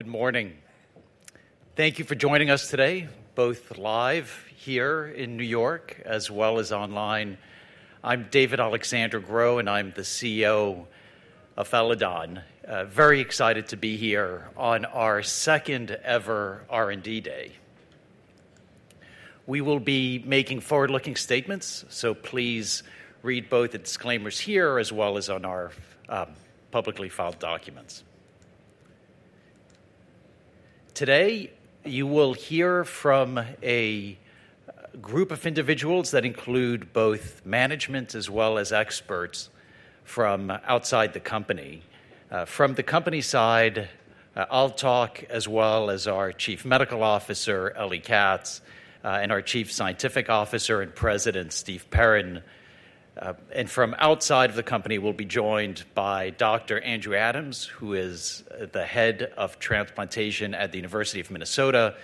Good morning. Thank you for joining us today, both live here in New York as well as online. I'm David-Alexandre Gros and I'm the CEO of Eledon Pharmaceuticals. Very excited to be here on our second ever R&D day. We will be making forward-looking statements, so please read both the disclaimers here as well as on our publicly filed documents. Today you will hear from a group of individuals that include both management as well as experts from outside the company. From the company side, I'll talk as well as our Chief Medical Officer, Dr. Eliezer Katz, and our Chief Scientific Officer and President, Dr. Steven Perrin. From outside of the company, we'll be joined by Dr. Andrew Adams, who is the head of transplantation at the University of Minnesota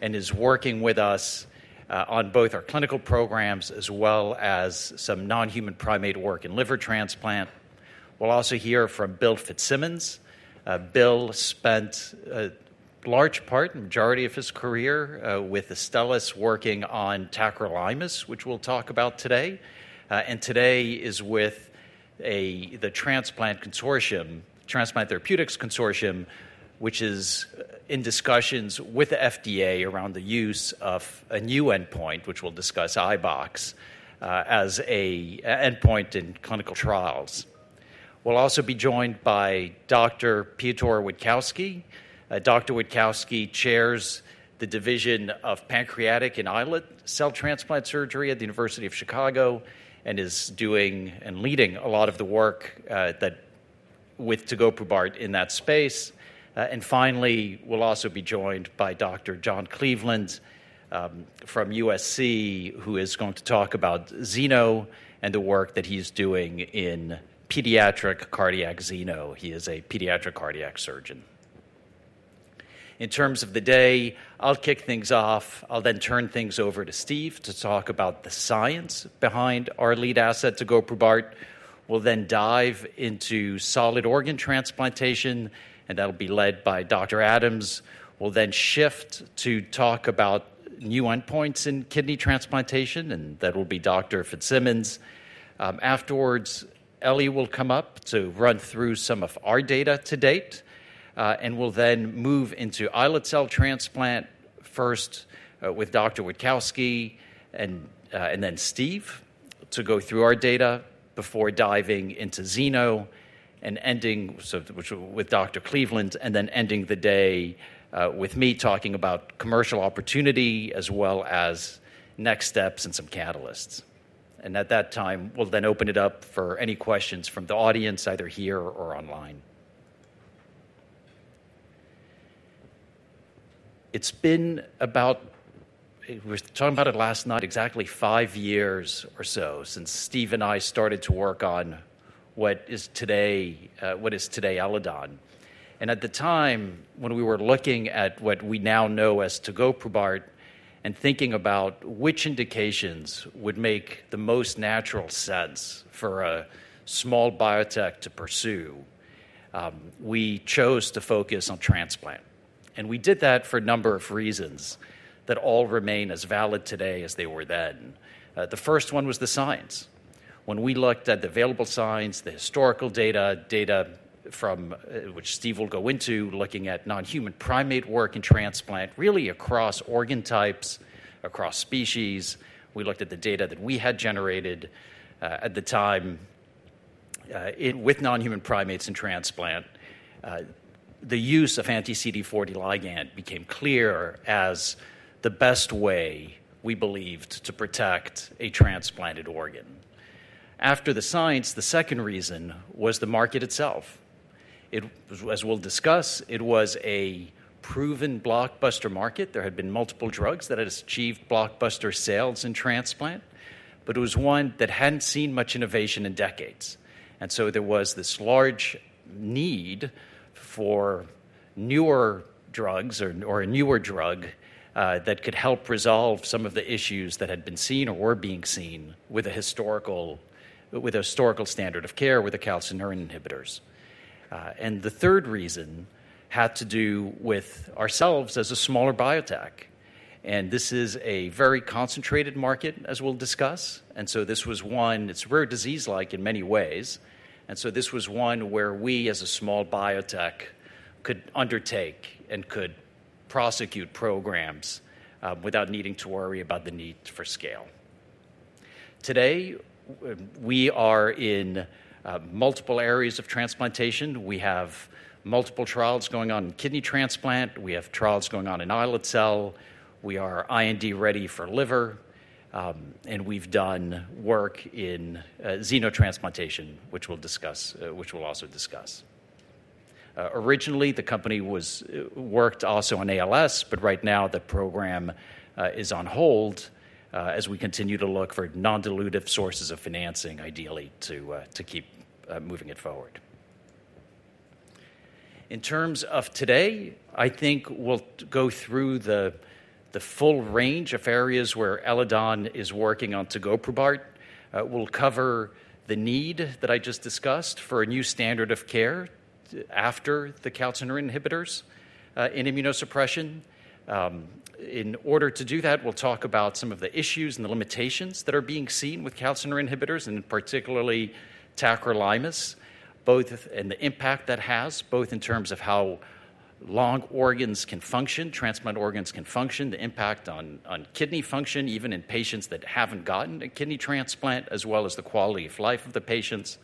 and is working with us on both our clinical programs as well as some non-human primate work in liver transplant. We'll also hear from Dr. Bill Fitzsimmons. Bill spent a large majority of his career with Astellas working on tacrolimus, which we'll talk about today. He is with the Transplant Therapeutics Consortium, which is in discussions with the FDA around the use of a new endpoint, which we'll discuss, iBox as an endpoint in clinical trials. We'll also be joined by Dr. Piotr Witkowski. Dr. Witkowski chairs the division of pancreatic and islet cell transplant surgery at the University of Chicago and is doing and leading a lot of the work with tegoprubart in that space. Finally, we'll also be joined by Dr. John Cleveland from USC, who is going to talk about xeno and the work that he's doing in pediatric cardiac xeno. He is a pediatric cardiac surgeon. In terms of the day, I'll kick things off. I'll then turn things over to Dr. Steve to talk about the science behind our lead asset, tegoprubart will then dive into solid organ transplantation, and that'll be led by Dr. Adams. We'll then shift to talk about new endpoints in kidney transplantation, and that will be Dr. Fitzsimmons. Afterwards, Eli will come up to run through some of our data to date, and we'll then move into islet cell transplant, first with Dr. Witkowski and then Steve to go through our data before diving into xeno and ending with Dr. Cleveland, and then ending the day with me talking about commercial opportunity as well as next steps and some catalysts At that time, we'll then open it up for any questions from the audience, either here or online. It's been about, we were talking about it last night, exactly five years or so since Steve and I started to work on what is today Eledon. At the time when we were looking at what we now know as tegoprubart and thinking about which indications would make the most natural sense for a small biotech to pursue, we chose to focus on transplant. We did that for a number of reasons that all remain as valid today as they were then. The first one was the science. When we looked at the available science, the historical data, data from which Steve will go into looking at non-human primate work in transplant, really across organ types, across species, we looked at the data that we had generated at the time with non-human primates in transplant, the use of anti-CD40 ligand became clear as the best way we believed to protect a transplanted organ. After the science, the second reason was the market itself. As we'll discuss, it was a proven blockbuster market. There had been multiple drugs that had achieved blockbuster sales in transplant, but it was one that hadn't seen much innovation in decades. There was this large need for newer drugs or a newer drug that could help resolve some of the issues that had been seen or were being seen with a historical standard of care with the calcineurin inhibitors. The third reason had to do with ourselves as a smaller biotech. This is a very concentrated market as we'll discuss. It's rare disease-like in many ways. This was one where we as a small biotech could undertake and could prosecute programs without needing to worry about the need for scale. Today we are in multiple areas of transplantation. We have multiple trials going on in kidney transplant, we have trials going on in islet cell. We are IND ready for liver and we've done work in xenotransplantation, which we'll also discuss. Originally the company worked also on ALS, but right now the program is on hold as we continue to look for non-dilutive sources of financing, ideally to keep moving it forward. In terms of today, I think we'll go through the full range of areas where Eledon is working on. Tegoprubart will cover the need that I just discussed for a new standard of care after the calcineurin inhibitors in immunosuppression. In order to do that, we'll talk about some of the issues and the limitations that are being seen with calcineurin inhibitors and particularly tacrolimus, both and the impact that has both in terms of how long organs can function, transplant organs can function. The impact on kidney function even in patients that haven't gotten a kidney transplant, as well as the quality of life of the patients.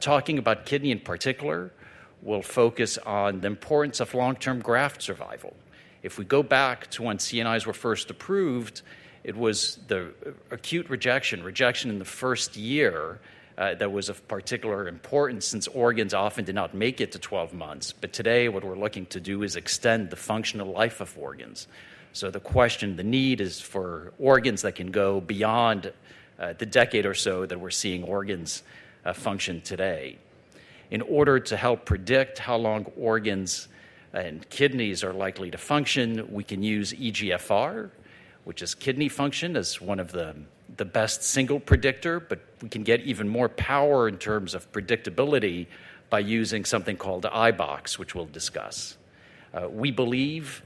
Talking about kidney in particular will focus on the importance of long term graft survival. If we go back to when CNIs were first approved, it was the acute rejection in the first year that was of particular importance since organs often did not make it to 12 months. Today what we're looking to do is extend the functional life of organs. The question, the need is for organs that can go beyond the decade or so that we're seeing organs function today. In order to help predict how long organs and kidneys are likely to function, we can use eGFR, which is kidney function, as one of the best single predictors. We can get even more power in terms of predictability by using something called iBox, which we'll discuss. We believe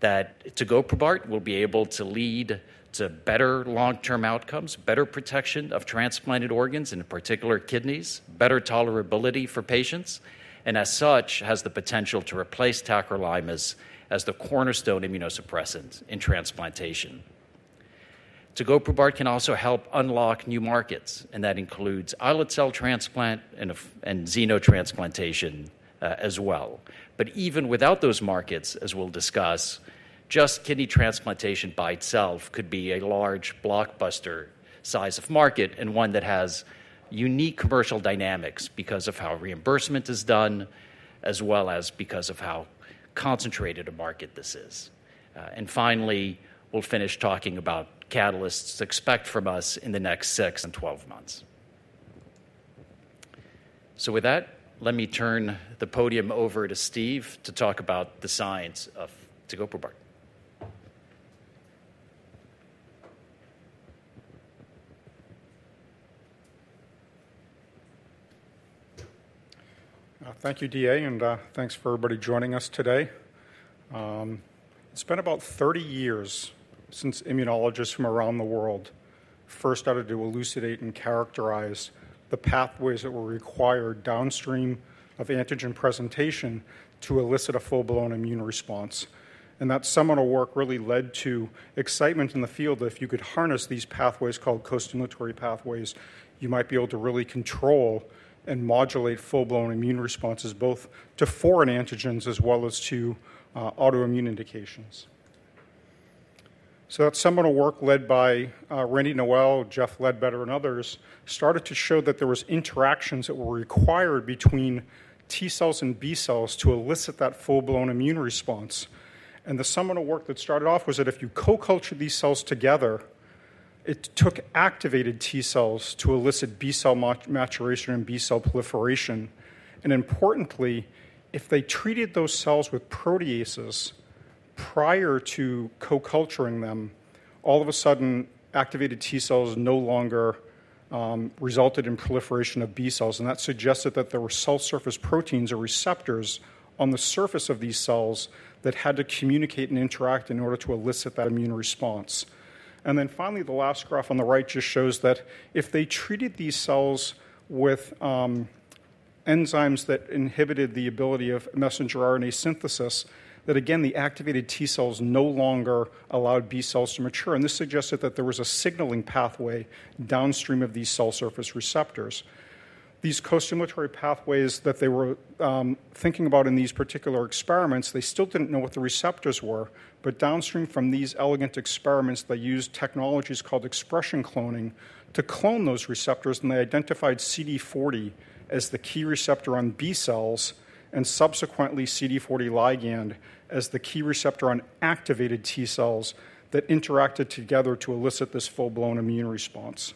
that tegoprubart will be able to lead to better long term outcomes, better protection of transplanted organs, in particular kidneys, better tolerability for patients, and as such has the potential to replace tacrolimus as the cornerstone immunosuppressant in transplantation. Tegoprubart can also help unlock new markets and that includes islet cell transplant and xenotransplantation as well. Even without those markets, as we'll discuss, just kidney transplantation by itself could be a large blockbuster size of market and one that has unique commercial dynamics because of how reimbursement is done as well as because of how concentrated a market this is. Finally, we'll finish talking about catalysts expect from us in the next six and 12 months. With that, let me turn the podium over to Steve to talk about the science of tegoprubart. Thank you, DA, and thanks for everybody joining us today. It's been about 30 years since immunologists from around the world first started to elucidate and characterize the pathways that were required downstream of antigen presentation to elicit a full-blown immune response. That seminal work really led to excitement in the field that if you could harness these pathways called costimulatory pathways, you might be able to really control and modulate full-blown immune responses both to foreign antigens as well as to autoimmune indications. That seminal work led by Randy Noel, Jeff Ledbetter, and others started to show that there were interactions that were required between T cells and B cells to elicit that full-blown immune response. The seminal work that started off was that if you co-cultured these cells together, it took activated T cells to elicit B cell maturation and B cell proliferation. Importantly, if they treated those cells with proteases prior to co-culturing them, all of a sudden, activated T cells no longer resulted in proliferation of B cells. That suggested that there were cell surface proteins or receptors on the surface of these cells that had to communicate and interact in order to elicit that immune response. Finally, the last graph on the right just shows that if they treated these cells with enzymes that inhibited the ability of messenger RNA synthesis, again, the activated T cells no longer allowed B cells to mature. This suggested that there was a signaling pathway downstream of these cell surface receptors, these costimulatory pathways that they were thinking about in these particular experiments. They still didn't know what the receptors were. Downstream from these elegant experiments, they used technologies called expression cloning to clone those receptors. They identified CD40 as the key receptor on B cells and subsequently CD40 ligand as the key receptor on activated T cells that interacted together to elicit this full-blown immune response.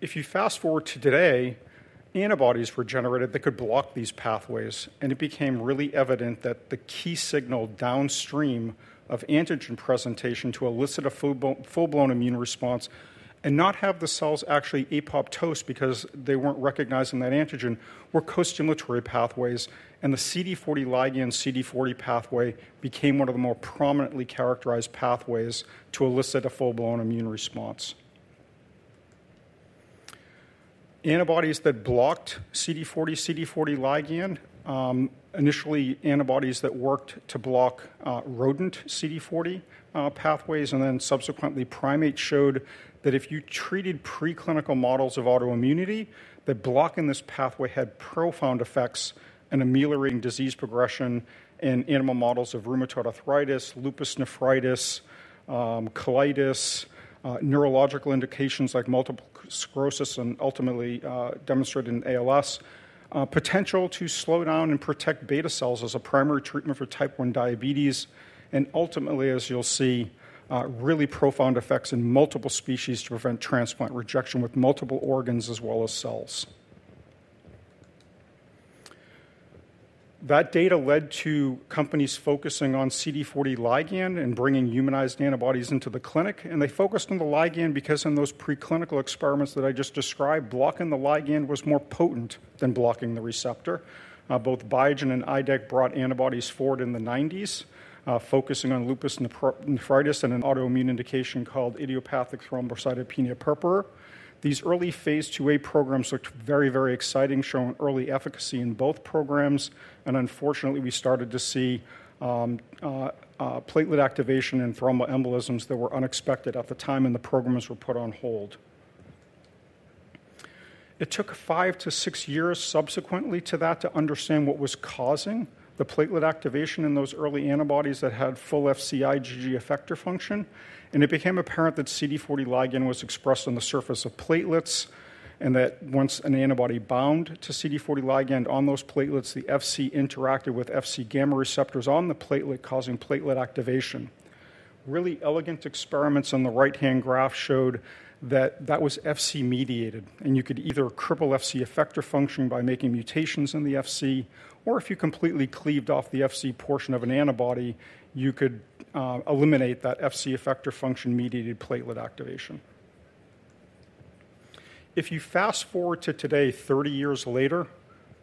If you fast forward to today, antibodies were generated that could block these pathways. It became really evident that the key signal downstream of antigen presentation to elicit a full-blown immune response and not have the cells actually apoptose because they weren't recognizing that antigen were costimulatory pathways. The CD40 ligand CD40 pathway became one of the more prominently characterized pathways to elicit a full-blown immune response. Antibodies that blocked CD40-CD40 ligand, initially antibodies that worked to block rodent CD40 pathways and then subsequently primate, showed that if you treated preclinical models of autoimmunity, blocking this pathway had profound effects in ameliorating disease progression in animal models of rheumatoid arthritis, lupus nephritis, colitis, neurological indications like multiple sclerosis, and ultimately demonstrated in ALS potential to slow down and protect beta cells as a primary treatment for type 1 diabetes. Ultimately, as you'll see, there are really profound effects in multiple species to prevent transplant rejection with multiple organs as well as cells. That data led to companies focusing on CD40 ligand and bringing humanized antibodies into the clinic. They focused on the ligand because in those preclinical experiments that I just described, blocking the ligand was more potent than blocking the receptor. Both Biogen and Idec brought antibodies forward in the 1990s, focusing on lupus nephritis and an autoimmune indication called idiopathic thrombocytopenia purpura. These early phase IIa programs looked very, very exciting, showing early efficacy in both programs. Unfortunately, we started to see platelet activation and thromboembolisms that were unexpected at the time and the programs were put on hold. It took five to six years subsequently to that to understand what was causing the platelet activation in those early antibodies that had full Fc IgG effector function. It became apparent that CD40 ligand was expressed on the surface of platelets and that once an antibody bound to CD40 ligand on those platelets, the Fc interacted with Fc-gamma receptors on the platelet causing platelet activation. Really elegant experiments on the right-hand graph showed that was Fc mediated. You could either cripple Fc effector function by making mutations in the Fc, or if you completely cleaved off the Fc portion of an antibody, you could eliminate that Fc effector function-mediated platelet activation. If you fast forward to today, 30 years later,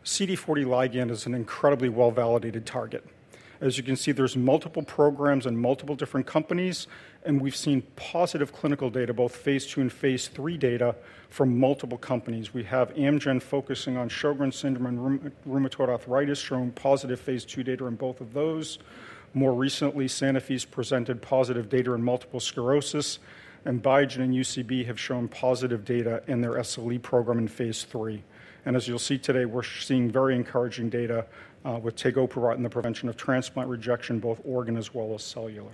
CD40 ligand is an incredibly well-validated target. As you can see, there are multiple programs in multiple different companies and we've seen positive clinical data, both phase II and phase III data from multiple companies. We have Amgen focusing on Sjogren's syndrome and rheumatoid arthritis showing positive phase II data in both of those. More recently, Sanofi has presented positive data in multiple sclerosis and Biogen and UCB have shown positive data in their SLE program in phase III. As you'll see today, we're seeing very encouraging data with tegoprubart in the prevention of transplant rejection, both organ as well as cellular.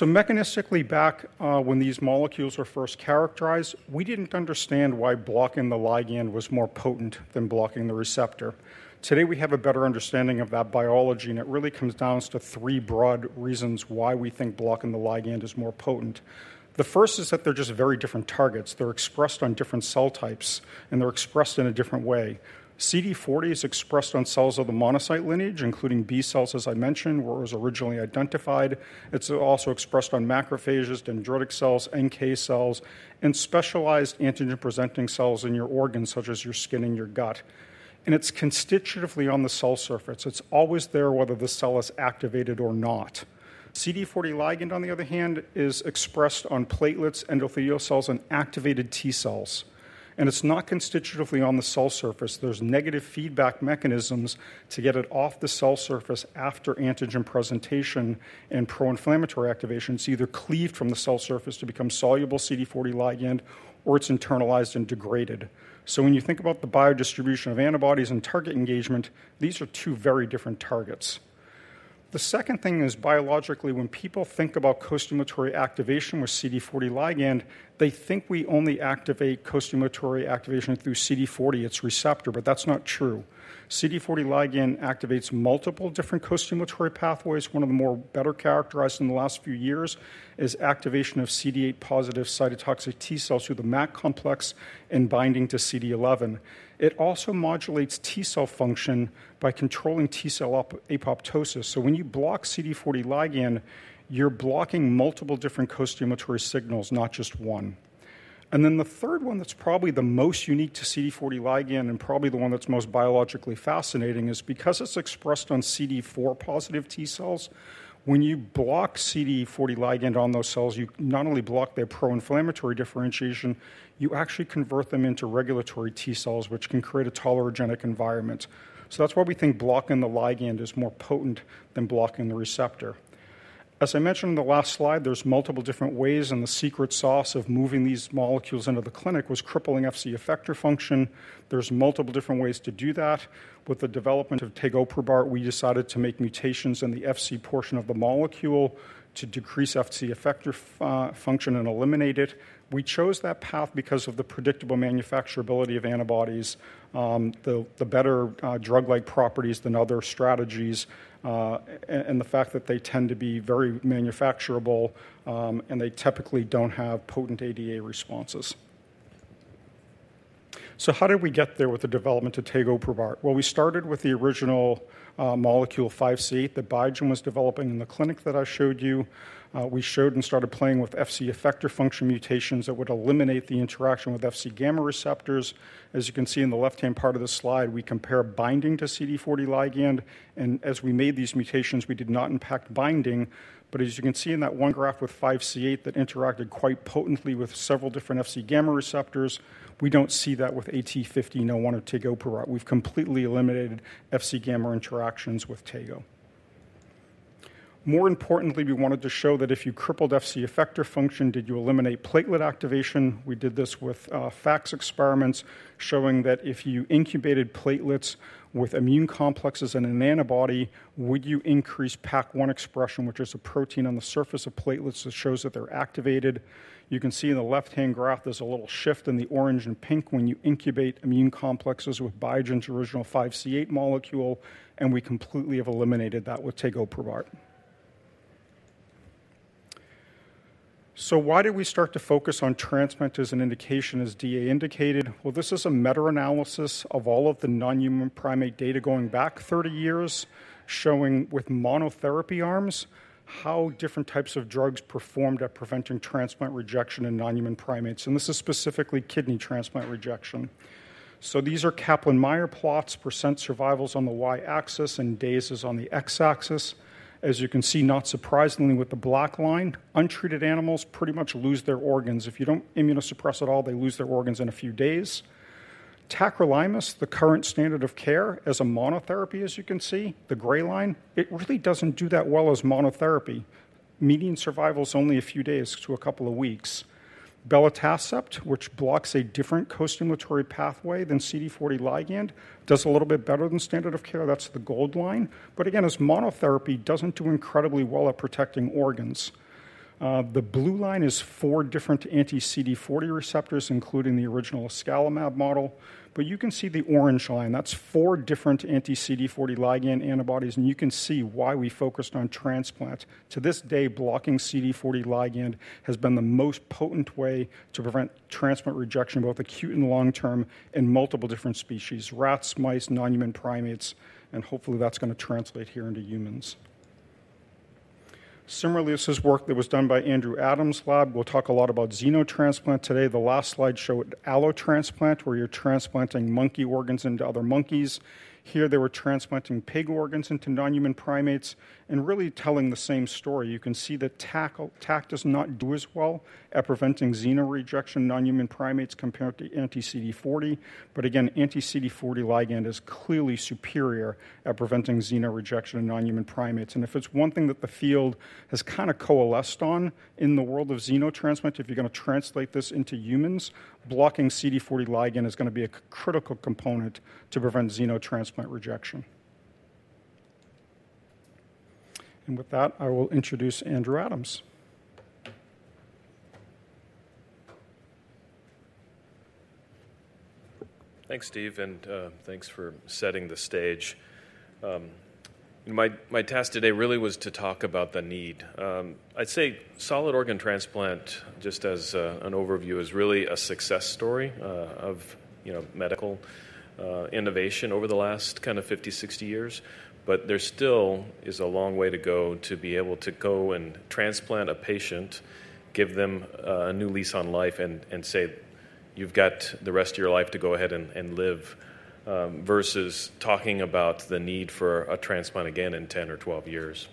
Mechanistically, back when these molecules were first characterized, we didn't understand why blocking the ligand was more potent than blocking the receptor. Today we have a better understanding of that biology and it really comes down to three broad reasons why we think blocking the ligand is more potent. The first is that they're just very different targets. They're expressed on different cell types and they're expressed in a different way. CD40 is expressed on cells of the monocyte lineage, including B cells, as I mentioned, where it was originally identified. It's also expressed on macrophages, dendritic cells, NK cells, and specialized antigen presenting cells in your organs, such as your skin and your gut, and it's constitutively on the cell surface. It's always there whether the cell is activated or not. CD40 ligand, on the other hand, is expressed on platelets, endothelial cells, and activated T cells, and it's not constitutively on the cell surface. There are negative feedback mechanisms to get it off the cell surface after antigen presentation and pro-inflammatory activation, it's either cleaved from the cell surface to become soluble CD40 ligand or it's internalized and degraded. When you think about the biodistribution of antibodies and target engagement, these are two very different targets. The second thing is biologically, when people think about costimulatory activation with CD40 ligand, they think we only activate costimulatory activation through CD40, its receptor. That's not true. CD40 ligand activates multiple different costimulatory pathways. One of the more better characterized in the last few years is activation of CD8 positive cytotoxic T cells through the Mac complex and binding to CD11. It also modulates T cell function by controlling T cell. When you block CD40 ligand, you're blocking multiple different costimulatory signals, not just one. The third one that's probably the most unique to CD40 ligand and probably the one that's most biologically fascinating is because it's expressed on CD4 positive T cells. When you block CD40 ligand on those cells, you not only block their pro-inflammatory differentiation, you actually convert them into regulatory T cells which can create a tolerogenic environment. That's why we think blocking the ligand is more potent than blocking the receptor. As I mentioned in the last slide, there are multiple different ways and the secret sauce of moving these molecules into the clinic was crippling Fc effector function. There are multiple different ways to do that. With the development of tegoprubart, we decided to make mutations in the Fc portion of the molecule to decrease Fc effector function and eliminate it. We chose that path because of the predictable manufacturability of antibodies, the better drug-like properties than other strategies, and the fact that they tend to be very manufacturable and they typically don't have potent ADA responses. How did we get there with the development of tegoprubart? We started with the original molecule, 5C8, that Biogen was developing in the clinic that I showed you. We showed and started playing with Fc effector function mutations that would eliminate the interaction with Fc gamma receptors. As you can see in the left-hand part of the slide, we compare by binding to CD40 ligand and as we made these mutations we did not impact binding. As you can see in that one graph with 5C8 that interacted quite potently with several different Fc gamma receptors, we don't see that with 1501 or tegoprubart. We've completely eliminated Fc gamma interactions with tego. More importantly, we wanted to show that if you crippled Fc effector function, did you eliminate platelet activation? We did this with FACS experiments showing that if you incubated platelets with immune complexes and an antibody, would you increase PAC1 expression, which is a protein on the surface of platelets that shows that they're activated. You can see in the left-hand graph there's a little shift in the orange and pink when you incubate immune complexes with Biogen's original 5C8 molecule. We completely have eliminated that with tegoprubart. Why did we start to focus on transplant as an indication, as DA indicated? This is a meta-analysis of all of the non-human primate data going back 30 years showing with monotherapy arms how different types of drugs performed at preventing transplant rejection in non-human primates. This is specifically kidney transplant rejection. These are Kaplan-Meier plots. These are Kaplan-Meier plots. % survival is on the y-axis and days is on the x-axis. As you can see, not surprisingly with the black line, untreated animals pretty much lose their organs. If you do not immunosuppress at all, they lose their organs in a few days. Tacrolimus, the current standard of care as a monotherapy, as you can see the gray line, it really does not do that well as monotherapy. Median survival is only a few days to a couple of weeks. Belatacept, which blocks a different costimulatory pathway than CD40 ligand, does a little bit better than standard of care. That is the gold line. Again, as monotherapy, it does not do incredibly well at protecting organs. The blue line is four different anti-CD40 receptors including the original ascalumab model. You can see the orange line, that is four different anti-CD40 ligand antibodies. You can see why we focused on transplant. To this day, blocking CD40 ligand has been the most potent way to prevent transplant rejection both acute and long term in multiple different species: rats, mice, non-human primates, and hopefully that is going to translate here into humans. Similarly, this is work that was done by Dr. Andrew Adams' lab. We will talk a lot about xenotransplant today. The last slide showed allotransplant where you are transplanting monkey organs into other monkeys. Here they were transplanting pig organs into non-human primates and really telling the same story. You can see that tac does not do as well at preventing xenorejection in non-human primates compared to anti-CD40. Again, anti-CD40 ligand is clearly superior at preventing xenorejection in non-human primates. If there is one thing that the field has kind of coalesced on in the world of xenotransplant, if you are going to translate this into humans, blocking CD40 ligand is going to be a critical component to prevent xenotransplant rejection. With that, I will introduce Dr. Andrew Adams. Thanks, Steve. Thanks for setting the stage. My task today really was to talk about the need. I'd say solid organ transplant, just as an overview, is really a success story of medical innovation over the last 50, 60 years. There still is a long way to go to be able to go and transplant a patient, give them a new lease on life, and say, you've got the rest of your life to go ahead and live, versus talking about the need for a transplant again in 10 or 12 years.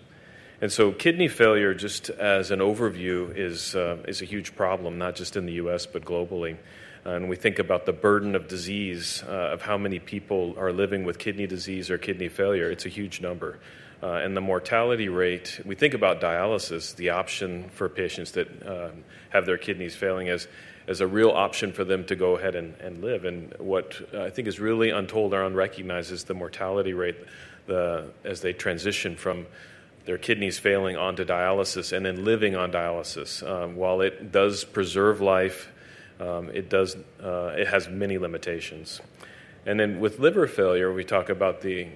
Kidney failure, just as an overview, is a huge problem, not just in the U.S. but globally. We think about the burden of disease of how many people are living with kidney disease or kidney failure, it's a huge number. The mortality rate, we think about dialysis, the option for patients that have their kidneys failing, as a real option for them to go ahead and live. What I think is really untold or unrecognized is the mortality rate as they transition from their kidneys failing onto dialysis and then living on dialysis. While it does preserve life, it has many limitations. With liver failure, we talk about the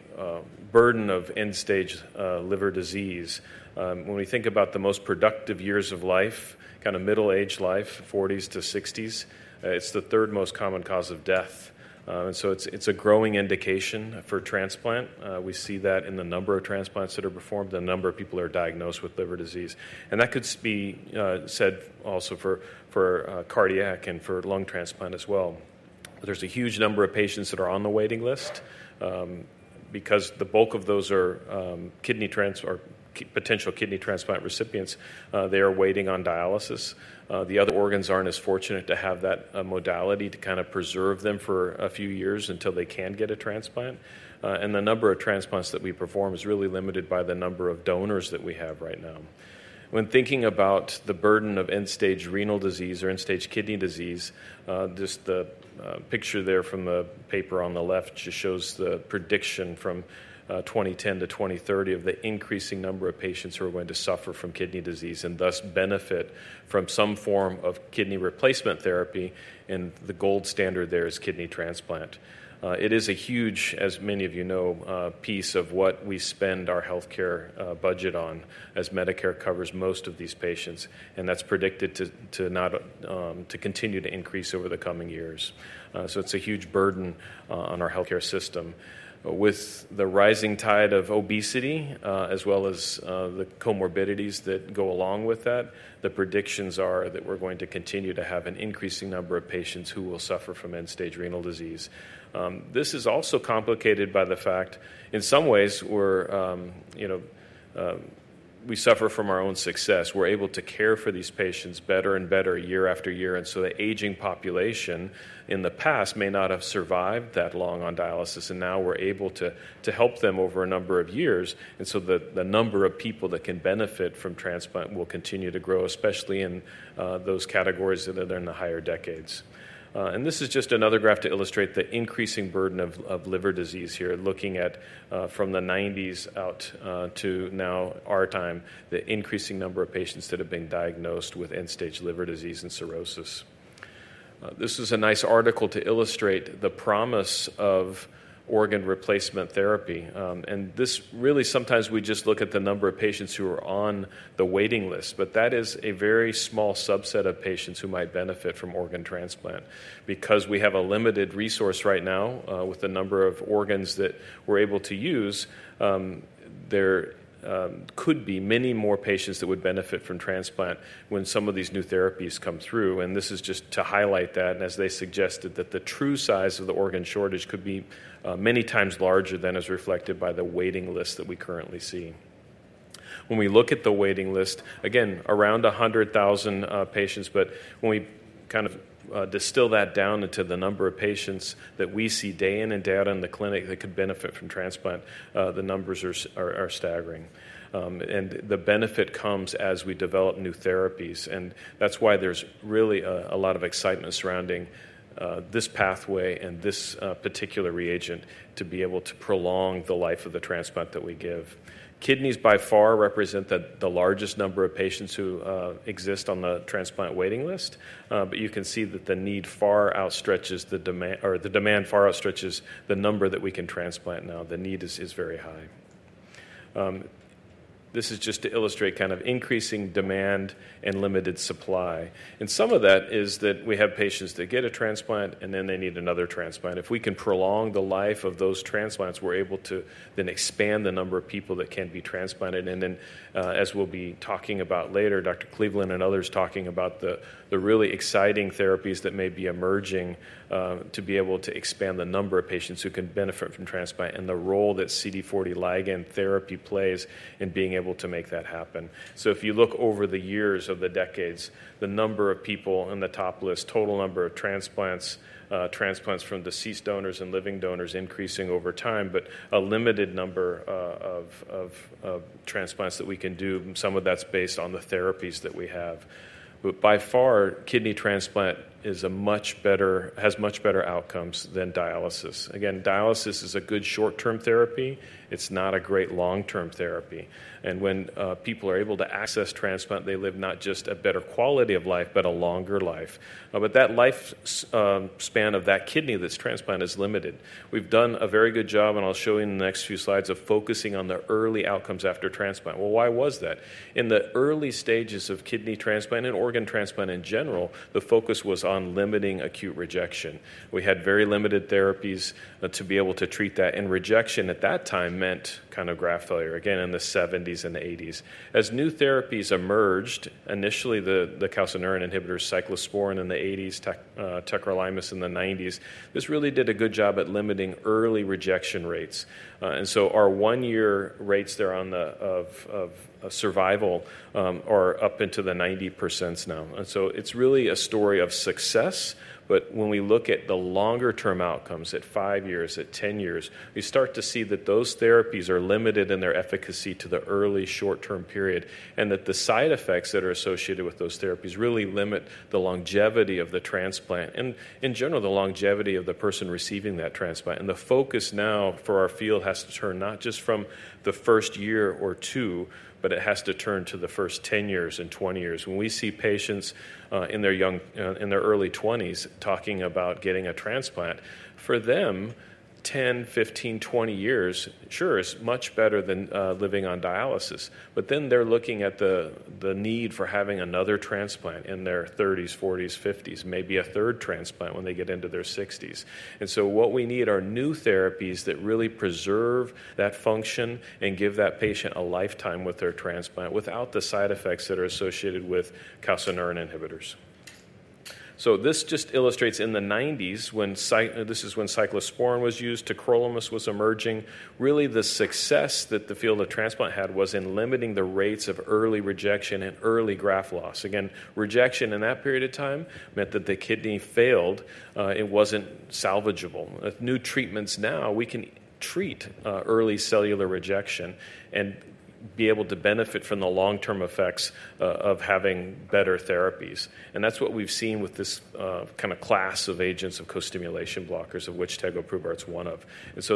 burden of end stage liver disease. When we think about the most productive years of life, kind of middle aged life, 40s-60s, it's the third most common cause of death. It's a growing indication for transplant. We see that in the number of transplants that are performed, the number of people that are diagnosed with liver disease, and that could be said also for cardiac and for lung transplant as well. There's a huge number of patients that are on the waiting list because the bulk of those are potential kidney transplant recipients. They are waiting on dialysis. The other organs aren't as fortunate to have that modality to preserve them for a few years until they can get a transplant. The number of transplants that we perform is really limited by the number of donors that we have right now. When thinking about the burden of end stage renal disease or end stage kidney disease, just the picture there from the paper on the left shows the prediction from 2010 to 2030 of the increasing number of patients who are going to suffer from kidney disease and thus benefit from some form of kidney replacement therapy. The gold standard there is kidney transplant. It is a huge, as many of you know, piece of what we spend our healthcare budget on as Medicare covers most of these patients. That's predicted to continue to increase over the coming years. It's a huge burden on our healthcare system. With the rising tide of obesity as well as the comorbidities that go along with that, the predictions are that we're going to continue to have an increasing number of patients who will suffer from end stage renal disease. This is also complicated by the fact in some ways we suffer from our own success. We're able to care for these patients better and better year after year. The aging population in the past may not have survived that long on dialysis, and now we're able to help them over a number of years. The number of people that can benefit from transplant will continue to grow, especially in those categories that are in the higher decades. This is just another graph to illustrate the increasing burden of liver disease here. Looking from the 1990s out to now, our time, the increasing number of patients that have been diagnosed with end stage liver disease and cirrhosis. This is a nice article to illustrate the promise of organ replacement therapy. Sometimes we just look at the number of patients who are on the waiting list, but that is a very small subset of patients who might benefit from organ transplant. Because we have a limited resource right now with the number of organs that we're able to use, there could be many more patients that would benefit from transplant when some of these new therapies come through. This is just to highlight that. As they suggested, the true size of the organ shortage could be many times larger than is reflected by the waiting list that we currently see. When we look at the waiting list again, around 100,000 patients. When we kind of distill that down into the number of patients that we see day in and day out in the clinic that could benefit from transplant, the numbers are staggering. The benefit comes as we develop new therapies. That's why there's really a lot of excitement surrounding this pathway and this particular reagent to be able to prolong the life of the transplant that we give. Kidneys by far represent the largest number of patients who exist on the transplant waiting list. You can see that the need far outstretches the demand or the demand far outstretches the number that we can transplant. The need is very high. This is just to illustrate kind of increasing demand and limited supply. Some of that is that we have patients that get a transplant and then they need another transplant. If we can prolong the life of those transplants, we're able to then expand the number of people that can be transplanted. As we'll be talking about later, Dr. Cleveland and others will be talking about the really exciting therapies that may be emerging to be able to expand the number of patients who can benefit from transplant and the role that CD40 ligand therapy plays in being able to make that happen. If you look over the years, over the decades, the number of people on the top list, total number of transplants, transplants from deceased donors and living donors are increasing over time. A limited number of transplants that we can do is based on the therapies that we have. By far, kidney transplant has much better outcomes than dialysis. Dialysis is a good short-term therapy. It's not a great long-term therapy. When people are able to transplant, they live not just a better quality of life, but a longer life. That lifespan of that kidney that's transplanted is limited. We've done a very good job, and I'll show you in the next few slides, of focusing on the early outcomes after transplant. Why was that? In the early stages of kidney transplant and organ transplant in general, the focus was on limiting acute rejection. We had very limited therapies to be able to treat that, and rejection at that time meant graft failure. In the 1970s and the 1980s, as new therapies emerged, initially the calcineurin inhibitors, cyclosporine in the 1980s, tacrolimus in the 1990s, this really did a good job at limiting early rejection rates. Our one-year rates there of survival are up into the 90% now. It's really a story of success. When we look at the longer-term outcomes at five years, at 10 years, we start to see that those therapies are limited in their efficacy to the early short-term period, and that the side effects that are associated with those therapies really limit the longevity of the transplant and in general the longevity of the person receiving that transplant. The focus now for our field has to turn not just from the first year or two, but it has to turn to the first 10 years and 20 years. When we see patients in their early 20s talking about getting a transplant, for them, 10, 15, 20 years sure is much better than living on dialysis. They're looking at the need for having another transplant in their 30s, 40s, 50s, maybe a third transplant when they get into their 60s. What we need are new therapies that really preserve that function and give that patient a lifetime with their transplant without the side effects that are associated with calcineurin inhibitors. This just illustrates in the 1990s when cyclosporine was used, tacrolimus was emerging. The success that the field of transplant had was in limiting the rates of early rejection and early graft loss. Rejection in that period of time meant that the kidney failed, it wasn't salvageable. New treatments now can treat early cellular rejection and be able to benefit from the long-term effects of having better therapies. That's what we've seen with this kind of class of agents of co-stimulation blockers, of which tegoprubart is one.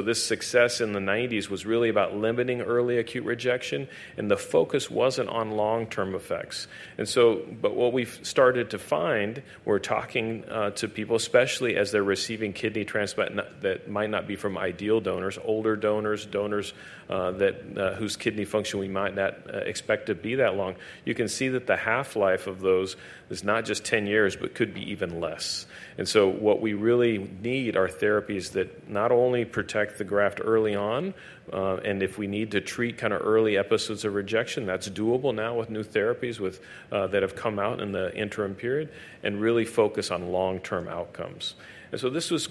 This success in the 1990s was really about limiting early acute rejection. The focus wasn't on long-term effects. What we've started to find, talking to people especially as they're receiving kidney transplant that might not be from ideal donors, older donors, donors whose kidney function we might not expect to be that long, is that the half-life of those is not just 10 years, but could be even less. What we really need are therapies that not only protect the graft early on, and if we need to treat early episodes of rejection, that's doable now with new therapies that have come out in the interim period and really focus on long-term outcomes. This was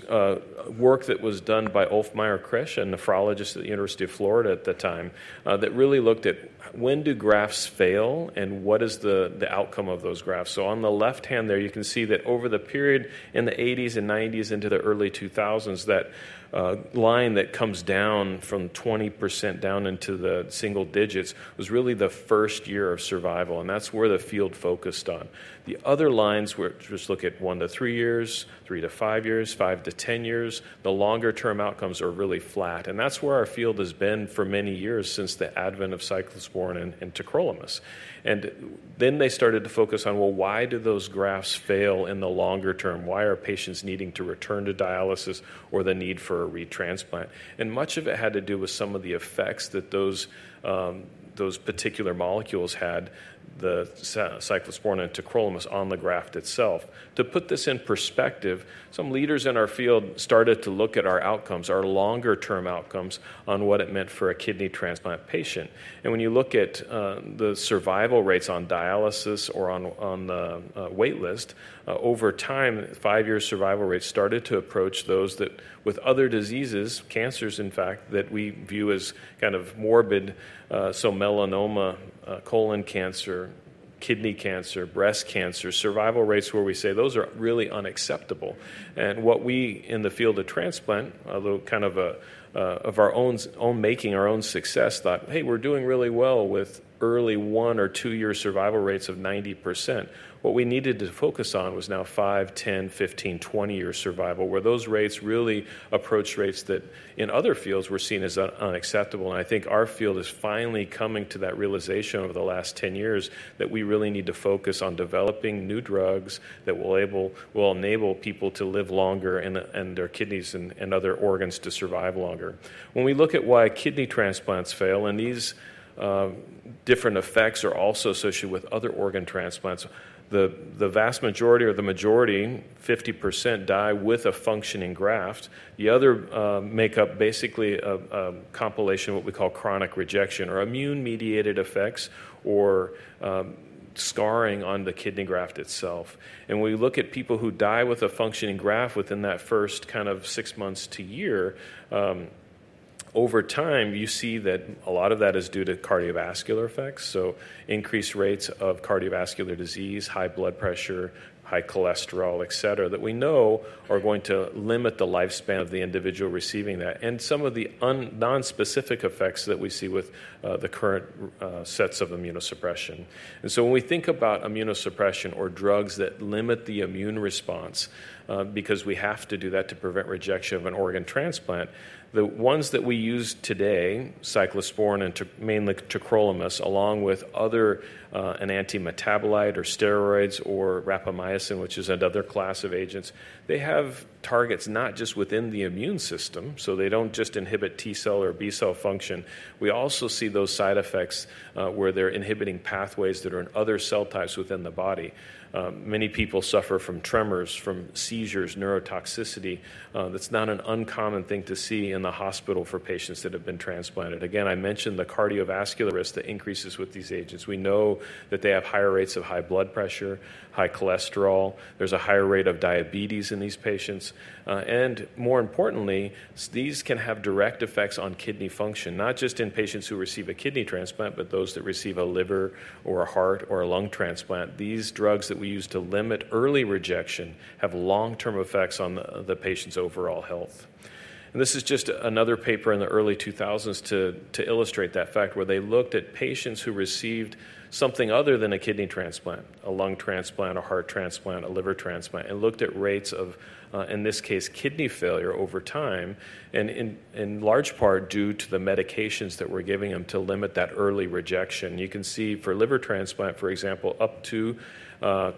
work that was done by Ulf Meier Kriesche, a nephrologist at the University of Florida at the time, that really looked at when grafts fail and what is the outcome of those grafts. On the left hand there you can see that over the period in the 1980s and 1990s into the early 2000s, that line that comes down from 20% down into the single digits was really the first year of survival. That's where the field focus is done. The other lines just look at one to three years, three to five years, 5-10 years. The longer-term outcomes are really flat. That's where our field has been for many years since the advent of cyclosporine and tacrolimus, and then they started to focus on why those grafts fail in the longer term. Why are patients needing to return to dialysis or the need for a retransplant? Much of it had to do with some of the effects that those particular molecules had, the cyclosporine and tacrolimus on the graft itself. To put this in perspective, some leaders in our field started to look at our outcomes, our longer term outcomes, on what it meant for a kidney transplant patient. When you look at the survival rates on dialysis or on the wait list, over time, five year survival rates started to approach those with other diseases, cancers in fact, that we view as kind of morbid. Melanoma, colon cancer, kidney cancer, breast cancer, survival rates where we say those are really unacceptable. In the field of transplant, although kind of our own making our own success, we thought hey, we're doing really well with early one or two year survival rates of 90%. What we needed to focus on was now 5, 10, 15, 20 year survival, where those rates really approach rates that in other fields were seen as unacceptable. I think our field is finally coming to that realization over the last 10 years that we really need to focus on developing new drugs that will enable people to live longer and their kidneys and other organs to survive longer. When we look at why kidney transplants fail and these different effects are also associated with other organ transplants, the majority, 50%, die with a functioning graft. The others make up basically a compilation of what we call chronic rejection or immune mediated effects or scarring on the kidney graft itself. When we look at people who die with a functioning graft within that first six months to year, over time you see that a lot of that is due to cardiovascular effects. Increased rates of cardiovascular disease, high blood pressure, high cholesterol, et cetera, that we know are going to limit the lifespan of the individual receiving that. Some of the non specific effects that we see with the current sets of immunosuppression. When we think about immunosuppression or drugs that limit the immune response because we have to do that to prevent rejection of an organ transplant, the ones that we use today, cyclosporine and mainly tacrolimus, along with another antimetabolite or steroids or rapamycin, which is another class of agents, they have targets not just within the immune system. They don't just inhibit T cell or B cell function. We also see those side effects where they're inhibiting pathways that are in other cell types within the body. Many people suffer from tremors, from seizures, neurotoxicity. That's not an uncommon thing to see in the hospital for patients that have been transplanted. I mentioned the cardiovascular risk that increases with these agents. We know that they have higher rates of high blood pressure, high cholesterol, there's a higher rate of diabetes in these patients. More importantly, these can have direct effects on kidney function, not just in patients who receive a kidney transplant, but those that receive a liver or a heart or a lung transplant. These drugs that we use to limit early rejection have long term effects on the patient's overall health. This is just another paper in the early 2000s to illustrate that fact where they looked at patients who received something other than a kidney transplant, a lung transplant, a heart transplant, a liver transplant, and looked at rates of, in this case, kidney failure over time and in large part due to the medications that we're giving them to limit that early rejection. You can see for liver transplant, for example, up to 20%,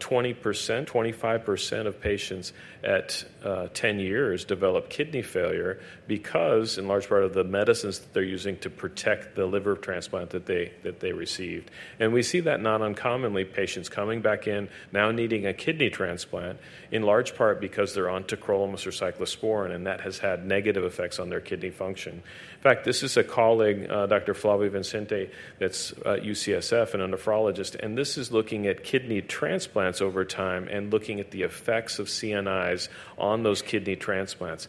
25% of patients at 10 years develop kidney failure because in large part of the medicines that they're using to protect the liver transplant that they received. We see that not uncommonly, patients coming back in now needing a kidney transplant in large part because they're on tacrolimus or cyclosporine, and that has had negative effects on their kidney function. In fact, this is a colleague, Dr. Flavio Vincenti, that's at UCSF and a nephrologist. This is looking at kidney transplants over time and looking at the effects of CNIs on those kidney transplants.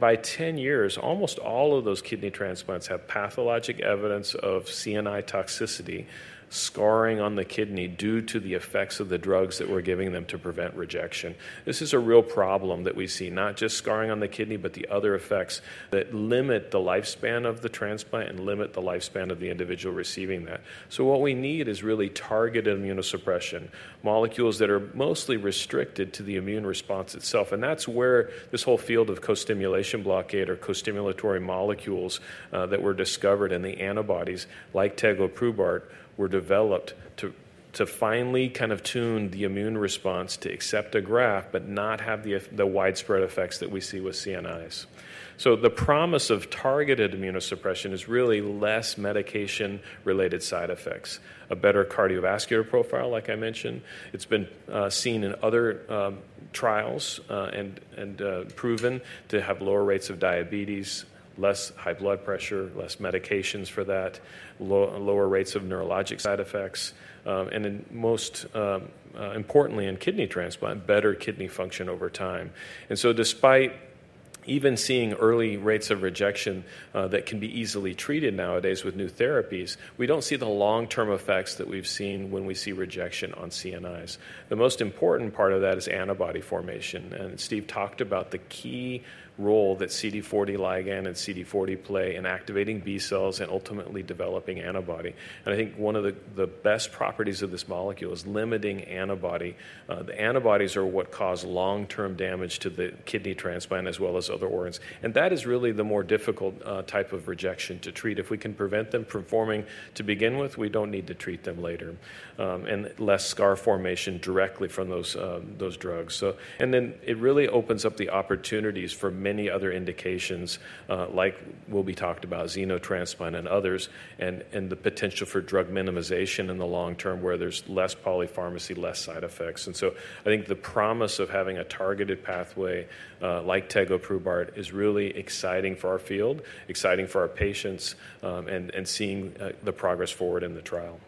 By 10 years, almost all of those kidney transplants have pathologic evidence of CNI toxicity, scarring on the kidney due to the effects of the drugs that we're giving them to prevent rejection. This is a real problem that we see, not just scarring on the kidney, but the other effects that limit the lifespan of the transplant and limit the lifespan of the individual receiving that. What we need is really targeted immunosuppression molecules that are mostly restricted to the immune response itself. That's where this whole field of co-stimulation, blockade or co-stimulatory molecules that were discovered in the antibodies like tegoprubart were developed to finely kind of tune the immune response to accept a graft, but not have the widespread effects that we see with CNIs. The promise of targeted immunosuppression is really less medication-related side effects, a better cardiovascular profile, like I mentioned, it's been seen in other trials and proven to have lower rates of diabetes, less high blood pressure, less medications for that, lower rates of neurologic side effects. Most importantly in kidney transplant, better kidney function over time. Despite even seeing early rates of rejection that can be easily treated nowadays with new therapies, we don't see the long-term effects that we've seen when we see rejection on CNIs. The most important part of that is antibody formation. Steve talked about the key role that CD40 ligand and CD40 play in activating B cells and ultimately developing antibody. I think one of the best properties of this molecule is limiting antibody. The antibodies are what cause long-term damage to the kidney transplant as well as other organs. That really is the more difficult type of rejection to treat. If we can prevent them from forming to begin with, we don't need to treat them later. Less scar formation directly from those drugs. It really opens up the opportunities for many other indications like will be talked about xenotransplant and others and the potential for drug minimization in the long term where there's less polypharmacy, less side effects. I think the promise of having a targeted pathway like tegoprubart is really exciting for our field, exciting for our patients and seeing the progress forward in the trial.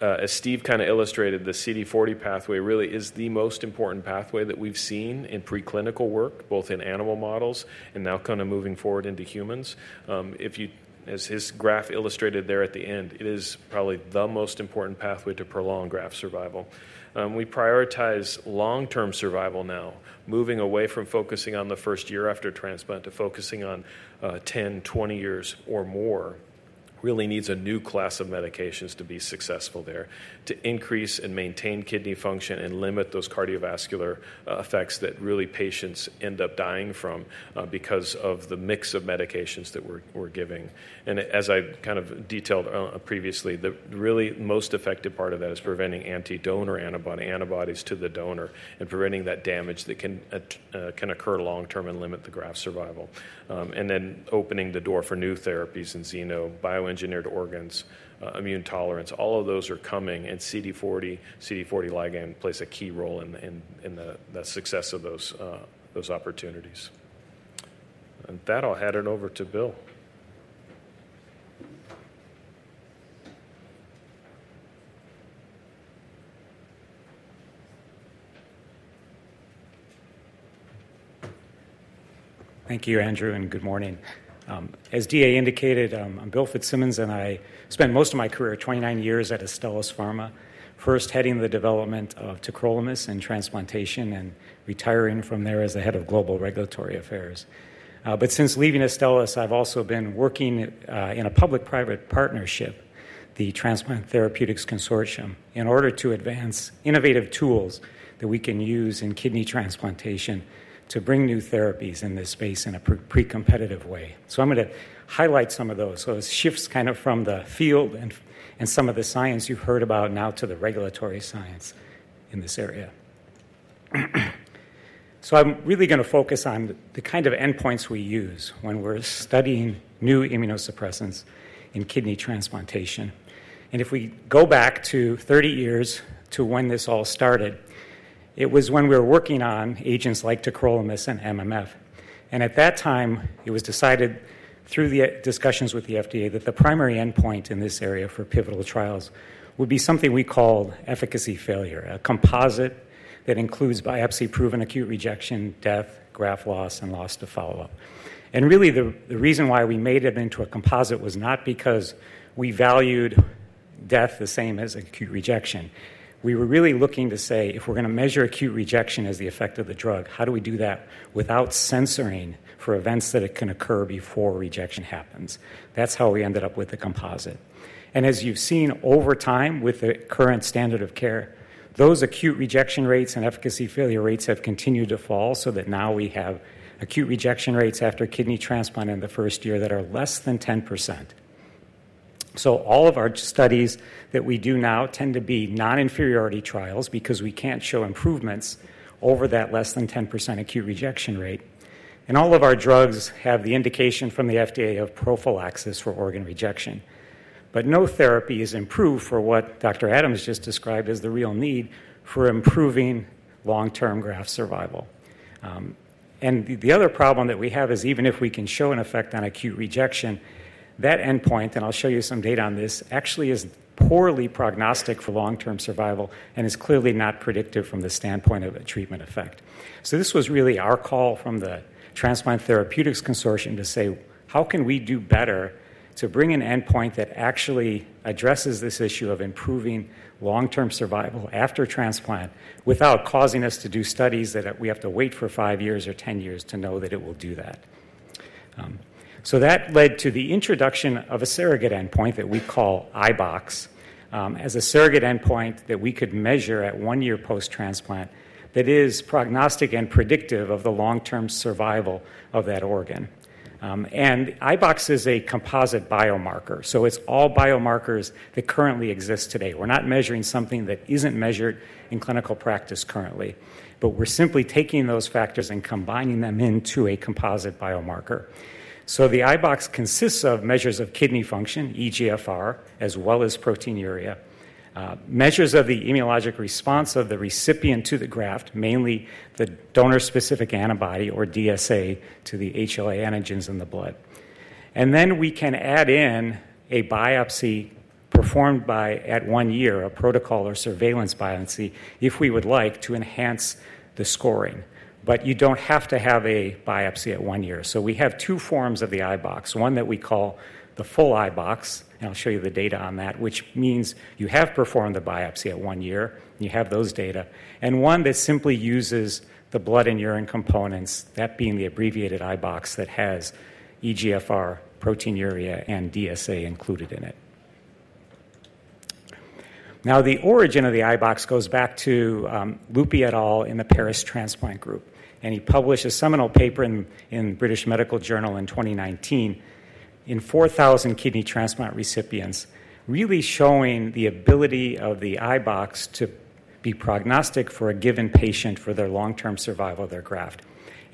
As Steve kind of illustrated, the CD40 pathway really is the most important pathway that we've seen in preclinical work, both in animal models and now kind of moving forward into humans. As his graph illustrated there at the end, it is probably the most important pathway to prolonged graft survival. We prioritize long-term survival now. Moving away from focusing on the first year after transplant to focusing on 10, 20 years or more really needs a new class of medications to be successful there to increase and maintain kidney function and limit those cardiovascular effects that really patients end up dying from because of the mix of medications that we're giving. As I kind of detailed previously, the really most effective part of that is preventing anti donor antibodies to the donor and preventing that damage that can occur long term and limit the graft survival and then opening the door for new therapies in xenobioengineered organs, immune tolerance, all of those are coming and CD40, CD40 ligand plays a key role in the success of those opportunities. That I'll hand it over to Bill. Thank you, Andrew. Good morning. As DA indicated, I'm Bill Fitzsimmons, and I spent most of my career, 29 years at Astellas, first heading the development of tacrolimus in transplantation and retiring from there as the Head of Global Regulatory Affairs. Since leaving Astellas, I've also been working in a public-private partnership, the Transplant Therapeutics Consortium, in order to advance innovative tools that we can use in kidney transplantation to bring new therapies in this space in a pre-competitive way. I'm going to highlight some. It shifts from the field and some of the science you've heard about now to the regulatory science in this area. I'm really going to focus on the kind of endpoints we use when we're studying new immunosuppressants in kidney transplantation. If we go back 30 years to when this all started, it was when we were working on agents like tacrolimus and MMF. At that time, it was decided through the discussions with the FDA that the primary endpoint in this area for pivotal trials would be something we called efficacy failure, a composite that includes biopsy-proven acute rejection, death, graft loss, and loss to follow-up. The reason why we made it into a composite was not because we valued death the same as acute rejection. We were really looking to say, if we're going to measure acute rejection as the effect of the drug, how do we do that without censoring for events that could occur before rejection happens? That's how we ended up with the composite. As you've seen over time with the current standard of care, those acute rejection rates and efficacy failure rates have continued to fall. Now we have acute rejection rates after kidney transplant in the first year that are less than 10%. All of our studies that we do now tend to be non-inferiority trials because we can't show improvements over that less than 10% acute rejection rate. All of our drugs have the indication from the FDA of prophylaxis for organ rejection. No therapy is approved for what Dr. Adams just described as the real need for improving long-term graft survival. The other problem that we have is even if we can show an effect on acute rejection, that endpoint, and I'll show you some data on this, actually is poorly prognostic for long-term survival and is clearly not predictive from the standpoint of a treatment effect. This was really our call from the Transplant Therapeutics Consortium to say, how can we do better to bring an endpoint that actually addresses this issue of improving long-term survival after transplant without causing us to do studies that we have to wait for 5 years or 10 years to know that it will do that. That led to the introduction of a surrogate endpoint that we call iBox as a surrogate endpoint that we could measure at one year post-transplant that is prognostic and predictive of the long-term survival of that organ. iBox is a composite biomarker, so it's all biomarkers that currently exist today. We're not measuring something that isn't measured in clinical practice currently, but we're simply taking those factors and combining them into a composite biomarker. The iBox consists of measures of kidney function, eGFR as well as proteinuria, measures of the immunologic response of the recipient to the graft, mainly the donor specific antibody or DSA to the HLA antigens in the blood. We can add in a biopsy performed at one year, a protocol or surveillance biopsy if we would like to enhance the scoring. You don't have to have a biopsy at one year. We have two forms of the iBox, one that we call the full iBox, and I'll show you the data on that, which means you have performed the biopsy at one year, you have those data, and one that simply uses the blood and urine components, that being the abbreviated iBox that has eGFR, proteinuria, and DSA included in it. The origin of the iBox goes back to Lupi et al in the Paris transplant group. He published a seminal paper in British Medical Journal in 2019, in 4,000 kidney transplant recipients really showing the ability of the iBox to be prognostic for a given patient for their long-term survival of their graft.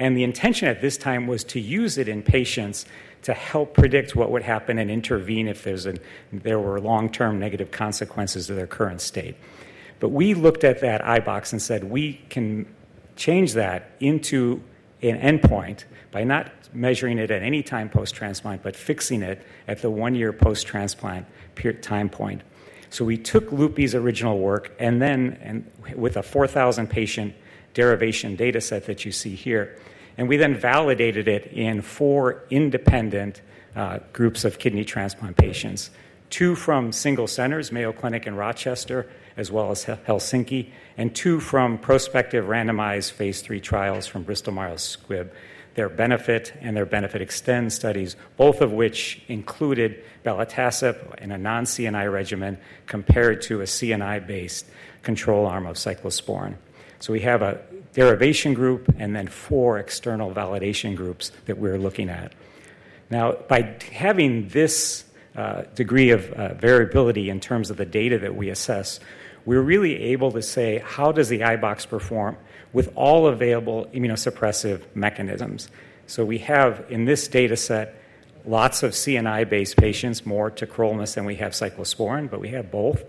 The intention at this time was to use it in patients to help predict what would happen and intervene if there were long-term negative consequences of their current state. We looked at that iBox and said we can change that into an endpoint by not measuring it at any time post-transplant, but fixing it at the one year post-transplant time point. We took Lupi's original work and then with a 4,000 patient derivation data set that you see here. We then validated it in four independent groups of kidney transplant patients, two from single centers, Mayo Clinic and Rochester, as well as Helsinki, and two from prospective randomized phase III trials from Bristol Myers Squibb, their BENEFIT and their BENEFIT-EXTEND studies, both of which included belatacept in a non-CNI regimen compared to a CNI-based control arm of cyclosporine. We have a derivation group and then four external validation groups that we're looking at. By having this degree of variability in terms of the data that we assess, we're really able to say how does the iBox perform with all available immunosuppressive mechanisms. In this data set, we have lots of CNI-based patients, more tacrolimus than we have cyclosporine, but we have both.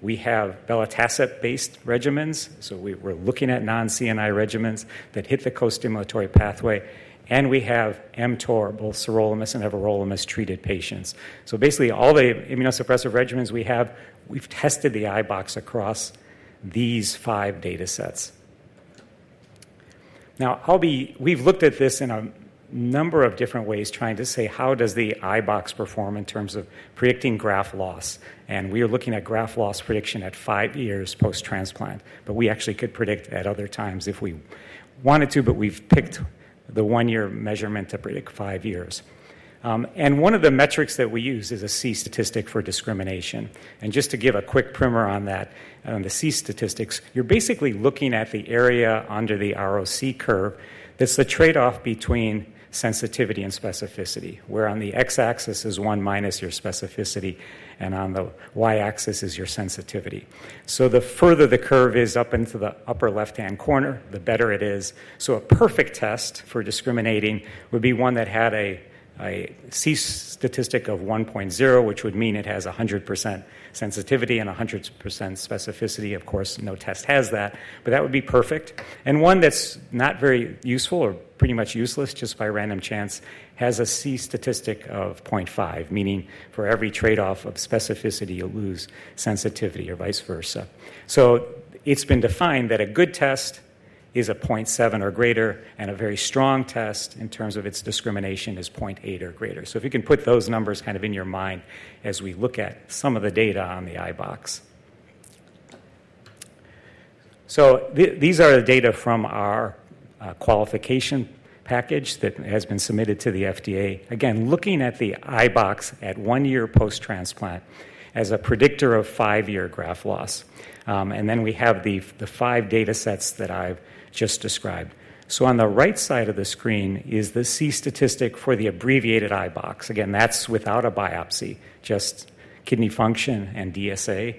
We have belatacept-based regimens, so we're looking at non-CNI regimens that hit the co-stimulatory pathway, and we have mTOR, both sirolimus and everolimus-treated patients. Basically, all the immunosuppressive regimens we have, we've tested the iBox across these five data sets. We've looked at this in a number of different ways trying to say how does the iBox perform in terms of predicting graft loss. We are looking at graft loss prediction at five years post-transplant. We actually could predict at other times if we wanted to, but we've picked the one-year measurement to predict five years. One of the metrics that we use is a C-statistic for discrimination. Just to give a quick primer on that, on the C-statistics, you're basically looking at the area under the ROC curve. That's the trade-off between sensitivity and specificity, where on the x-axis is 1 minus your specificity and on the y-axis is your sensitivity. The further the curve is up into the upper left-hand corner, the better it is. A perfect test for discriminating would be one that had a C-statistic of 1.0, which would mean it has 100% sensitivity and 100% specificity. Of course, no test has that, but that would be perfect. One that's not very useful or pretty much useless just by random chance has a C-statistic of 0.5, meaning for every trade-off of specificity you'll lose sensitivity or vice versa. It's been defined that a good test is a 0.7 or greater and a very strong test in terms of its discrimination is 0.8 or greater. If you can put those numbers kind of in your mind as we look at some of the data on the iBox. These are the data from our qualification package that has been submitted to the FDA. Again, looking at the iBox at one year post transplant as a predictor of five year graft loss. We have the five data sets that I've just described. On the right side of the screen is the C-statistic for the abbreviated iBox. That's without a biopsy, just kidney function and DSA.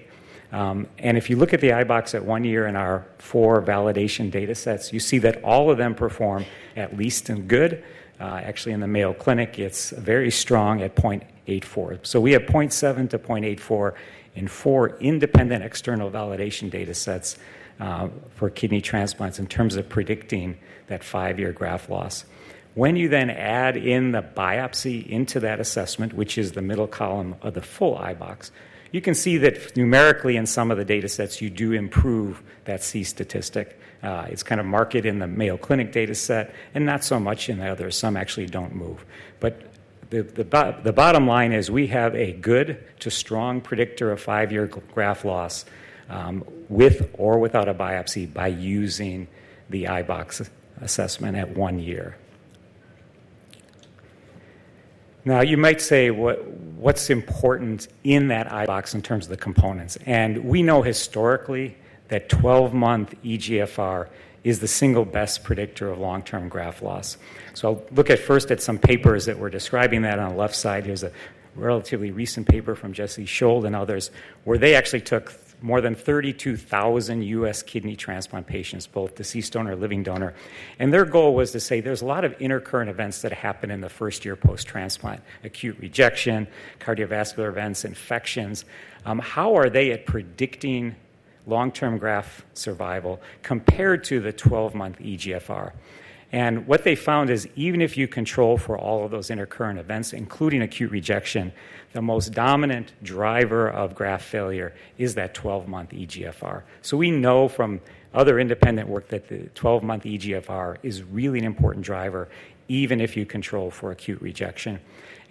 If you look at the iBox at one year in our four validation data sets, you see that all of them perform at least in good. Actually, in the Mayo Clinic it's very strong at 0.84. We have 0.7-0.84 in four independent external validation data sets for kidney transplants in terms of predicting that five year graft loss. When you then add in the biopsy into that assessment, which is the middle column of the full iBox, you can see that numerically in some of the data sets you do improve that C-statistic. It's kind of marked in the Mayo Clinic data set and not so much in the others. Some actually don't move. The bottom line is we have a good to strong predictor of five year graft loss with or without a biopsy by using the iBox assessment at one. You might say what's important in that iBox in terms of the components. We know historically that 12 month eGFR is the single best predictor of long term graft loss. I'll look at first at some papers that were describing that on the left side. Here's a relatively recent paper from Jesse Shold and others where they actually took more than 32,000 U.S. kidney transplant patients, both deceased donor and living donor. Their goal was to say there's a lot of intercurrent events that happen in the first year post transplant, acute rejection, cardiovascular events, infections, how are they at predicting long term graft survival compared to the 12 month eGFR? What they found is even if you control for all of those intercurrent events, including acute rejection, the most dominant driver of graft failure is that 12 month eGFR. We know from other independent work that the 12 month eGFR is really an important driver, even if you control for acute rejection.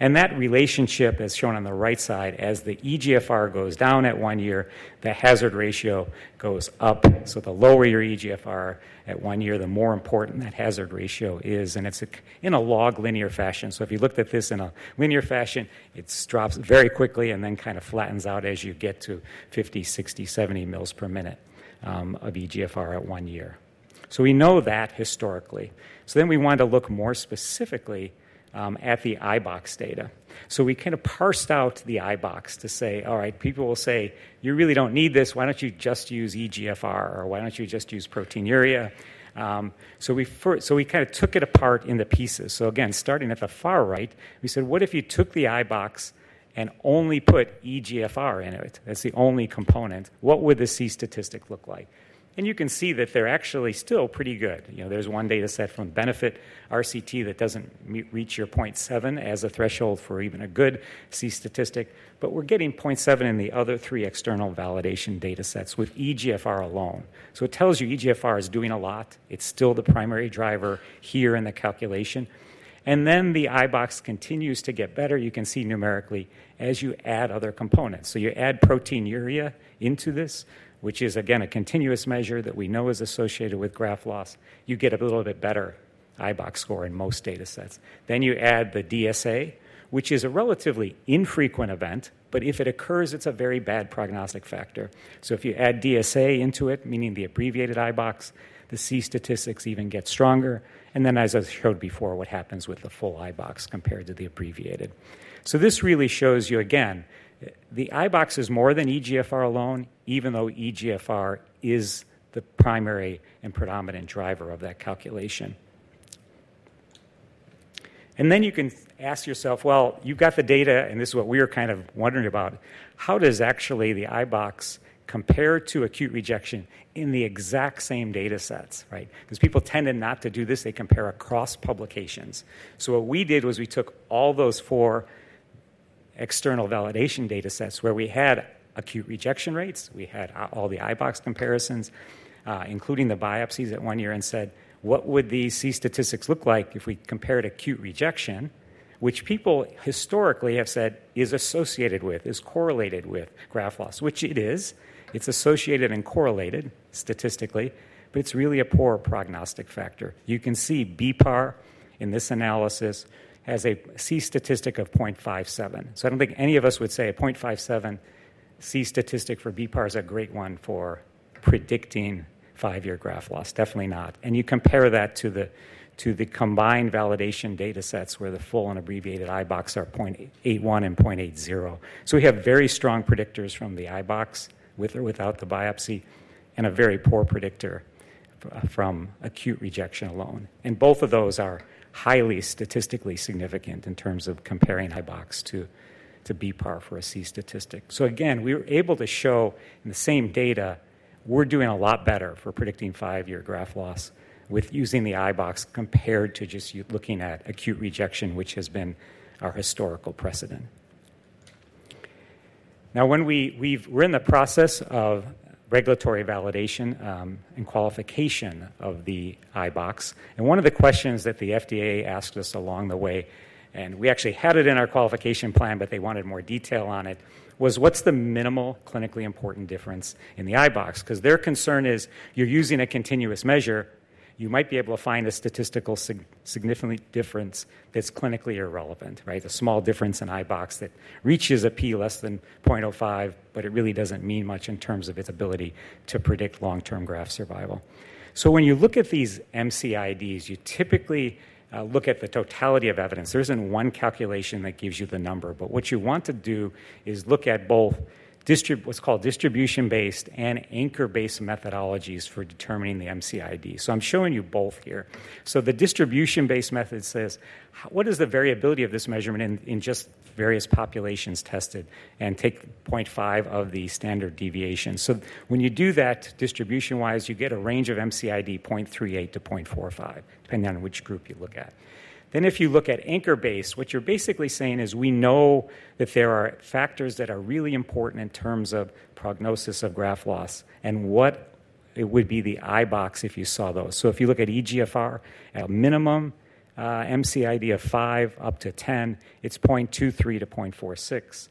That relationship as shown on the right side, as the eGFR goes down at one year, the hazard ratio goes up. The lower your eGFR at one year, the more important that hazard ratio is. It's in a log linear fashion. If you looked at this in a linear fashion, it drops very quickly and then kind of flattens out as you get to 50 mL, 60mL, 70 mL per minute of eGFR at one year. We know that historically. We want to look more specifically at the iBox data. We kind of parsed out the iBox to say, all right, people will say, you really don't need this. Why don't you just use eGFR? Or why don't you just use proteinuria? We kind of took it apart into pieces. Again, starting at the far right, we said, what if you took the iBox and only put eGFR in it? That's the only component, what would the C statistic look like? You can see that they're actually still pretty good. There's one data set from BENEFIT RCT that doesn't reach your 0.7 as a threshold for even a good C statistic, but we're getting 0.7 in the other three external validation data sets with eGFR alone. It tells you eGFR is doing a lot. It's still the primary driver here in the calculation. The iBox continues to get better. You can see numerically as you add other components. You add proteinuria into this, which is again, a continuous measure that we know is associated with graft loss. You get a little bit better iBox score in most data sets. Then you add the DSA, which is a relatively infrequent event, but if it occurs, it's a very bad prognostic factor. If you add DSA into it, meaning the abbreviated iBox, the C-statistics even get stronger. As I showed before, what happens with the full iBox compared to the abbreviated. This really shows you, again, the iBox is more than eGFR alone, even though eGFR is the primary and predominant driver of that calculation. You can ask yourself, you've got the data, and this is what we were kind of wondering about. How does actually the iBox compare to acute rejection in the exact same data sets? People tended not to do this. They compare across publications. What we did was we took all those four external validation data sets where we had acute rejection rates. We had all the iBox comparisons, including the biopsies, at one year, and said, what would the C-statistics look like if we compared acute rejection, which people historically have said is associated with, is correlated with graft loss, which it is, it's associated and correlated statistically, but it's really a poor prognostic factor. You can see B positive in this analysis has a C-statistic of 0.57. I don't think any of us would say 0.57 C-statistic for BPAR is a great one for predicting five-year graft loss. Definitely not. You compare that to the combined validation data sets where the full and abbreviated iBox are 0.81 and 0.80. We have very strong predictors from the iBox with or without the biopsy and a very poor predictor from acute rejection alone. Both of those are highly statistically significant in terms of comparing iBox to BPAR for a C-statistic. We were able to show in the same data we're doing a lot better for predicting five-year graft loss using the iBox compared to just looking at acute rejection, which has been our historical precedent. Now, we're in the process of regulatory validation and qualification of the iBox, and one of the questions that the FDA asked us along the way—and we actually had it in our qualification plan, but they wanted more detail on it—was what's the minimal clinically important difference in the iBox? Their concern is you're using a continuous measure, you might be able to find a statistically significant difference that's clinically irrelevant, right? The small difference in iBox that reaches a p less than 0.05, but it really doesn't mean much in terms of its ability to predict long-term graft survival. When you look at these MCIDs, you typically look at the totality of evidence. There isn't one calculation that gives you the number. What you want to do is look at both what's called distribution-based and anchor-based methodologies for determining the MCID. I'm showing you both here. The distribution-based method says what is the variability of this measurement in just various populations tested and take 0.5 of the standard deviation. When you do that, distribution-wise, you get a range of MCID 0.38-0.45 depending on which group you look at. If you look at anchor-based, what you're basically saying is we know that there are factors that are really important in terms of prognosis of graft loss and what would be the iBox if you saw those. If you look at eGFR minimum MCID of five up to 10, it's 0.23-0.46.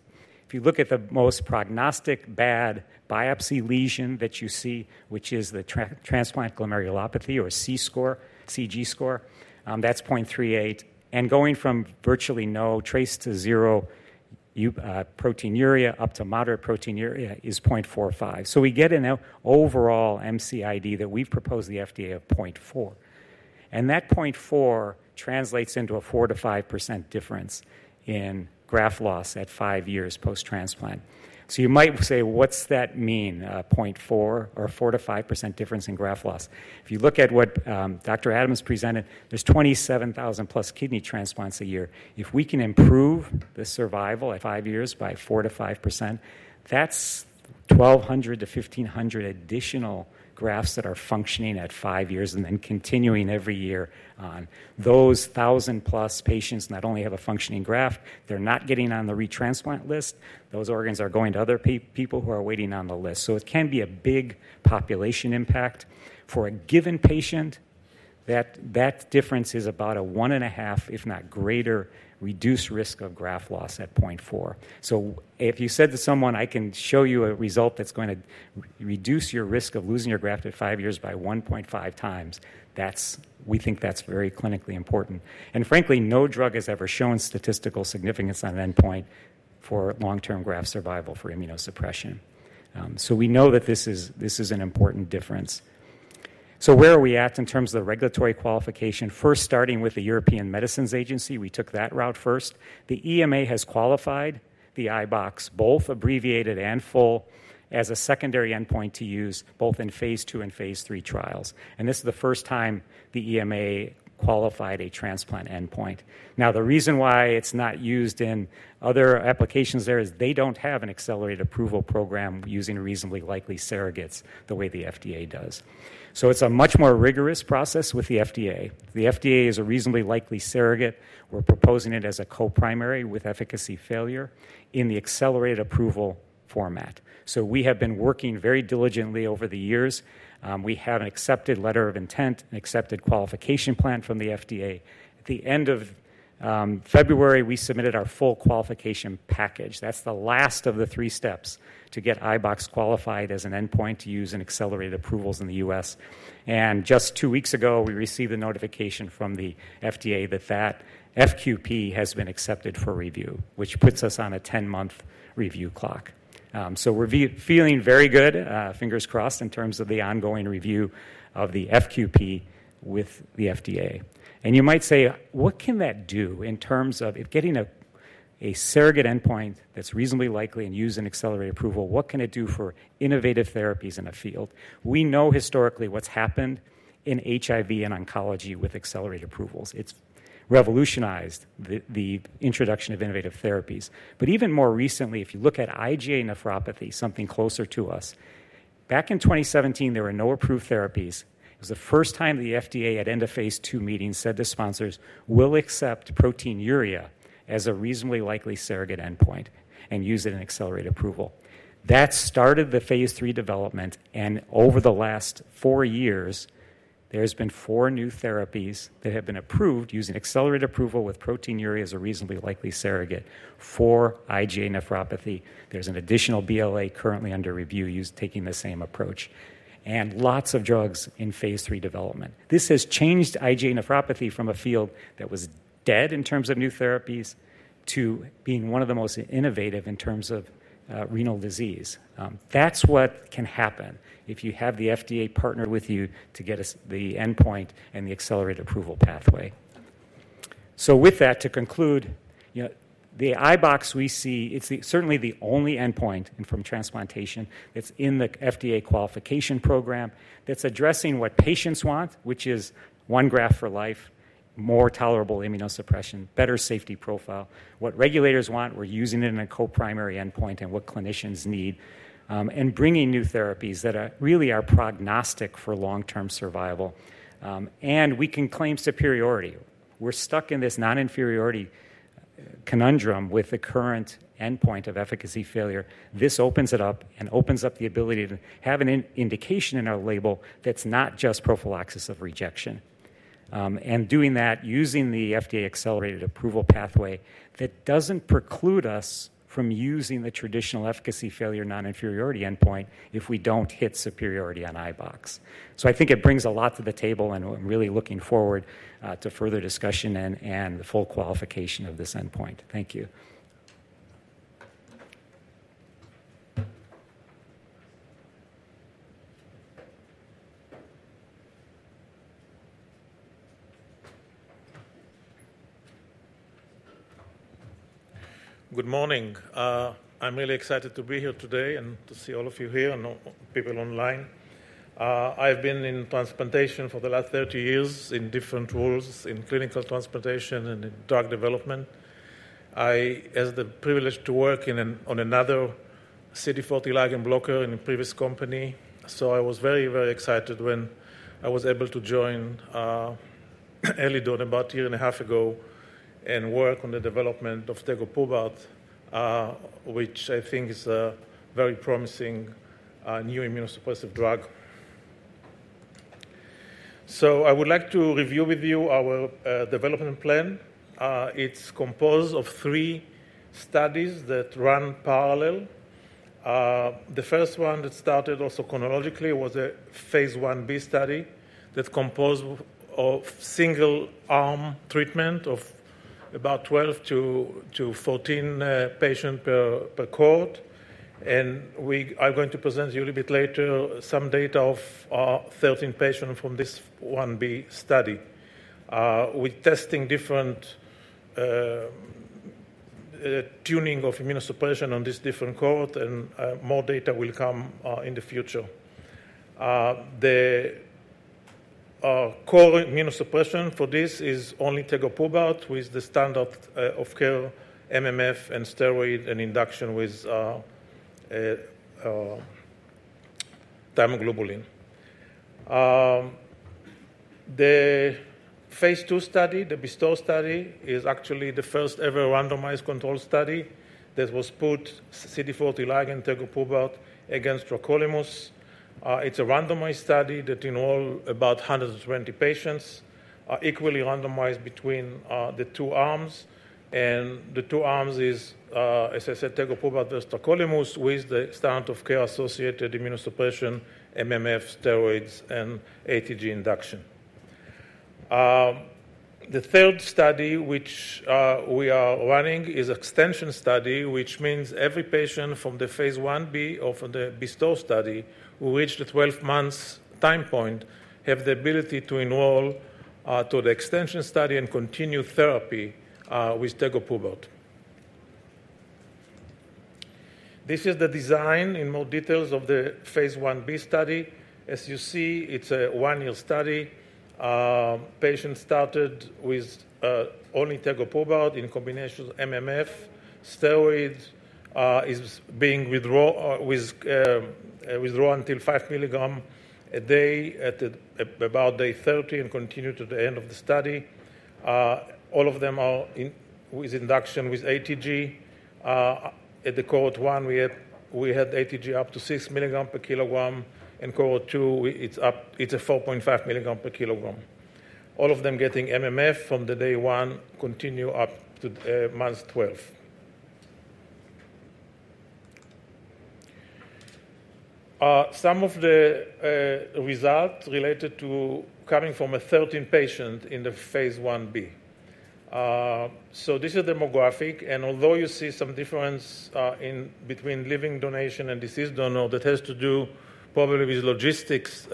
If you look at the most prognostic bad biopsy lesion that you see, which is the transplant glomerulopathy or CG score, that's 0.38, and going from virtually no trace to zero proteinuria up to moderate proteinuria is 0.45. We get an overall MCID that we've proposed to the FDA of 0.5, and that 0.4 translates into a 4%-5% difference in graft loss at five years post transplant. You might say what's that mean, 0.4 or 4%-5% difference in graft loss. If you look at what Dr. Adams presented, there's 27,000+ kidney transplants a year. If we can improve the survival at five years by 4%-5%, that's 1,200-1,500 additional grafts that are functioning at five years and then continuing every year on those thousand plus patients. Not only do they have a functioning graft, they're not getting on the retransplant list. Those organs are going to other people who are waiting on the list. It can be a big population impact. For a given patient, that difference is about a one and a half, if not greater, reduced risk of graft loss at 0.4. If you said to someone, I can show you a result that's going to reduce your risk of losing your graft at five years by 1.5x, we think that's very clinically important and frankly no drug has ever shown statistical significance on endpoint for long-term graft survival for immunosuppression. We know that this is an important difference. Where are we at in terms of the regulatory qualification? First, starting with the European Medicines Agency, we took that route first. The EMA has qualified the iBox, both abbreviated and full, as a secondary endpoint to use both in phase II and phase III trials. This is the first time the EMA qualified a transplant endpoint. The reason why it's not used in other applications there is they don't have an accelerated approval program using reasonably likely surrogates the way the FDA does. It's a much more rigorous process with the FDA. The FDA is a reasonably likely surrogate. We're proposing it as a co-primary with efficacy failure in the accelerated approval format. We have been working very diligently over the years. We have an accepted letter of intent, an accepted qualification plan from the FDA. At the end of February, we submitted our full qualification package. That's the last of the three steps to get iBox qualified as an endpoint to use in accelerated approvals in the U.S., and just two weeks ago we received the notification from the FDA that that FQP has been accepted for review, which puts us on a 10-month review clock. We're feeling very good, fingers crossed in terms of the ongoing review of the FQP with the FDA. You might say, what can that do in terms of getting a surrogate endpoint that's reasonably likely and used in accelerated approval? What can it do for innovative therapies in a field we know historically what's happened in HIV and oncology with accelerated approvals? It's revolutionized the introduction of innovative therapies. Even more recently, if you look at IgA nephropathy, something closer to us, back in 2017, there were no approved therapies. It was the first time the FDA at end of phase II meetings said the sponsors will accept proteinuria as a reasonably likely surrogate endpoint and use it in accelerated approval. That started the phase III development. Over the last four years there's been four new therapies that have been approved using accelerated approval with proteinuria as a reasonably likely surrogate for IgA nephropathy. There's an additional BLA currently under review taking the same approach and lots of drugs in phase III development. This has changed IgA nephropathy from a field that was dead in terms of new therapies to being one of the most innovative in terms of renal disease. That is what can happen if you have the FDA partnered with you to get the endpoint and the accelerated approval pathway. To conclude the iBox, we see it's certainly the only endpoint from transplantation. It's in the FDA qualification program that's addressing what patients want, which is one graft for life, more tolerable immunosuppression, better safety profile, what regulators want. We're using it in a co-primary endpoint and what clinicians need and bringing new therapies that really are prognostic for long-term survival. We can claim superiority. We're stuck in this non-inferiority conundrum with the current endpoint of efficacy failure. This opens it up and opens up the ability to have an indication in our label that's not just prophylaxis of rejection and doing that using the FDA accelerated approval pathway. That doesn't preclude us from using the traditional efficacy failure non-inferiority endpoint if we don't hit superiority on iBox. I think it brings a lot to the table and I'm really looking forward to further discussion and full qualification of this endpoint. Thank you. Good morning. I'm really excited to be here today to see all of you here and people online. I've been in transplantation for the last 30 years in different roles in clinical transplantation and drug development. I had the privilege to work on another CD40 ligand blocker in a previous company. I was very, very excited when I was able to join Eledon about a year and a half ago and work on the development of tegoprubart, which I think is a very promising new immunosuppressive drug. I would like to review with you our development plan. It's composed of three studies that run parallel. The first one that started also chronologically was a phase Ib study that composed of single arm treatment of about 12-14 patients per cohort. We are going to present you a little bit later some data of 13 patients from this Ib study with testing, different tuning of immunosuppression on this different cohort and more data will come in the future. The core immunosuppression for this is only tegoprubart with the standard of care, MMF and steroid and induction with thymoglobulin. The phase II BESTOW study is actually the first ever randomized control study that was put CD40 ligand tegoprubart against tacrolimus. It's a randomized study that enroll about 120 patients equally randomized between the two arms and the two arms is as I said, tegoprubart versus tacrolimus with the standard of care associated immunosuppression, MMF, steroids and ATG induction. The third study which we are running is extension study which means every patient from the phase Ib or from the BESTOW study who reached the 12 months time point have the ability to enroll to the extension study and continue therapy with tegoprubart. This is the design in more details of the phase Ib study. As you see, it's a one year study. Patient started with only tegoprubart in combination MMF steroids is being withdrawn till 5 milligram a day at about day 30 and continue to the end of the study. All of them are with induction with ATG. At the Cohort 1 we had ATG up to 6 mg per kg and Cohort 2 it's up, it's a 4.5 mg per kg. All of them getting MMF from the Day 1 continue up to Month 12. Some of the results related to coming from a 13 patient in the phase Ib. This is demographic and although you see some difference between living donation and deceased donor. That has to do probably with logistics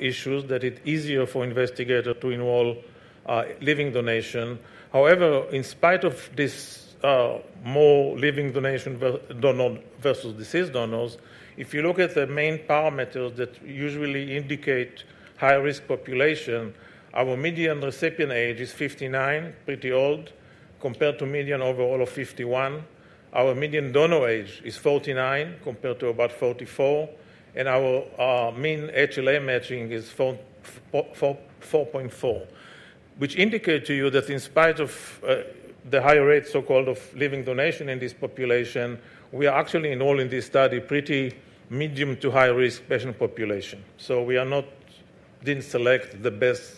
issues that it's easier for investigator to enroll living donation. However, in spite of this, more living donation versus deceased donors. If you look at the main parameters that usually indicate high risk population, our median recipient age is 59, pretty old compared to median overall of 51. Our median donor age is 49 compared to about 44, and our mean HLA matching is 4.4, which indicates to you that in spite of the higher rate, so-called, of living donation in this population, we are actually enrolling this study pretty medium to high risk patient population. We did not select the best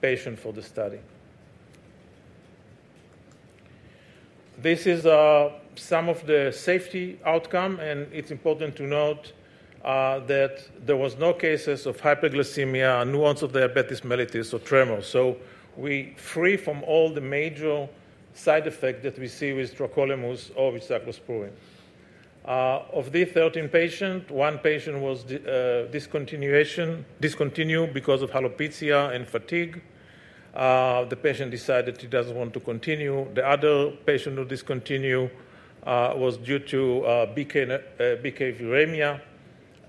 patient for the study. This is some of the safety outcome, and it's important to note that there were no cases of hypoglycemia, new onset of diabetes mellitus, or tremors. We are free from all the major side effects that we see with tacrolimus or with sirolimus, proving. Of these 13 patients, one patient was discontinued because of alopecia and fatigue. The patient decided he doesn't want to continue. The other patient who discontinued was due to BK viremia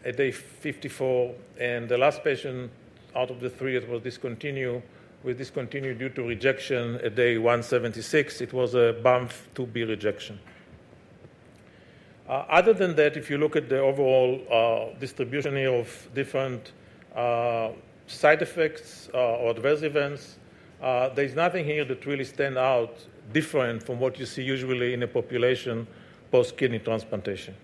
at day 54, and the last patient out of the three that was discontinued was discontinued due to rejection at day 176. It was a bump to be rejected, rejection. Other than that, if you look at the overall distribution of different side effects or adverse events, there's nothing here that really stands out different from what you see usually in a population post kidney transplantation.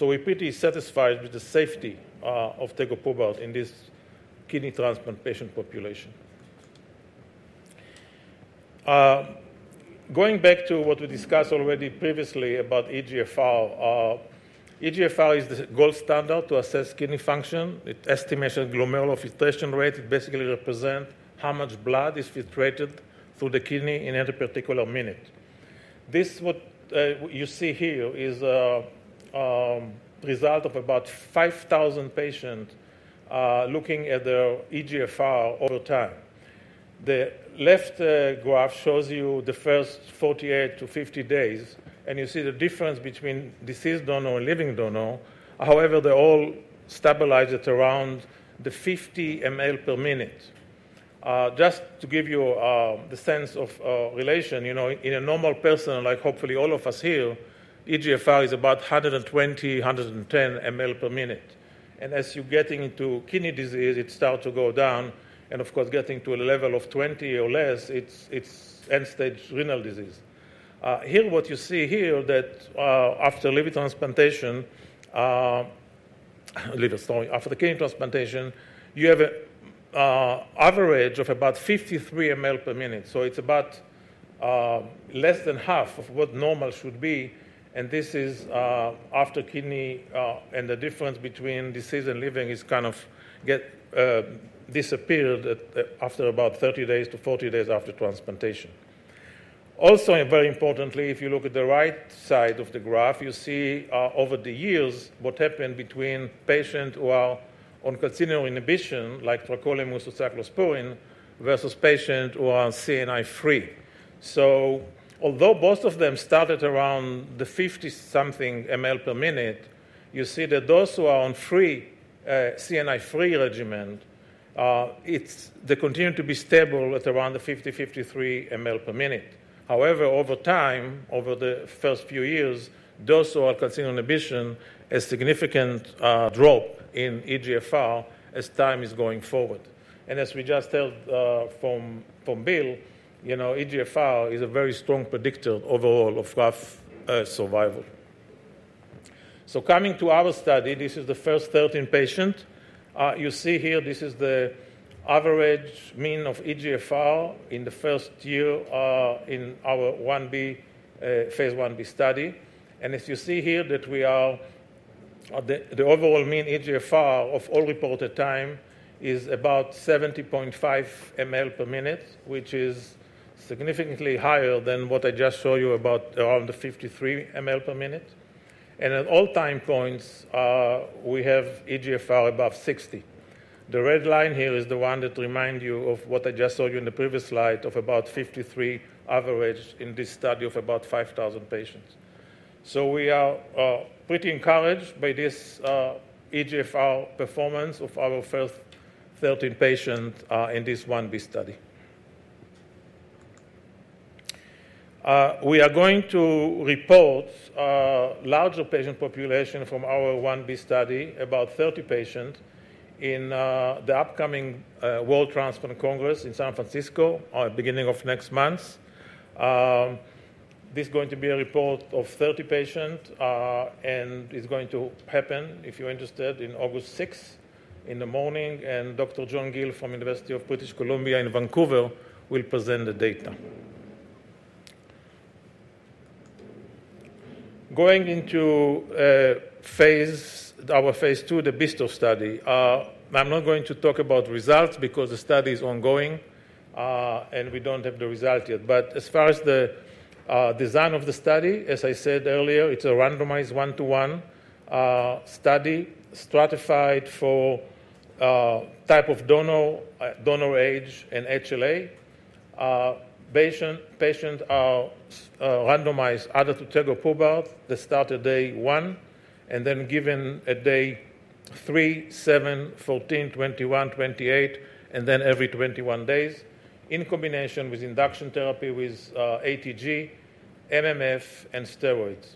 We are pretty satisfied with the safety of tegoprubart in this kidney transplant patient population. Going back to what we discussed already previously about eGFR. eGFR is the gold standard to assess kidney function. It estimates a glomerular filtration rate. It basically represents how much blood is filtrated through the kidney in every particular minute. What you see here is a result of about 5,000 patients looking at their eGFR over time. The left graph shows you the first 4-50 days, and you see the difference between deceased donor and living donor. However, they all stabilize at around the 50 mL per minute. Just to give you the sense of relation, you know, in a normal person, like hopefully all of us here, eGFR is about 120 mL-110 mL per minute. As you get into kidney disease, it starts to go down, and of course, getting to a level of 20 mL or less, it's end stage renal disease. What you see here is that after kidney transplantation, you have average of about 53 mL per minute. It's about less than half of what normal should be and this is after kidney and the difference between deceased and living is kind of get disappeared after about 30-40 days after transplantation. Also, very importantly, if you look at the right side of the graph, you see over the years what happened between patients who are on continual inhibition like tacrolimus with cyclosporine versus patients who are CNI free. Although both of them start at around the 50-something mL per minute, you see that those who are on free CNI regimen continue to be stable at around the 50 mL-53 mL per minute. However, over time, over the first few years, those on calcineurin inhibition have significant drop in eGFR as time is going forward and as we just heard from Dr. Bill, eGFR is a very strong predictor overall of graft survival. Coming to our study, this is the first 13 patients you see here. This is the average mean of eGFR in the first year in our phase Ib study. As you see here, the overall mean eGFR of all reported time is about 70.5 mL per minute, which is significantly higher than what I just showed you, about 53 mL per minute. At all time points, we have eGFR above 60. The red line here is the one that reminds you of what I just showed you in the previous slide of about 53 average in this study of about 5,000 patients. We are pretty encouraged by this eGFR performance of our first 13 patients in this Ib study. We are going to report larger patient population from our Ib study, about 30 patients, in the upcoming World Transplant Congress in San Francisco beginning of next month. This is going to be a report of 30 patients and it's going to happen if you're interested on August 6th in the morning, and Dr. John Gill from University of British Columbia in Vancouver will present the data going into our phase II, the BESTOW study. I'm not going to talk about results because the study is ongoing and we don't have the result yet. As far as the design of the study, as I said earlier, it's a randomized one-to-one study stratified for type of donor, age, and HLA. Patients are randomized either to tegoprubart. They start at day one and then given at day three, 7, 14, 21, 28, and then every 21 days in combination with induction therapy with ATG, MMF, and steroids.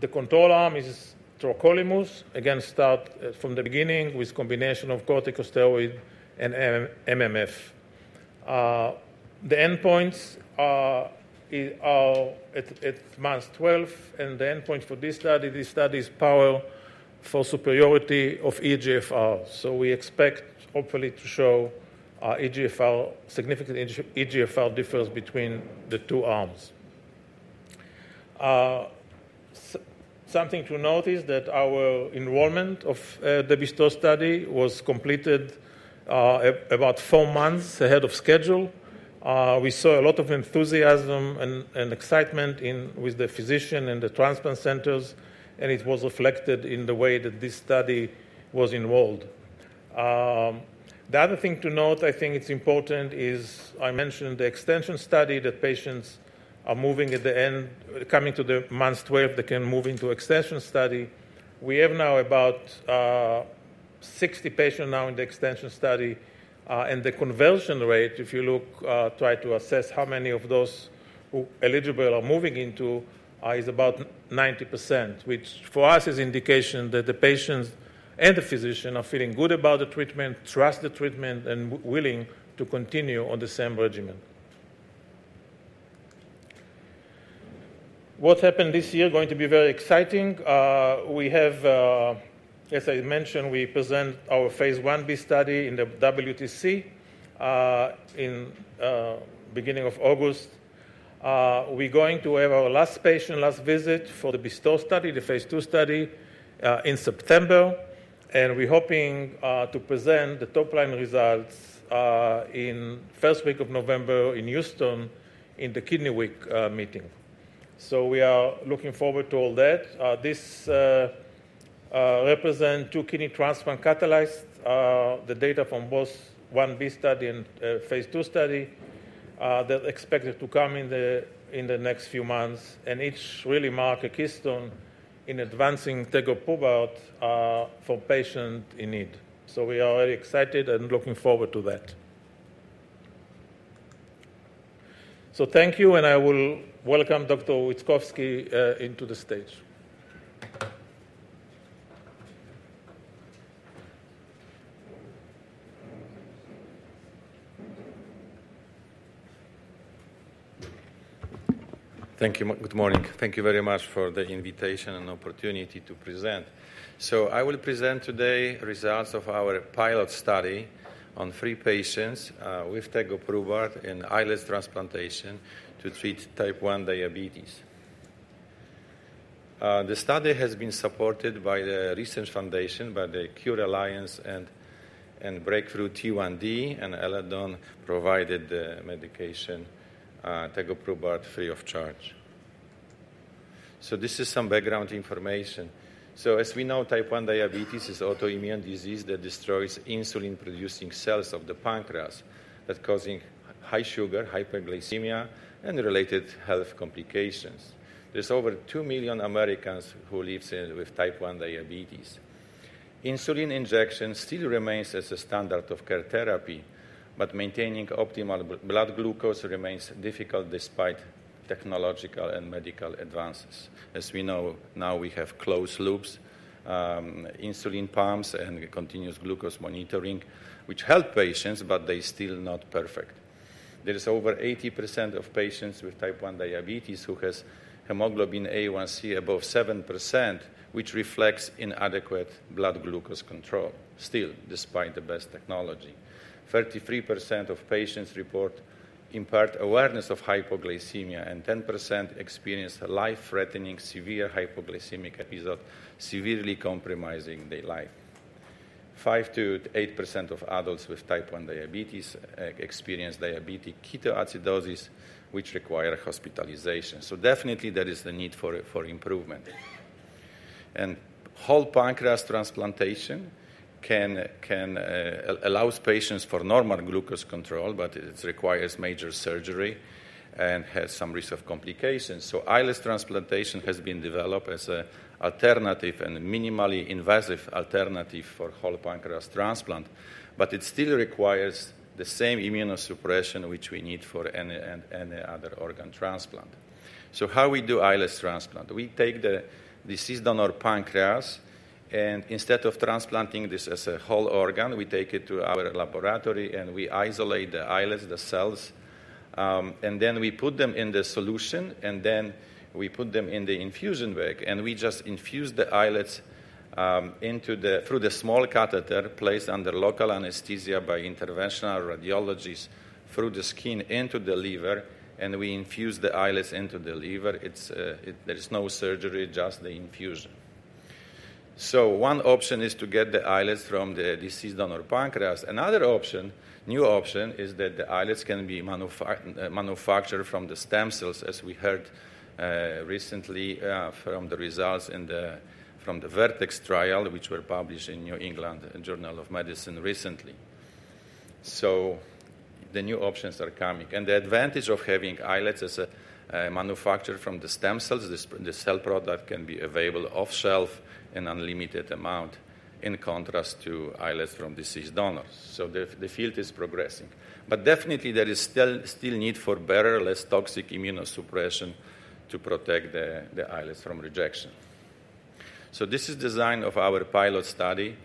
The control arm is tacrolimus, again starting from the beginning with combination of corticosteroid and MMF. The endpoints are at month 12 and the endpoint for this study, this study is powered for superiority of eGFR. We expect hopefully to show eGFR significant. eGFR differs between the two arms. Something to note is that our enrollment of the BESTOW study was completed about four months ahead of schedule. We saw a lot of enthusiasm and excitement with the physicians and the transplant centers and it was reflected in the way that this study was enrolled. The other thing to note I think it's important is I mentioned the extension study that patients are moving at the end coming to the month 12 they can move into extension study. We have now about 60 patients now in the extension study and the conversion rate if you look try to assess how many of those those who eligible are moving into is about 90% which for us is indication that the patients and the physicians are feeling good about the treatment, trust the treatment and willing to continue on the same regimen. What happened this year going to be very exciting. We have as I mentioned we present our phase Ib study in the WTC in beginning of August. We're going to have our last patient last visit for the BESTOW study, the phase II study in September and we're hoping to present the top line results in first week of November in Houston in the Kidney Week meeting. We are looking forward to all that. This represents two kidney transplant cut analyzed the data from both Ib study and phase II study that expected to come in the next few months and each really mark a keystone in advancing tegoprubart for patients in need. We are very excited and looking forward to that. Thank you and I will welcome Dr. Witkowski into the stage. Thank you. Good morning. Thank you very much for the invitation and opportunity to present. I will present today results of our pilot study on three patients with tegoprubart and islet transplantation to treat type 1 diabetes. The study has been supported by the Research Foundation, by the CURE Alliance and Breakthrough T1D, and Eledon provided the medication tegoprubart free of charge. This is some background information. As we know, type 1 diabetes is an autoimmune disease that destroys insulin-producing cells of the pancreas, causing high sugar, hyperglycemia, and related health complications. There are over 2 million Americans who live with type 1 diabetes. Insulin injection still remains as a standard of care therapy, but maintaining optimal blood glucose remains difficult despite technological and medical advances. As we know now, we have closed loops, insulin pumps, and continuous glucose monitoring which help patients, but they are still not permanently perfect. There are over 80% of patients with type 1 diabetes who have hemoglobin A1C above 7%, which reflects inadequate blood glucose control. Still, despite the best technology, 33% of patients report impaired awareness of hypoglycemia and 10% experience life-threatening severe hypoglycemic episodes, severely compromising daily life. 5%-8% of adults with type 1 diabetes experience diabetic ketoacidosis, which requires hospitalization. There is definitely the need for improvement. Whole pancreas transplantation can allow patients normal glucose control, but it requires major surgery and has some risk of complications. Islet transplantation has been developed as an alternative and minimally invasive alternative for whole pancreas transplant, but it still requires the same immunosuppression which we need for any other organ transplant. For islet transplant, we take the donor pancreas and instead of transplanting this as a whole organ, we take it to our laboratory and we isolate the islets, the cells, and then we put them in the solution and then we put them in the infusion bag and we just infuse the islets through the small catheter placed under local anesthesia by interventional radiologists through the skin into the liver and we infuse the islets into the liver. There is no surgery, just the infusion. One option is to get the islets from the deceased donor pancreas. Another new option is that the islets can be manufactured from the stem cells. As we heard recently from the results from the Vertex trial which were published in New England Journal of Medicine recently, new options are coming and the advantage of having islets as manufactured from the stem cells. The cell product can be available off shelf in unlimited amount in contrast to islets from deceased donors. The field is progressing, but definitely there is still need for better, less toxic immunosuppression to protect the islets from rejection. This is design of our pilot study.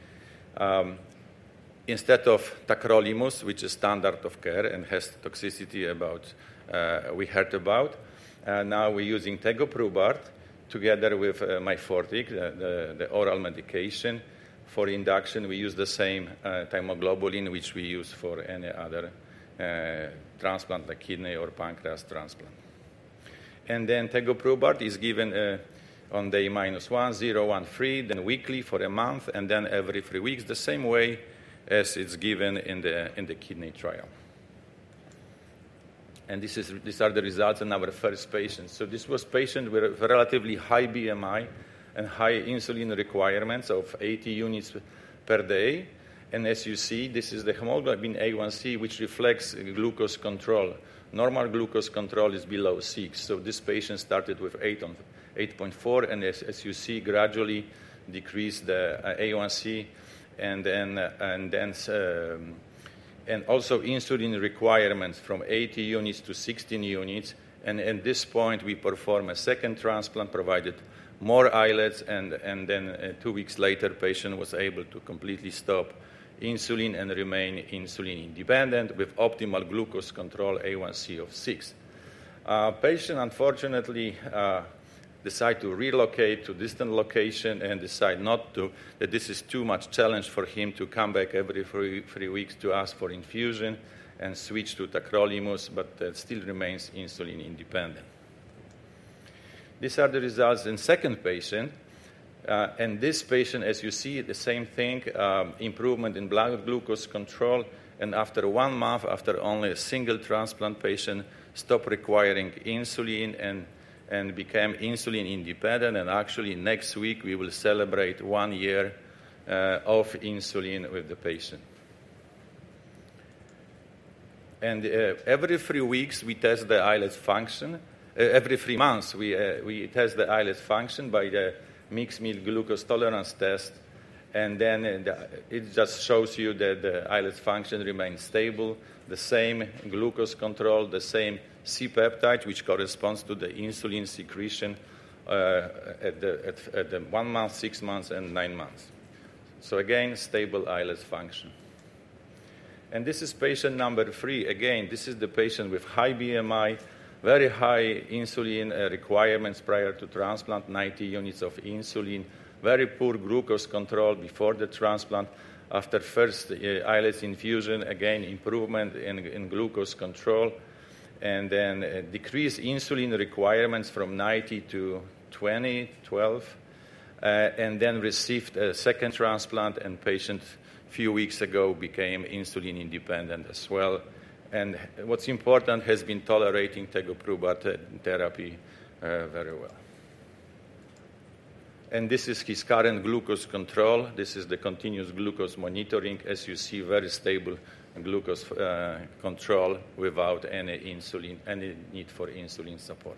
Instead of tacrolimus, which is standard of care and has toxicity about we heard about, now we're using tegoprubart together with Myfortic, the oral medication. For induction, we use the same thymoglobulin which we use for any another transplant like kidney or pancreas transplant. Tegoprubart is given on day -1, 0, 13, then weekly for a month and then every three weeks the same way as it's given in the kidney trial. These are the results in our first patient. This was patient with relatively high BMI and high insulin requirements of 80 units per day. As you see, this is the hemoglobin A1C which reflects glucose control. Normal glucose control is below six. This patient started with eight on 8.4 and as you see gradually decreased the A1C and also insulin requirements from 80 units to 16 units. At this point we perform a second transplant process, provided more islets. Two weeks later patient was able to completely stop insulin and remain insulin independent with optimal glucose control. A1C of six. Patient unfortunately decided to relocate to distant location and decide not to. This is too much challenge for him to come back every three weeks to ask for infusion and SWITCH to tacrolimus, but still remains insulin independent. These are the results in second patient and this patient. As you see the same thing, improvement in blood glucose control. After one month, after only a single transplant, patient stop requiring insulin and became insulin independent. Actually next week we will celebrate one year of insulin with the patient. Every three weeks we test the islet function. Every three months we test the islet function by the mixed meal glucose tolerance test. It just shows you that the islet function remains stable. The same glucose control, the same C-peptide which corresponds to the insulin secretion at the one month, six months and nine months. Again, stable islet function. This is patient number three. This is the patient with high BMI, very high insulin requirements prior to transplant, 90 units of insulin, very poor glucose control before the transplant. After first islet infusion, improvement in glucose control and then decreased insulin requirements from 90 to 20. And then received a second transplant. Patient a few weeks ago became insulin independent as well. What's important is the patient has been tolerating tegoprubart therapy very well. This is his current glucose control. This is the continuous glucose monitoring. As you see, very stable glucose control without any insulin, any need for insulin supply.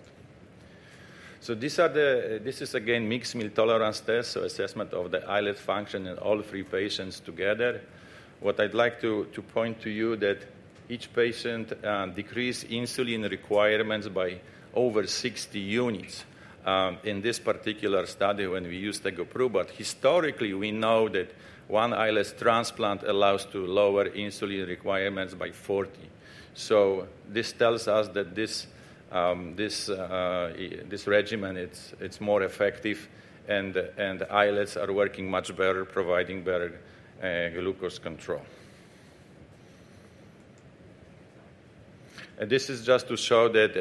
This is the mixed meal tolerance test, so assessment of the islet function in all three patients together. What I'd like to point to you is that each patient decreased insulin requirements by over 60 units in this particular study when we used tegoprubart. Historically, we know that one islet transplant allows to lower insulin requirements, so this tells us that this regimen is more effective and islets are working much better, providing better glucose control. This is just to show that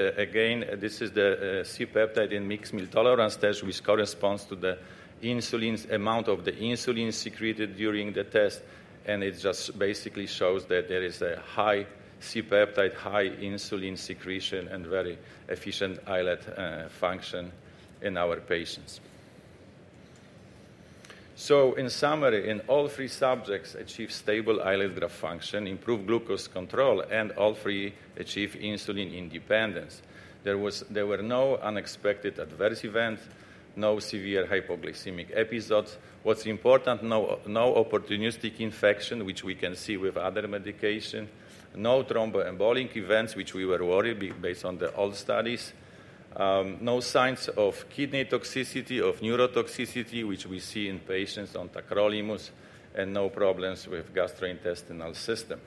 this is the C-peptide in mixed meal tolerance test, which corresponds to the insulin amount of the insulin secreted during the test. It basically shows that there is a high C-peptide, high insulin secretion, and very efficient islet function in our patients. In summary, all three subjects achieved stable islet graft function, improved glucose control, and all three achieved insulin independence. There were no unexpected adverse events, no severe hypoglycemic episodes. What's important, no opportunistic infection, which we can see with other medication. No thromboembolic events, which we were worried about based on the old studies. No signs of kidney toxicity or neurotoxicity, which we see in patients on tacrolimus, and no problems with gastrointestinal system.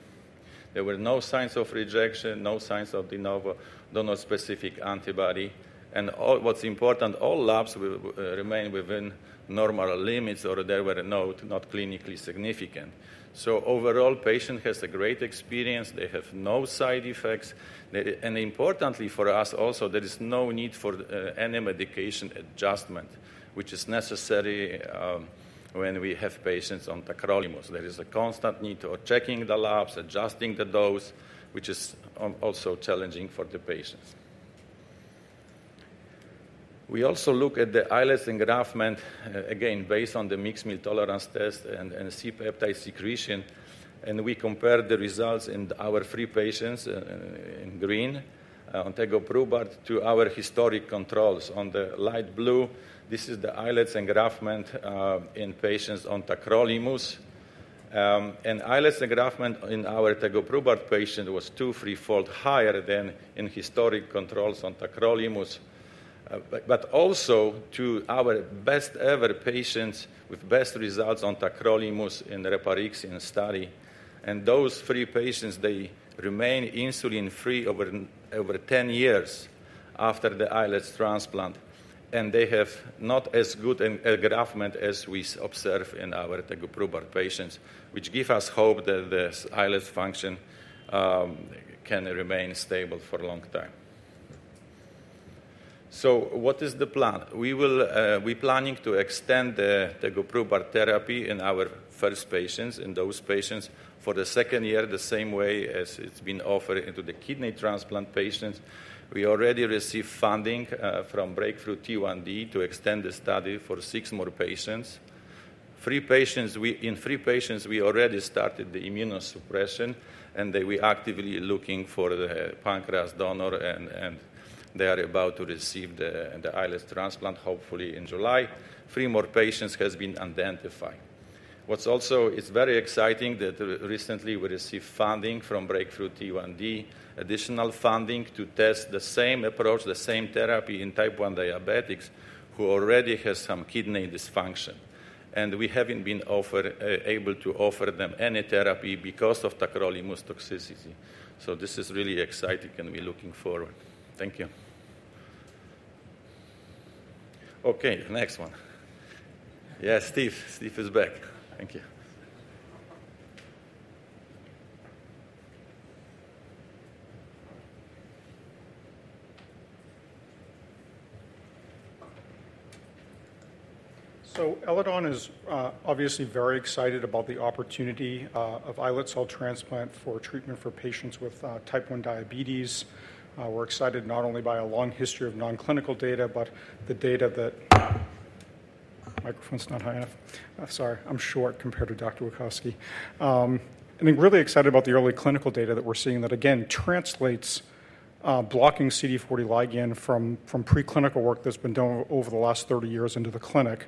There were no signs of rejection, no signs of de novo, no specific antibody. What's important, all labs remained within normal limits or they were not clinically significant. Overall, patient has a great experience, they have no side effects. Importantly for us, also there is no need for any medication adjustment, which is necessary when we have patients on tacrolimus. There is a constant need to check the labs, adjusting the dose, which is also challenging for the patient. We also look at the islet engraftment again based on the mixed meal tolerance test and C-peptide secretion. We compared the results in our three patients in green on tegoprubart to our historic controls in light blue. This is the islet engraftment in patients on tacrolimus, and islet engraftment in our tegoprubart patients was two to three fold higher than in historic controls on tacrolimus. Also, to our best ever patients with best results on tacrolimus and reparixin study. Those three patients remain insulin free over 10 years after the islet transplant, and they have not as good an engraftment as we observe in our tegoprubart patients, which gives us hope that the islet function can remain stable for a long time. What is the plan? We are planning to extend the tegoprubart therapy in our first patients, in those patients, for the second year. The same way as it's been offered in the kidney transplant patients. We already received funding from Breakthrough T1D to extend the study for six more patients. In three patients, we already started the immunosuppression and we are actively looking for the pancreas donor and they are about to receive the islet transplant, hopefully in July. Three more patients have been identified. What's also very exciting is that recently we received additional funding from Breakthrough T1D to test the same approach, the same therapy, in type 1 diabetics who already have some kidney dysfunction. We haven't been able to offer them any therapy because of tacrolimus toxicity. This is really exciting and we are looking forward. Thank you. Okay, next one. Yes, Steve. Steve is back. Thank you. Eledon is obviously very excited about the opportunity of islet cell transplant for treatment for patients with type 1 diabetes. We're excited not only by a long history of nonclinical data, but the data that microphone's not high enough. Sorry, I'm short compared to Dr. Witkowski. I'm really excited about the early clinical data that we're seeing that again translates blocking CD40 ligand from preclinical work that's been done over the last 30 years into the clinic.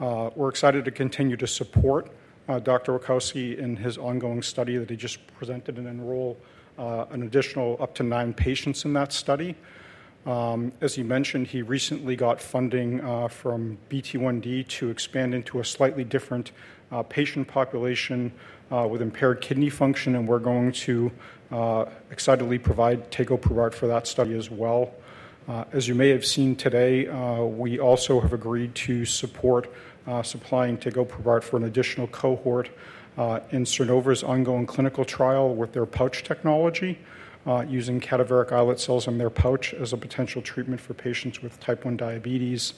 We're excited to continue to support Dr. Witkowski in his ongoing study that he just presented and enrolled an additional up to nine patients in that study. As he mentioned, he recently got funding from BT1D to expand into a slightly different patient population with impaired kidney function. We're going to excitedly provide tegoprubart for that study as well. As you may have seen today, we also have agreed to support supplying tegoprubart for an additional cohort in Sernova's ongoing clinical trial with their pouch technology using cadaveric islet cells in their pouch as a potential treatment for patients with type 1 diabetes.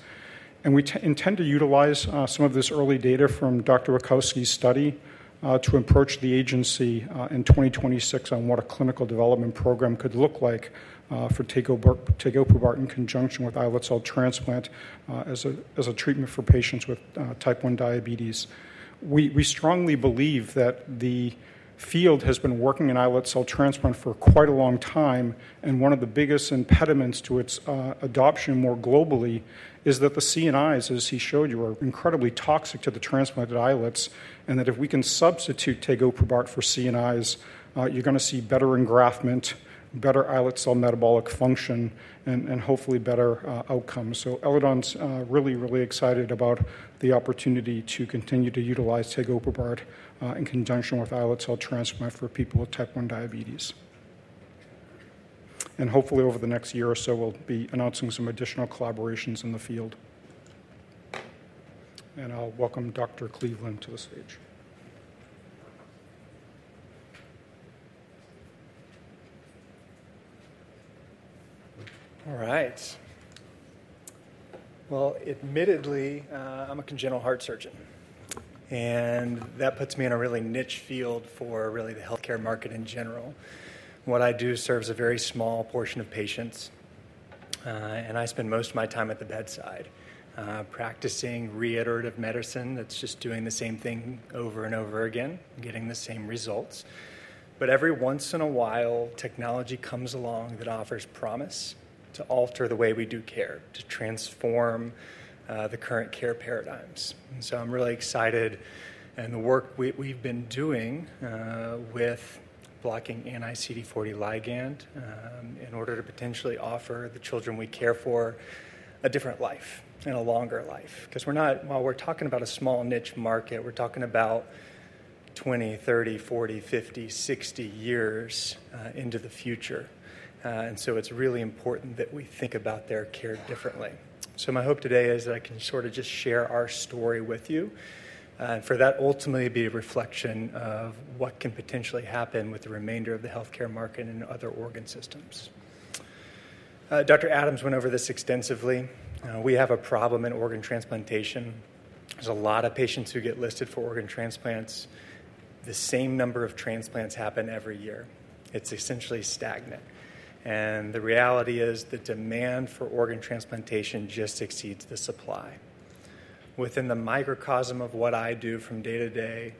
We intend to utilize some of this early data from Dr. Witkowski's study to approach the agency in 2026 on what a clinical development program could look like for tegoprubart in conjunction with islet cell transplant as a treatment for patients with type 1 diabetes. We strongly believe that the field has been working in islet cell transplant for quite a long time. One of the biggest impediments to its adoption more globally is that the, as he showed you, are incredibly toxic to the transplanted islets and that if we can substitute tegoprubart for CNIs, you're going to see better engraftment, better islet cell metabolic function, and hopefully better outcomes. Eledon's really, really excited about the opportunity to continue to utilize tegoprubart in conjunction with islet cell transplant for people with type 1 diabetes. Hopefully over the next year or so, we'll be announcing some additional collaborations in the field. I'll welcome Dr. Cleveland to the stage. All right. Admittedly, I'm a congenital heart surgeon, and that puts me in a really niche field for the healthcare market in general. What I do serves a very small portion of patients. I spend most of my time at the bedside practicing reiterative medicine, that's just doing the same thing over and over again, getting the same results. Every once in a while, technology comes along that offers promise to alter the way we do care, to transform the current care paradigms. I'm really excited. The work we've been doing with blocking anti-CD40 ligand in order to potentially offer the children we care for a different life and a longer life, because we're not. While we're talking about a small niche market, we're talking about 20, 30, 40, 50, 60 years into the future. It's really important that we think about their care differently. My hope today is I can sort of just share our story with you and for that ultimately be a reflection of what can potentially happen with the remainder of the healthcare market and other organ systems. Dr. Adams went over this extensively. We have a problem in organ transplantation. There's a lot of patients who get listed for organ transplants. The same number of transplants happen every year. It's essentially stagnant. The reality is the demand for organ transplantation just exceeds the supply. Within the microcosm of what I do from day to day,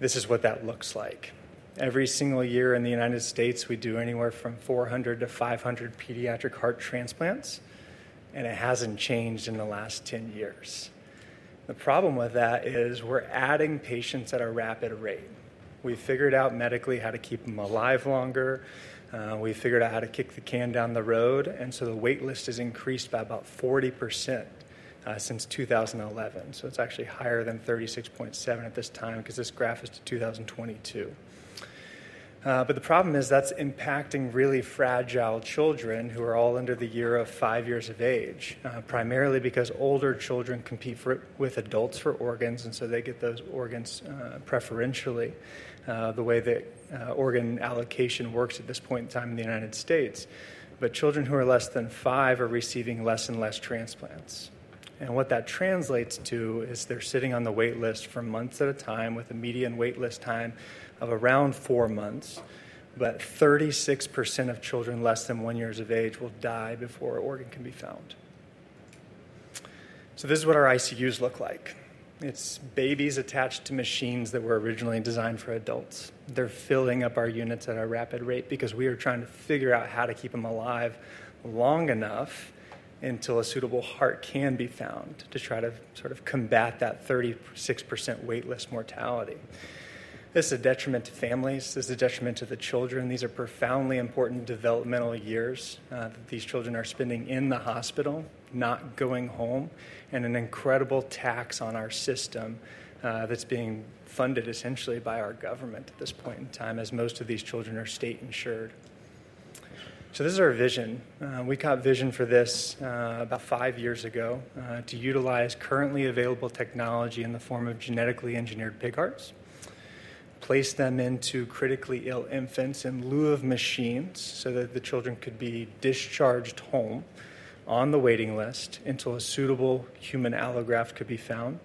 this is what that looks like every single year. In the United States, we do anywhere from 400-500 pediatric heart transplants, and it hasn't changed in the last 10 years. The problem with that is we're adding patients at a rapid rate. We figured out medically how to keep them alive longer. We figured out how to kick the can down the road. The wait list has increased by about 40% since 2011. It's actually higher than 36.7% at this time because this graph is to 2020. The problem is that's impacting really fragile children who are all under the age of five years, primarily because older children compete with adults for organs, and they get those organs preferentially, the way that organ allocation works at this point in time in the United States. Children who are less than five are receiving less and less transplants, and what that translates to is they're sitting on the wait list for months at a time with a median wait list time of around four months. 36% of children less than one year of age will die before an organ can be found. This is what our ICUs look like. It's babies attached to machines that were originally designed for adults. They're filling up our units at a rapid rate because we are trying to figure out how to keep them alive long enough until a suitable heart can be found to try to combat that 36% waitlist mortality. This is a detriment to families, this is a detriment to the children. These are profoundly important developmental years that these children are spending in the hospital, not going home. It's an incredible tax on our system that's being funded essentially by our government at this point in time, as most of these children are state insured. This is our vision. We caught vision for this about five years ago to utilize currently available technology in the form of genetically engineered pig hearts, place them into critically ill infants in lieu of machines so that the children could be discharged home on the waiting list until a suitable human allograft could be found,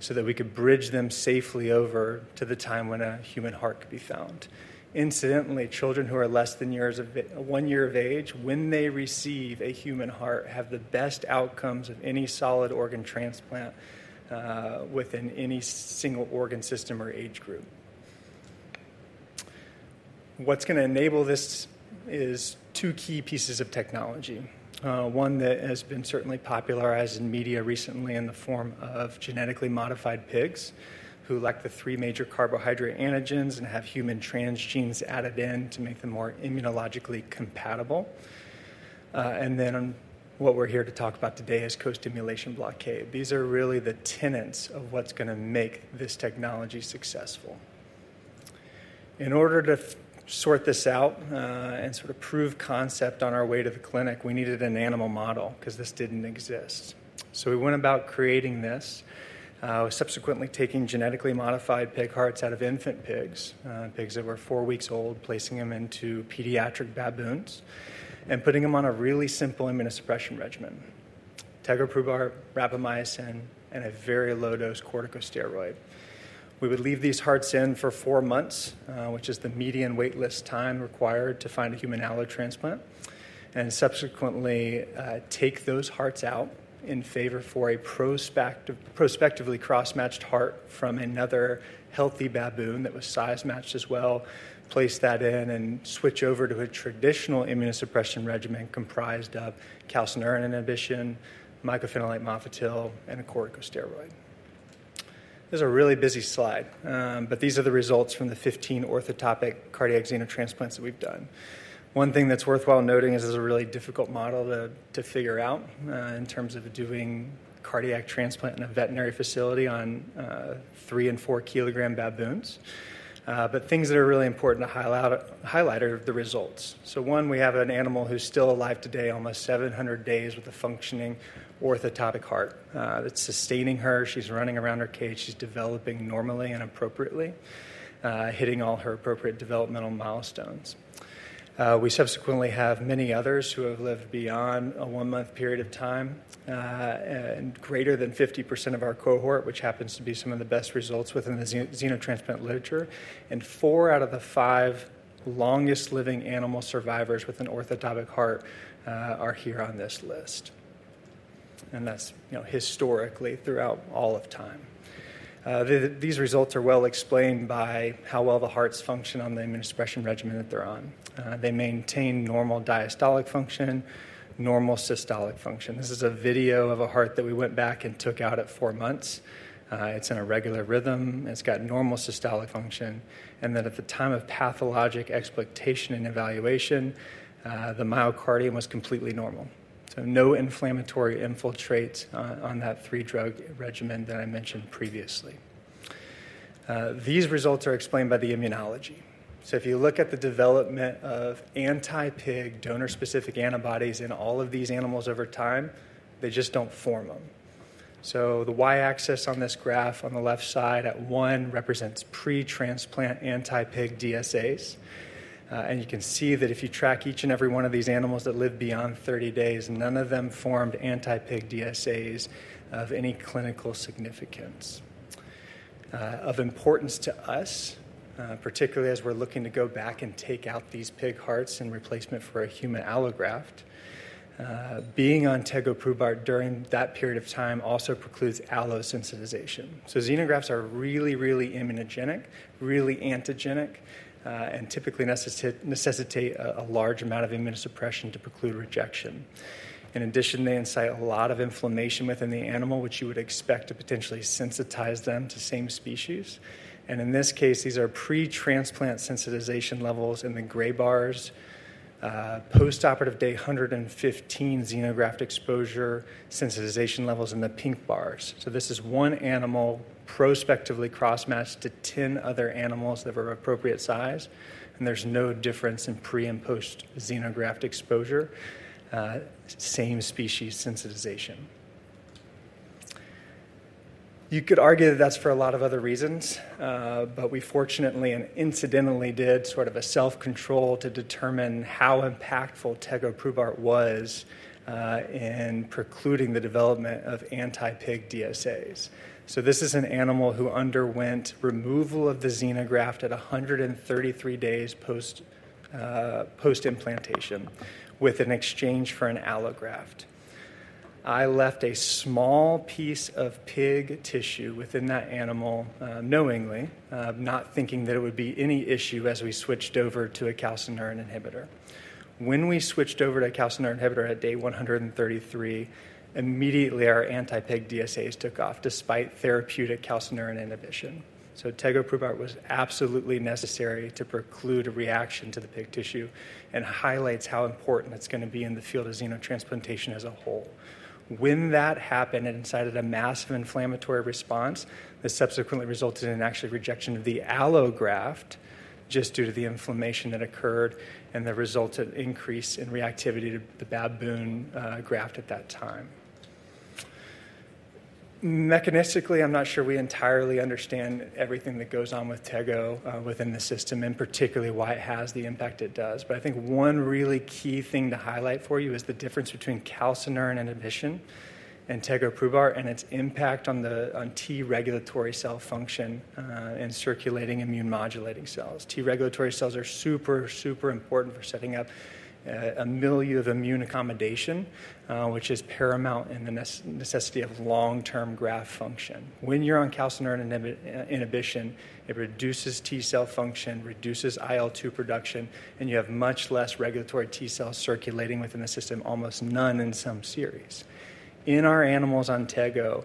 so that we could bridge them safely over to the time when a human heart could be found. Incidentally, children who are less than one year of age when they receive a human heart have the best outcomes of any solid organ transplant within any single organ system or age group. What's going to enable this is two key pieces of technology. One that has been certainly popularized in media recently in the form of genetically modified pigs who lack the three major carbohydrate antigens and have human transgenes added in to make them more immunologically compatible. What we're here to talk about today is co-stimulation blockade. These are really the tenets of what's going to make this technology successful. In order to sort this out and prove concept on our way to the clinic, we needed an animal model because this didn't exist. We went about creating this, subsequently taking genetically modified pig hearts out of infant pigs, pigs that were four weeks old, placing them into pediatric baboons and putting them on a really simple immunosuppression regimen: tegoprubart, rapamycin, and a very low dose corticosteroid. We would leave these hearts in for four months, which is the median waitlist time required to find a human allo transplant, and subsequently take those hearts out in favor of a prospectively cross-matched heart from another healthy baboon that was size matched as well. Place that in and SWITCH over to a traditional immunosuppression regimen comprised of calcineurin inhibition, mycophenolate mofetil, and a corticosteroid. This is a really busy slide, but these are the results from the 15 orthotopic cardiac xenotransplants that we've done. One thing that's worthwhile noting is this is a really difficult model to figure out in terms of doing cardiac transplant in a veterinary facility on 3 kg and 4 kg baboons. Things that are really important to highlight are the results. One, we have an animal who's still alive today, almost 700 days with a functioning orthotopic heart that's sustaining her. She's running around her cage, she's developing normally and appropriately hitting all her appropriate developmental milestones. We subsequently have many others who have lived beyond a one month period of time and greater than 50% of our cohort, which happens to be some of the best results within the xenotransplant literature. Four out of the five longest living animal survivors with an orthotopic heart are here on this list, and that's historically throughout all of time. These results are well explained by how well the hearts function on the immunosuppression regimen that they're on. They maintain normal diastolic function, normal systolic function. This is a video of a heart that we went back and took out at four months. It's in a regular rhythm, it's got normal systolic function, and at the time of pathologic explantation and evaluation, the myocardium was completely normal. No inflammatory infiltrate on that three drug regimen that I mentioned previously. These results are explained by the immunology. If you look at the development of anti-pig donor specific antibodies in all of these animals over time, they just don't form them. The Y axis on this graph on the left side at 1 represents pre-transplant anti-pig DSA days. You can see that if you track each and every one of these animals that live beyond 30 days, none of them formed anti-pig DSAs of any clinical significance of importance to us, particularly as we're looking to go back and take out these pig hearts and replacement for a human allograft. Being on tegoprubart during that period of time also precludes allo sensitization. Xenografts are really, really immunogenic, really antigenic and typically necessitate a large amount of immunosuppression to preclude rejection. In addition, they incite a lot of inflammation within the animal, which you would expect to potentially sensitize them to same species. In this case, these are pre-transplant sensitization levels in the gray bars, postoperative day 115 xenograft exposure sensitization levels in the pink bars. This is one animal prospectively cross-matched to 10 other animals that are appropriate size, and there's no difference in pre and post xenograft exposure same species sensitization. You could argue that that's for a lot of other reasons, but we fortunately and incidentally did sort of a self-control to determine how impactful tegoprubart was in precluding the development of anti-pig DSA days. This is an animal who underwent removal of the xenograft at 133 days post-implantation with an exchange for an allograft. I left a small piece of pig tissue within that animal knowingly, not thinking that it would be any issue as we SWITCHed over to a calcineurin inhibitor. When we SWITCHed over to calcineurin inhibitor at day 133, immediately our anti-pig DSAs took off despite therapeutic calcineurin inhibition. Tegoprubart was absolutely necessary to preclude a reaction to the pig tissue and highlights how important it's going to be in the field of xenotransplantation as a whole when that happened inside of the massive inflammatory response that subsequently resulted in actually rejection of the allograft just due to the inflammation that occurred and the resultant increase in reactivity to the baboon graft at that time. Mechanistically, I'm not sure we entirely understand everything that goes on with tegoprubart within the system and particularly why it has the impact it does. I think one really key thing to highlight for you is the difference between calcineurin inhibition and tegoprubart and its impact on the T regulatory cell function and circulating immune modulating cells. T regulatory cells are super, super important for setting up a milieu of immune accommodation, which is paramount in the necessity of long-term graft function. When you're on calcineurin inhibition, it reduces T cell function, reduces IL2 production, and you have much less regulatory T cells circulating within the system, almost none in some series. In our animals on tegoprubart,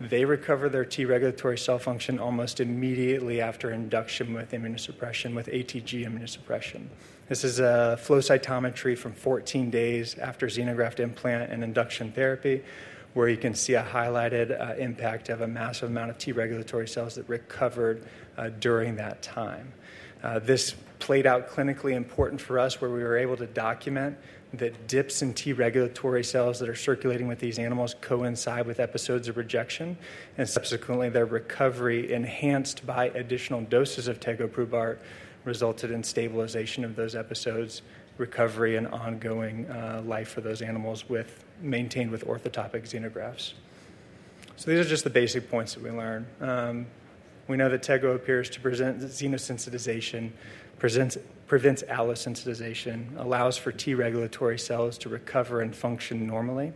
they recover their T regulatory cell function almost immediately after induction with immunosuppression with ATG immunosuppression. This is a flow cytometry from 14 days after xenograft implant and induction therapy where you can see a highlighted impact of a massive amount of T regulatory cells that recovered during that time. This played out clinically important for us where we were able to document that dips in T regulatory cells that are circulating with these animals coincide with episodes of rejection and subsequently their recovery, enhanced by additional doses of tegoprubart, resulted in stabilization of those episodes, recovery and ongoing life for those animals maintained with orthotopic xenografts. These are just the basic points that we learn. We know that tegoprubart appears to present xenosensitization, prevents allosensitization, allows for T regulatory cells to recover and function normally.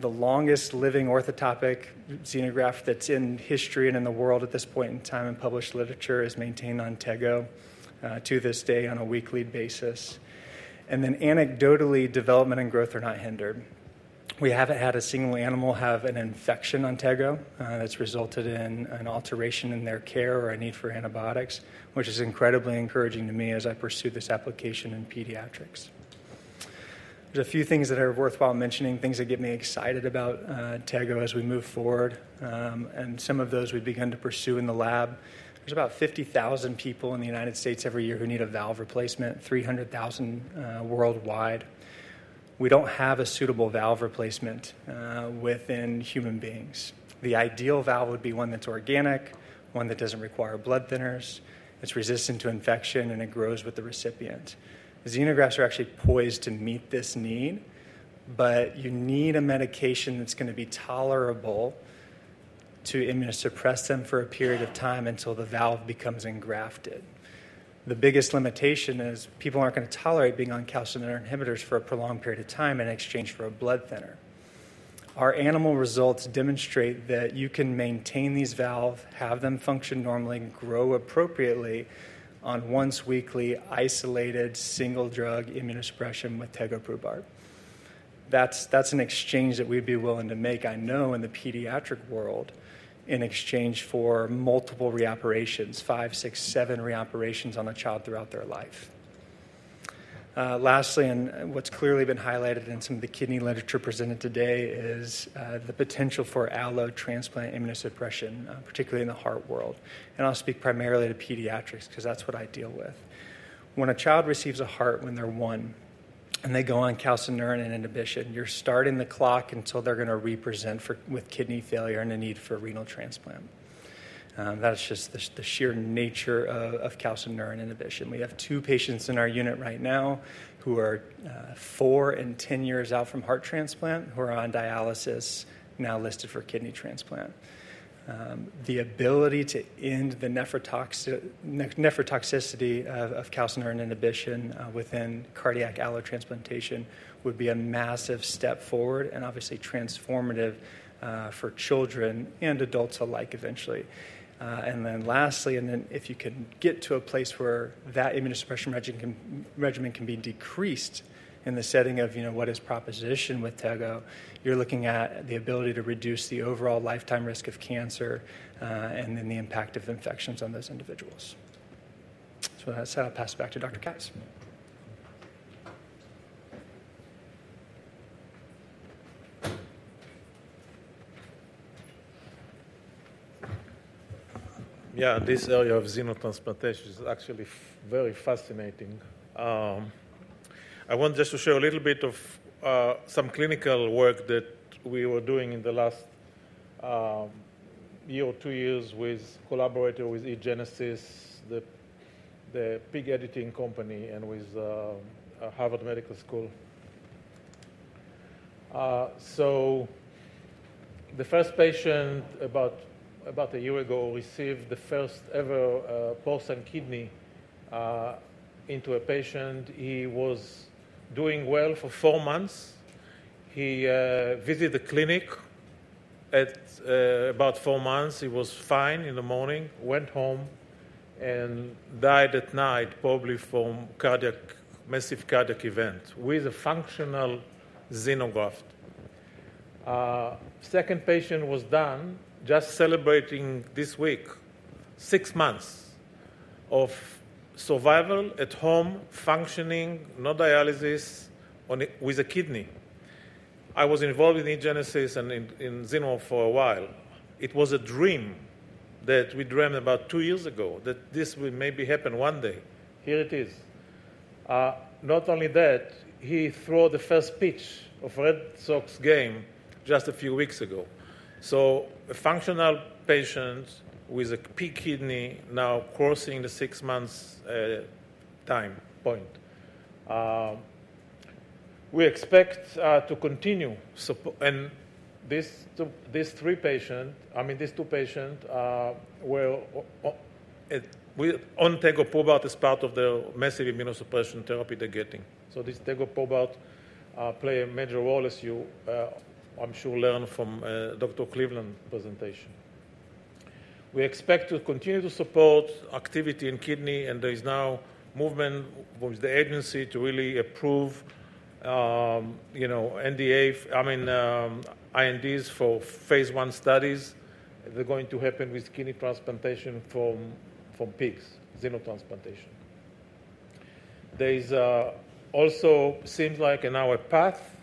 The longest living orthotopic xenograft that's in history and in the world at this point in time and published literature is maintained on tegoprubart to this day on a weekly basis. Anecdotally, development and growth are not hindered. We haven't had a single animal have an infection on tegoprubart that's resulted in an alteration in their care or a need for antibiotics, which is incredibly encouraging to me as I pursue this application in pediatrics. There are a few things that are worthwhile mentioning, things that get me excited about tegoprubart as we move forward, and some of those we begin to pursue in the lab. There's about 50,000 people in the United Sates. every year who need a valve replacement, 300,000 worldwide. We don't have a suitable valve replacement within human beings. The ideal valve would be one that's organic, one that doesn't require blood thinners, it's resistant to infection and it grows with the recipient. Xenografts are actually poised to meet this need. You need a medication that's going to be tolerable to immunosuppress them for a period of time until the valve becomes engrafted. The biggest limitation is people aren't going to tolerate being on calcineurin inhibitors for a prolonged period of time in exchange for a blood thinner. Our animal results demonstrate that you can maintain these valves, have them function normally and grow appropriately on once weekly isolated single drug immunosuppression with tegoprubart. That's an exchange that we'd be willing to make, I know in the pediatric world in exchange for multiple reoperations, five, six, seven reoperations on a child throughout their life. Lastly, what's clearly been highlighted in some of the kidney literature presented today is the potential for allo transplant immunosuppression, particularly in the heart world. I'll speak primarily to pediatrics because that's what I deal with. When a child receives a heart when they're one and they go on calcineurin inhibition, you're starting the clock until they're going to represent with kidney failure and a need for renal transplant. That's just the sheer nature of calcineurin inhibition. We have two patients in our unit right now who are four and 10 years out from heart transplant who are on dialysis now listed for kidney transplant. The ability to end the nephrotoxicity of calcineurin inhibition within cardiac allotransplantation would be a massive step forward and obviously transformative for children and adults alike eventually. If you can get to a place where that immunosuppression regimen can be decreased in the setting of what is proposition with tegoprubart, you're looking at the ability to reduce the overall lifetime risk of cancer and then the impact of the infections on those individuals. That said, I'll pass back to Dr. Katz. Yeah, this area of xenotransplantation is actually very fascinating. I want just to show a little bit of some clinical work that we were doing in the last year or two years with collaborator with eGenesis, the pig editing company, and with Harvard Medical School. The first patient about a year ago received the first ever porcine kidney into a patient. He was doing well for four months he visited the clinic at about four months. He was fine in the morning, went home and died at night probably from massive cardiac event with a functional xenograft. Second patient was done just celebrating this week six months of survival at home functioning non-dialytic with a kidney. I was involved in eGenesis and in xeno for a while. It was a dream that we dreamt about two years ago that this will maybe happen one day. Here it is, not only that he threw the first pitch of Red Sox game just a few weeks ago. A functional patient with a pig kidney now crossing the six months time point, we expect to continue. These two patients were on tegoprubart as part of the massive immunosuppression therapy they're getting. This tegoprubart played a major role as you, I'm sure, learned from Dr. Cleveland presentation. We expect to continue to support activity in kidney and there is now movement with the Agency to really approve, you know, INDs for phase I studies. They're going to happen with kidney transplantation from pigs. Xenotransplantation also seems like in our path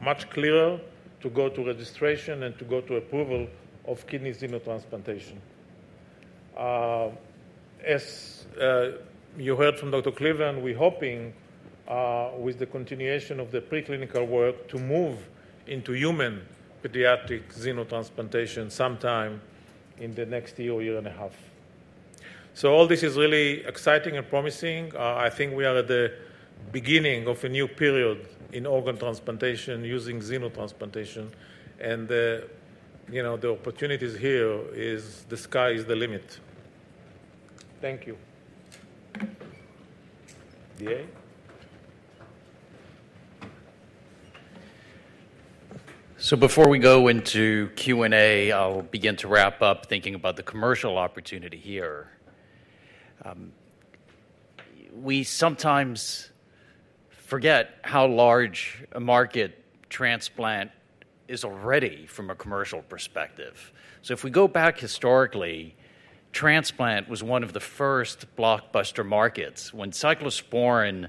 much clearer to go to registration and to go to approval of kidney xenotransplantation. As you heard from Dr. Cleveland, we're hoping with the continuation of the preclinical work to move into human pediatric xenotransplantation sometime in the next year or year and a half. All this is really exciting and promising. I think we are at the beginning of a new period in organ transplantation using xenotransplantation and the opportunities here is the sky is the limit. Thank you. DA Before we go into Q&A, I'll begin to wrap up thinking about the commercial opportunity here. We sometimes forget how large a market transplant is already from a commercial perspective. If we go back historically, transplant was one of the first blockbuster markets. When cyclosporine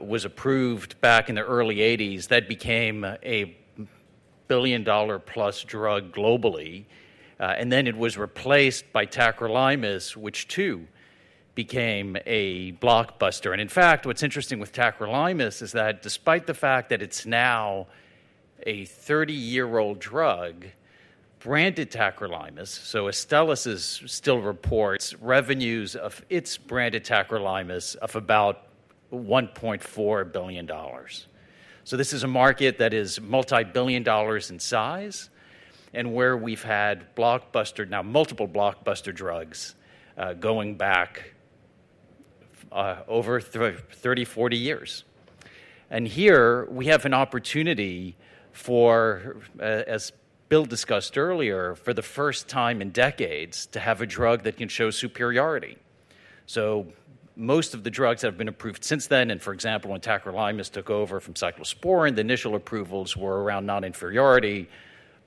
was approved back in the early 1980s, that became a billion dollar plus drug globally and then it was replaced by tacrolimus, which too became a blockbuster. In fact, what's interesting with tacrolimus is that despite the fact that it's now a 30-year-old drug, branded tacrolimus, so Astellas still reports revenues of its branded tacrolimus of about $1.4 billion. This is a market that is multi-billion dollars in size and where we've had now multiple blockbuster drugs going back over 30, 40 years. Here we have an opportunity for, as Bill discussed earlier, for the first time in decades to have a drug that can show superiority. Most of the drugs have been approved since then. For example, when tacrolimus took over from cyclosporine, the initial approvals were around non-inferiority.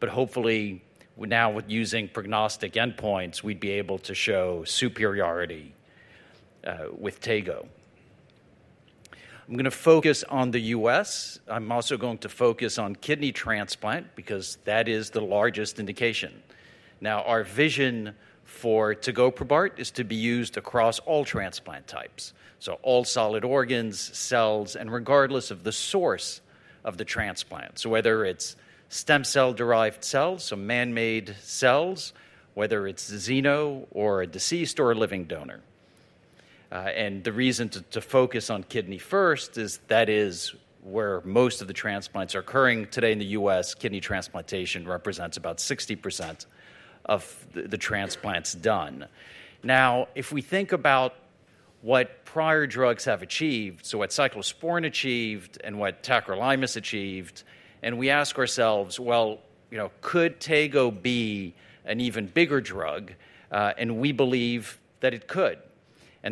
Hopefully now, using prognostic endpoints, we'd be able to show superiority. With tegoprubart, I'm going to focus on the U.S. I'm also going to focus on kidney transplant because that is the largest indication. Our vision for tegoprubart is to be used across all transplant types, so all solid organs, cells, and regardless of the source of the transplant, whether it's stem cell derived cells, so man-made cells, whether it's xeno or a deceased or a living donor. The reason to focus on kidney first is that is where most of the transplants are occurring today in the U.S. kidney transplantation represents about 60% of the transplants done. If we think about what prior drugs have achieved, so what cyclosporine achieved and what tacrolimus achieved, and we ask ourselves, could tegoprubart be an even bigger drug? We believe that it could.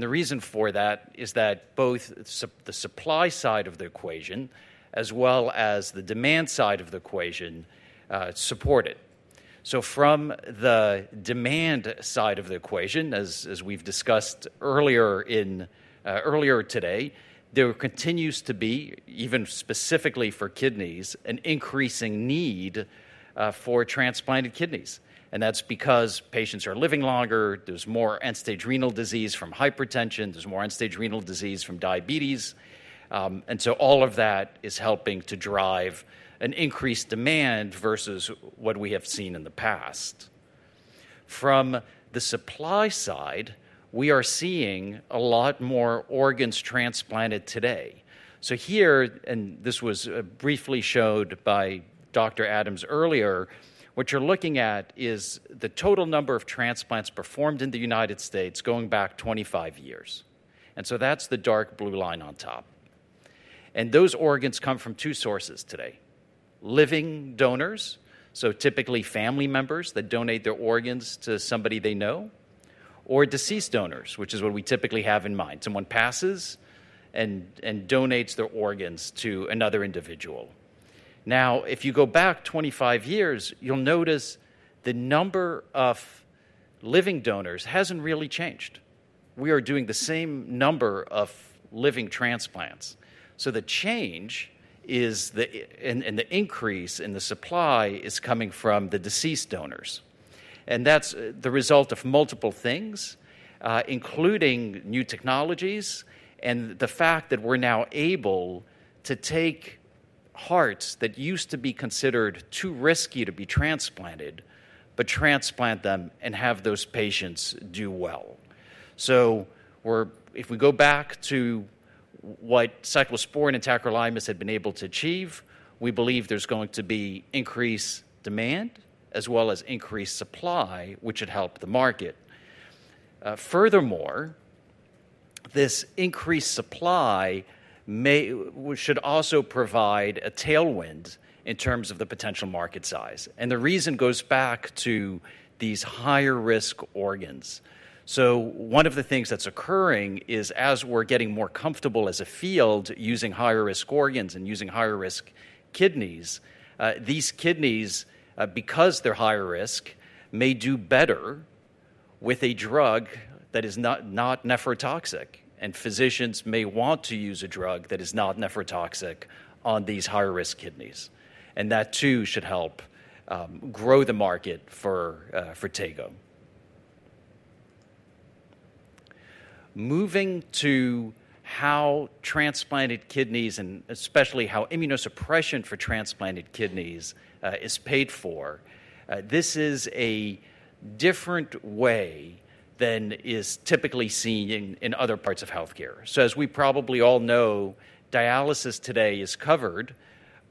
The reason for that is that both the supply side of the equation as well as the demand side of the equation support it. From the demand side of the equation, as we've discussed earlier today, there continues to be, even specifically for kidneys, an increasing need for transplanted kidneys. That's because patients are living longer. There's more end stage renal disease from hypertension, there's more end stage renal disease from diabetes. All of that is helping to drive an increased demand versus what we have seen in the past. From the supply side, we are seeing a lot more organs transplanted today. Here, and this was briefly showed by Dr. Adams earlier, what you're looking at is the total number of transplants performed in the United States going back 25 years. That's the dark blue line on top. Those organs come from two sources today: living donors, typically family members that donate their organs to somebody they know, or deceased donors, which is what we typically have in mind—someone passes and donates their organs to another individual. If you go back 25 years, you'll notice the number of living donors hasn't really changed. We are doing the same number of living transplants. The change and the increase in the supply is coming from the deceased donors. That's the result of multiple things, including new technologies and the fact that we're now able to take hearts that used to be considered too risky to be transplanted, but transplant them and have those patients do well. If we go back to what cyclosporine and tacrolimus had been able to achieve, we believe there's going to be increased demand as well as increased supply, which would help the market. Furthermore, this increased supply should also provide a tailwind in terms of the potential market size. The reason goes back to these higher risk organs. One of the things that's occurring is as we're getting more comfortable as a field using higher risk organs and using higher risk kidneys. These kidneys, because they're higher risk, may do better with a drug that is not nephrotoxic. Physicians may want to use a drug that is not nephrotoxic on these high risk kidneys. That too should help grow the market for ego. Moving to how transplanted kidneys and especially how immunosuppression for transplanted kidneys is paid for, this is a different way than is typically seen in other parts of healthcare. As we probably all know, dialysis today is currently covered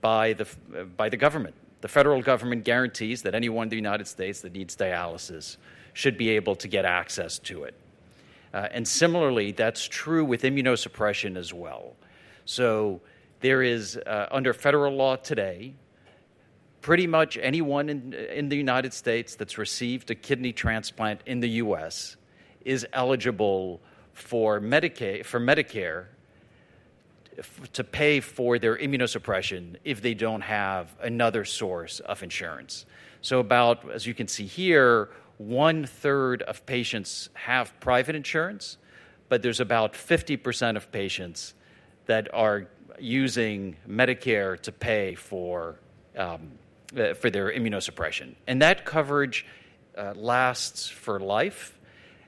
by the government. The federal government guarantees that anyone in the United States that needs dialysis should be able to get access to it. Similarly, that's true with immunosuppression as well. There is under federal law today, pretty much anyone in the United States that's received a kidney transplant in the U.S. is eligible for Medicare to pay for their immunosuppression if they don't have another source of insurance. About, as you can see here, one third of patients have private insurance. There's about 50% of patients that are using Medicare to pay for their immunosuppression. That coverage lasts for life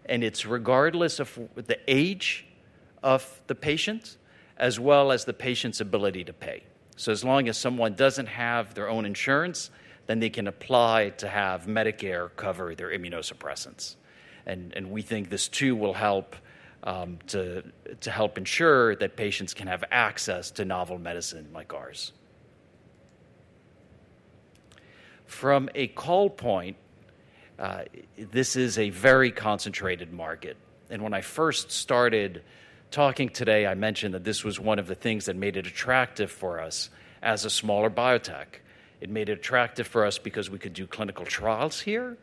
and it's regardless of the age of the patient as well as the patient's ability to pay. As long as someone doesn't have their own insurance, then they can apply to have Medicare cover their immunosuppressants. We think this too will help to help ensure that patients can have access to novel medicine like ours from a call point. This is a very concentrated market and when I first started talking today, I mentioned that this was one of the things that made it attractive for us as a smaller biotech. It made it attractive for us because we could do clinical trials here.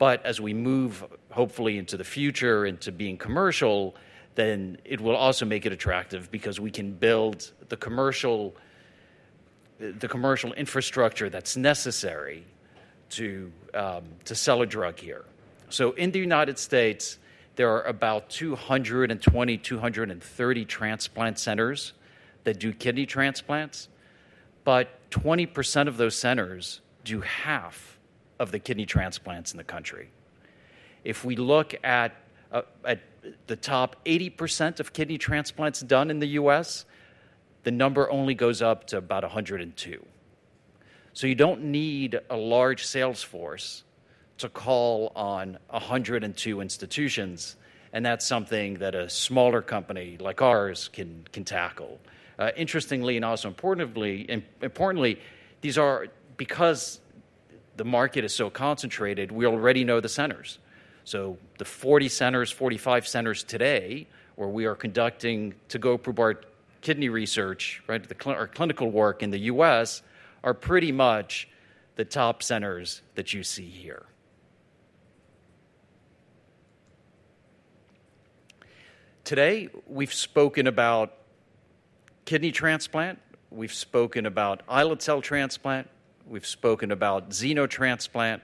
As we move hopefully into the future into being commercial, then it will also make it attractive because we can build the commercial infrastructure that's necessary to sell a drug here. In the United States there are about 220, 230 transplant centers that do kidney transplants. 20% of those centers do half of the kidney transplants in the country. If we look at the top 80% of kidney transplants done in the U.S., the number only goes up to about 102. You don't need a large sales force to call on 102 institutions. That's something that a smaller company like ours can tackle. Interestingly and also importantly, because the market is so concentrated, we already know the centers. The 40 centers, 45 centers today where we are conducting tegoprubart kidney research, our clinical work in the U.S., are pretty much the top centers that you see here today. We've spoken about kidney transplant, we've spoken about islet cell transplant, we've spoken about xenotransplant,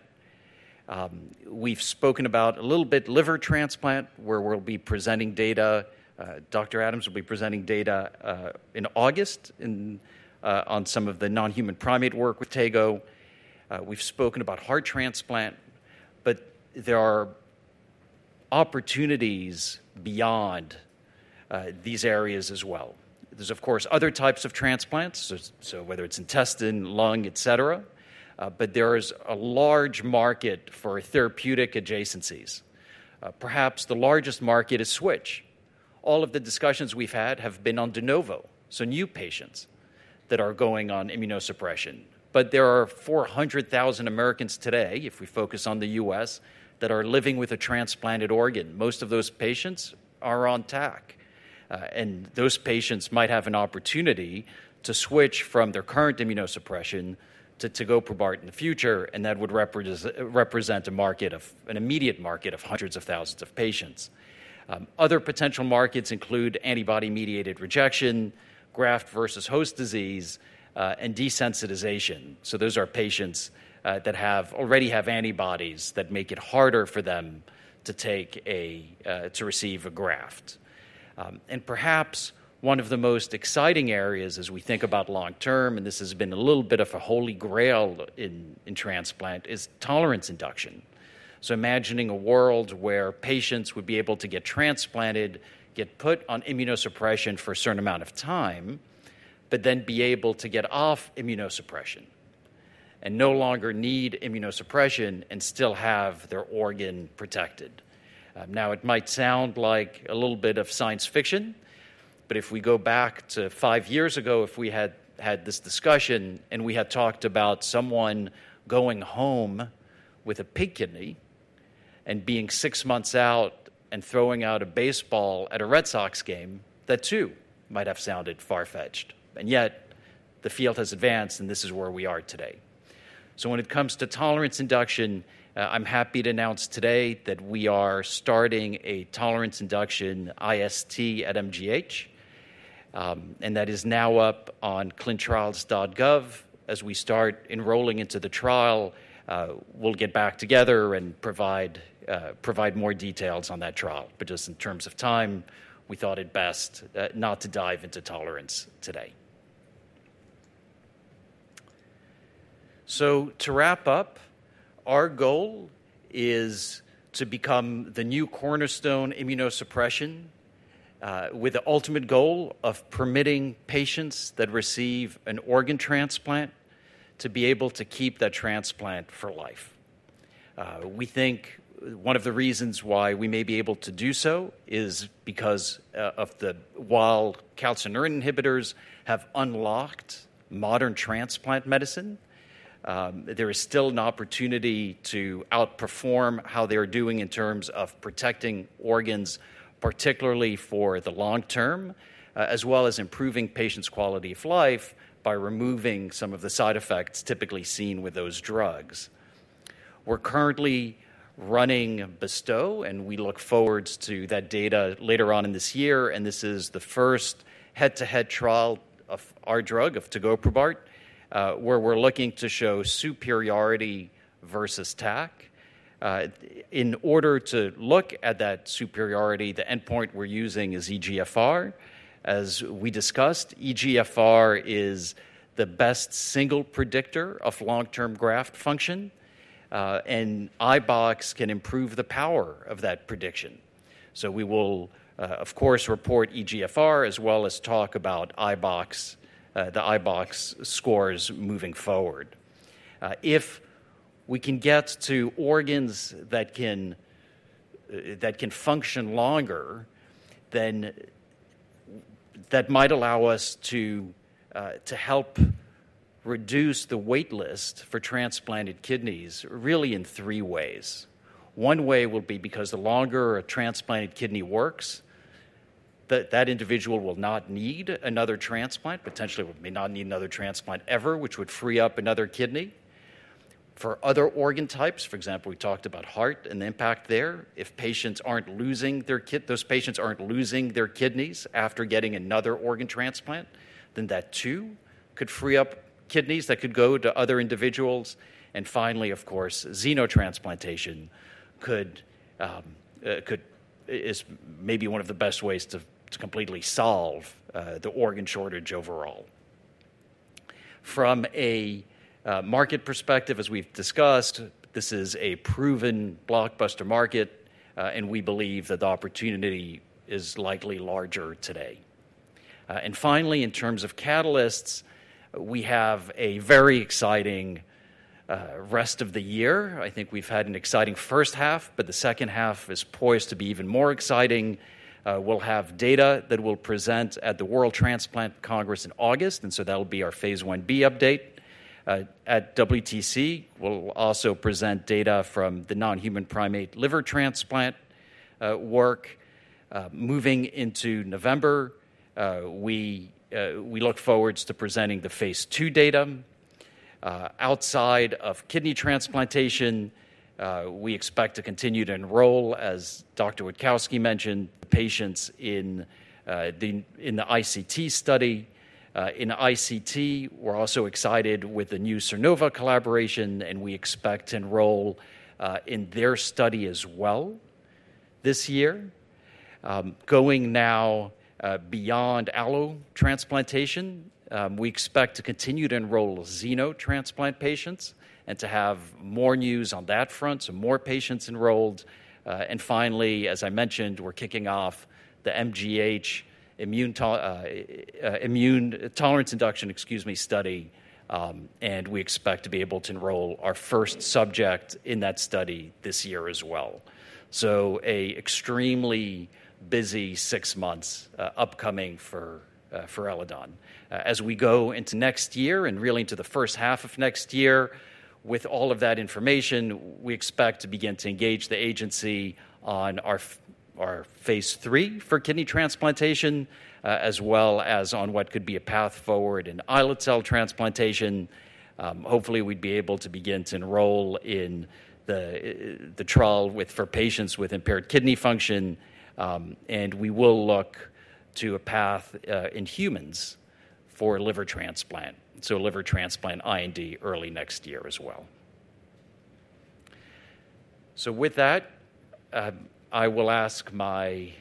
we've spoken about a little bit liver transplant where we'll be presenting data. Dr. Adams will be presenting data in August on some of the non-human primate work with tegoprubart. We've spoken about heart transplant. There are opportunities beyond these areas as well. There's of course other types of transplants, whether it's intestine, lung, et cetera. There is a large market for therapeutic adjacencies. Perhaps the largest market is SWITCH. All of the discussions we've had have been on de novo, so new patients that are going on immunosuppression. There are 400,000 Americans today, if we focus on the U.S., that are living with a transplanted organ. Most of those patients are on tac, and those patients might have an opportunity to SWITCH from their current immunosuppression to tegoprubart in the future. That would represent a market of an immediate market of hundreds of thousands of patients. Other potential markets include antibody mediated rejection, graft versus host disease, and desensitization. Those are patients that already have antibodies that make it harder for them to receive a graft. Perhaps one of the most exciting areas, as we think about long term, and this has been a little bit of a holy grail in transplant, is tolerance induction. Imagining a world where patients would be able to get transplanted, get put on immunosuppression for a certain amount of time, but then be able to get off immunosuppression and no longer need immunosuppression and still have their organ protected. It might sound like a little bit of science fiction, but if we go back to five years ago, if we had had this discussion and we had talked about someone going home with a pig kidney and being six months out and throwing out a baseball at a Red Sox game, that too might have sounded far fetched. Yet the field has advanced and this is where we are. When it comes to tolerance induction, I'm happy to announce today that we are starting a tolerance induction islet cell transplant IST at MGH, and that is now up on clinicaltrials.gov as we start enrolling into the trial. We'll get back together and provide more details on that trial, but just in terms of time, we thought it best not to dive into tolerance today. To wrap up, our goal is to become the new cornerstone immunosuppression, with the ultimate goal of permitting patients that receive an organ transplant to be able to keep that transplant for life. We think one of the reasons why we may be able to do so is because while calcineurin inhibitors have unlocked modern transplant medicine, there is still an opportunity to outperform how they're doing in terms of protecting organs, particularly for the long term, as well as improving patients' quality of life by removing some of the side effects typically seen with those drugs. We're currently running BESTOW and we look forward to that data later on in this year. This is the first head to head trial of our drug, tegoprubart, where we're looking to show superiority versus tacrolimus. In order to look at that superiority, the endpoint we're using is eGFR. As we discussed, eGFR is the best single predictor of long term graft function and iBox can improve the power of that prediction. We will of course report eGFR as well as talk about the iBox scores moving forward. If we can get to organs that can function longer, then that might allow us to help reduce the wait list for transplanted kidneys really in three ways. One way will be because the longer a transplanted kidney works, that individual will not need another transplant, potentially may not need another transplant ever, which would free up another kidney for other organ types. For example, we talked about heart and impact there. If patients aren't losing their kidney, those patients aren't losing their kidneys after getting another organ transplant, then that too could free up kidneys that could go to other individuals. Finally, of course, xenotransplantation is maybe one of the best ways to completely solve the organ shortage overall. From a market perspective, as we've discussed, this is a proven blockbuster market and we believe that the opportunity is likely larger today. Finally, in terms of catalysts, we have a very exciting rest of the year. I think we've had an exciting first half, but the second half is poised to be even more exciting. We'll have data that we'll present at the World Transplant Congress in August, and so that'll be our phase Ib update at WTC. We'll also present data from the non-human primate liver transplant work moving into November. We look forward to presenting the phase II data outside of kidney transplantation. We expect to continue to enroll, as Dr. Witkowski mentioned, patients in the ICT study. We're also excited with the new Sernova collaboration and we expect enrollment in their study as well this year. Going now beyond allo transplantation, we expect to continue to enroll xenotransplant patients and to have more news on that front, some more patients enrolled. Finally, as I mentioned, we're kicking off the MGH immune tolerance induction study and we expect to be able to enroll our first subject in that study this year as well. An extremely busy six months upcoming for Eledon as we go into next year and really into the first half of next year. With all of that information, we expect to begin to engage the agency on our phase III for kidney transplantation as well as on what could be a path forward in islet cell transplantation. Hopefully, we'd be able to begin to enroll in the trial for patients with impaired kidney function and we will look to a path in humans for liver transplant, so liver transplant IND early next year as well. With that, I will ask the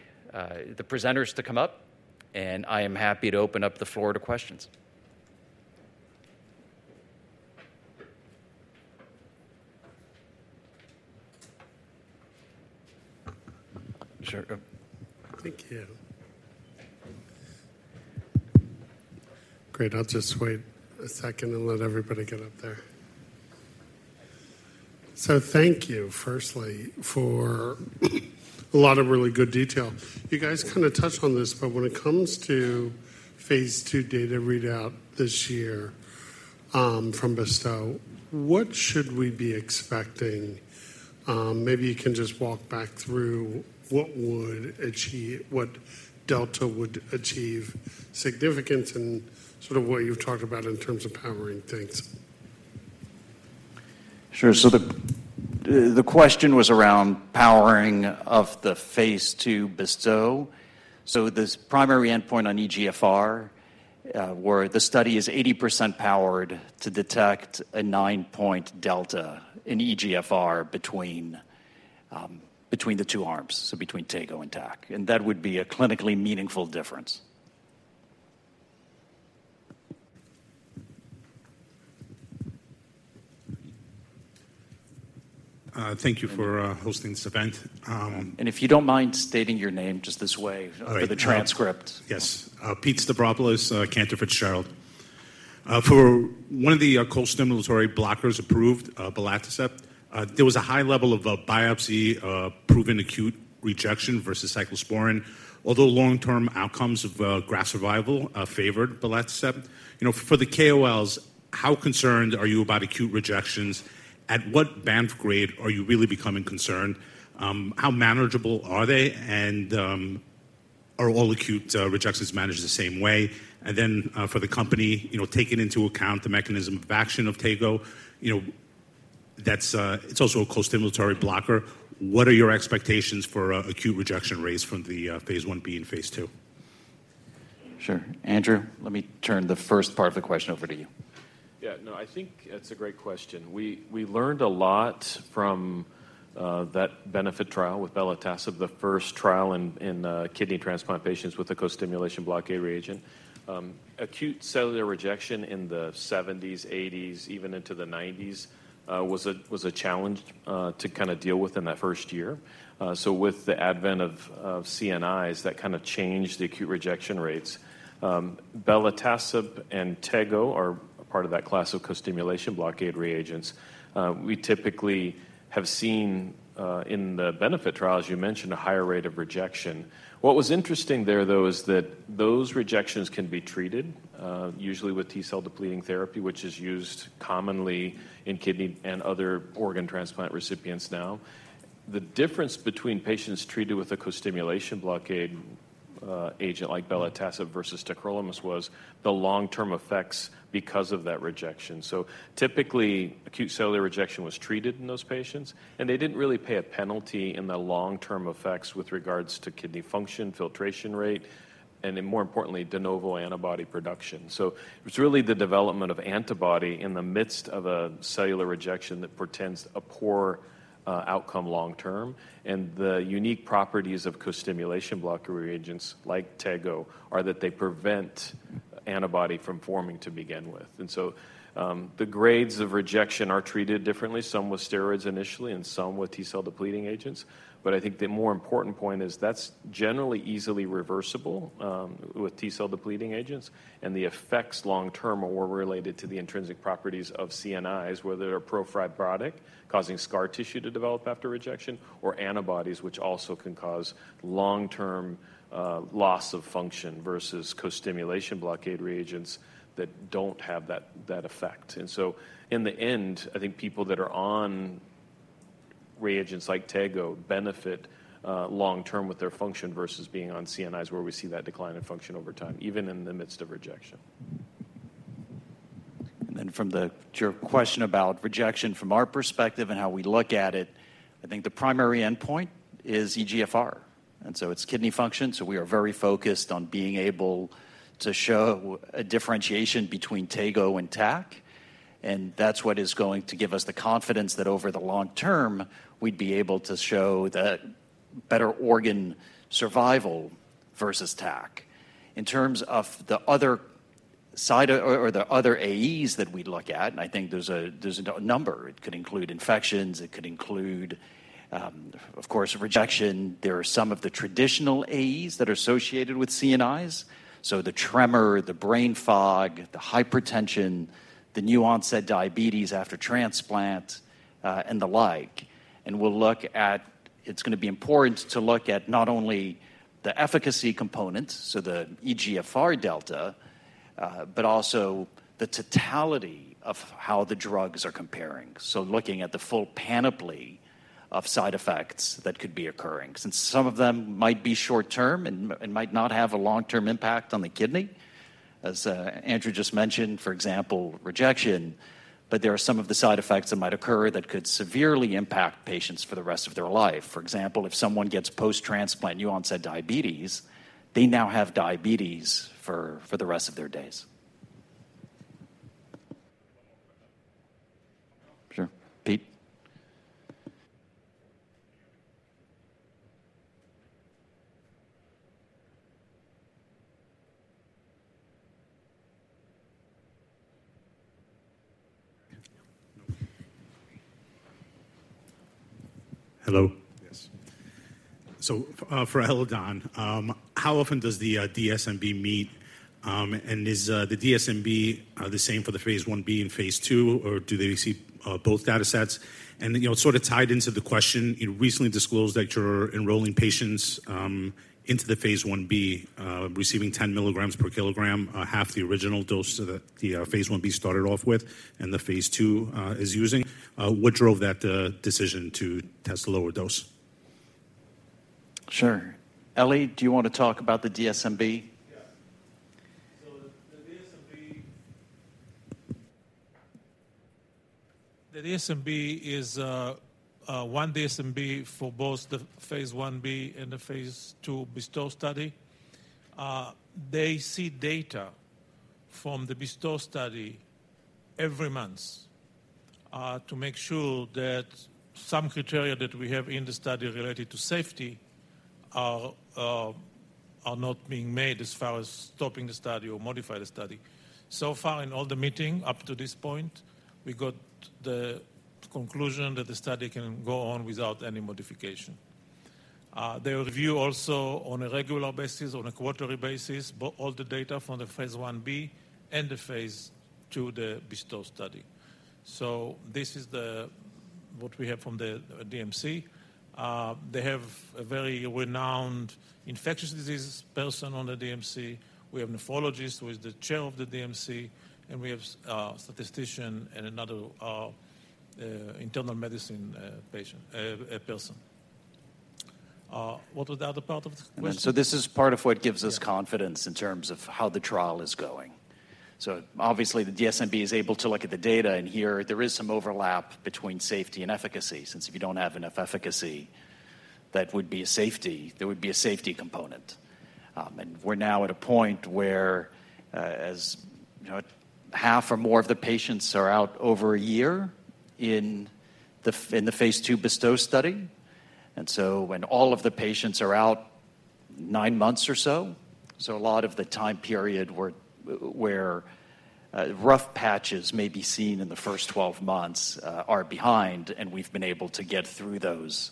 presenters to come up and I am happy to open up the floor to participate. Questions? Sure, go ahead. Thank you. Great. I'll just wait a second and let everybody get up there. Thank you firstly for a lot of really good detail. You guys kind of touched on this. When it comes to two phase II data readout this year from BESTOW, what should we be expecting? Maybe you can just walk back through what delta would achieve significance and sort of what you've talked about in terms of powering things. Sure. The question was around powering of the phase II BESTOW This primary endpoint on eGFR, where the study is 80% powered to detect a nine-point delta in eGFR between the two arms, so between tegoprubart and tacrolimus, and that would be a clinically meaningful difference. Thank you for hosting this event. If you don't mind stating your name just this way for the transcript. Yes, Pete Stavropoulos, Cantor Fitzgerald for one of the cold stimulatory blockers approved. Belatacept. There was a high level of biopsy of proven acute rejection versus cyclosporine, although long erm outcomes of graft survival favored tegoprubart, you know, for the KOLs, how concerned. Are you about acute rejections at what Banff grade? Are you really becoming concerned? How manageable are they, and are all acute rejections managed the same way? For the company, you know, taking into account the mechanism of action of tegoprubart, you know, it's also a costimulatory blocker, what are your expectations for acute rejection raise from the phase Ib in phase II? Sure. Andrew, let me turn the first part of the question over to you. Yeah, no, I think it's a great question. We learned a lot from that BENEFIT trial with belatacept, the first trial in kidney transplant patients with a costimulation blockade reagent. Acute cellular rejection in the 1970s, 1980s, even into the 1990s was a challenge to kind of deal with in that first year. With the advent of CNIs that kind of changed the acute rejection rates. Belatacept and tego are part of that class of costimulation blockade reagents we typically have seen in the BENEFIT trials. You mentioned a higher rate of rejection. What was interesting there though is that those rejections can be treated usually with T cell depleting therapy, which is used commonly in kidney and other organ transplant recipients. Now the difference between patients treated with a costimulation blockade agent like belatacept versus tacrolimus was the long term effects because of that rejection. Typically, acute cellular rejection was treated in those patients and they didn't really see a penalty in the long term effects with regards to kidney function, filtration rate, and more importantly de novo antibody production. It's really the development of antibody in the midst of a cellular rejection that portends a poor outcome long term. The unique properties of costimulation blocker reagents like tego are that they prevent antibody from forming to begin with. The grades of rejection are treated differently, some with steroids initially and some with T cell depleting agents. I think the more important point is that's generally easily reversible with T cell depleting agents. The effects long term are related to the intrinsic properties of CNIs, whether they're profibrotic causing scar tissue to develop after rejection or antibodies which also can cause long term loss of function versus costimulation blockade reagents that don't have that effect. In the end I think people that are on reagents like tego benefit long term with their function versus being on CNIs, where we see that decline in function over time, even in the midst of rejection. From your question about rejection from our perspective and how we look at it, I think the primary endpoint is eGFR and so it's kidney function. We are very focused on being able to show a differentiation between tegoprubart and tacrolimus and that's what is going to give us the confidence that over the long term we'd be able to show that better organ survival versus tacrolimus. In terms of the other side or the other AEs that we look at, I think there's a number. It could include infections, it could include, of course, rejection. There are some of the traditional AEs that are associated with calcineurin inhibitors, so the tremor, the brain fog, the hypertension, the new onset diabetes after transplant and the like. It's going to be important to look at not only the efficacy components, so the eGFR delta, but also the totality of how the drugs are comparing. Looking at the full panoply of side effects that could be occurring, since some of them might be short term and might not have a long term impact on the kidney, as Andrew just mentioned, for example, rejection. There are some of the side effects that might occur that could severely impact patients for the rest of their life. For example, if someone gets post transplant new onset diabetes, they now have diabetes for the rest of their days. Sure. Pete. Hello? Yes. For Eledon, how often does the DSMB meet? Is the DSMB the same for the phase Ib and phase II or do they see both data sets? You know, tied into the question, you recently disclosed that you're enrolling patients into the phase Ib receiving 10 mg per kg, half the original dose with the phase Ib started off with. The phase II is using what drove that decision to test the lower dose? Sure. Eli, do you want to talk about the DSMB? The DSMB is one DSMB for both the phase Ib and the phase II BESTOW study. They see data from the BESTOW study every month to make sure that some criteria that we have in the study related to safety are not being made as far as stopping the study or modify the study. So far in all the meeting up to this point, we got the conclusion that the study can go on without any modification. They review also on a regular basis, on a quarterly basis, all the data from the phase Ib and the phase II, the BESTOW study. This is what we have from the DMC. They have a very renowned infectious disease person on the DMC. We have a nephrologist who is the Chair of the DMC and we have a statistician and another internal medicine person. What was the other part of the question? This is part of what gives us confidence in terms of how the trial is going. Obviously, the DSMB is able to look at the data and here there is some overlap between safety and efficacy, since if you don't have enough efficacy, that would be a safety component. We're now at a point where half or more of the patients are out over a year in the phase II BESTOW study. When all of the patients are out nine months or so, a lot of the time period where rough patches may be seen in the first 12 months are behind and we've been able to get through those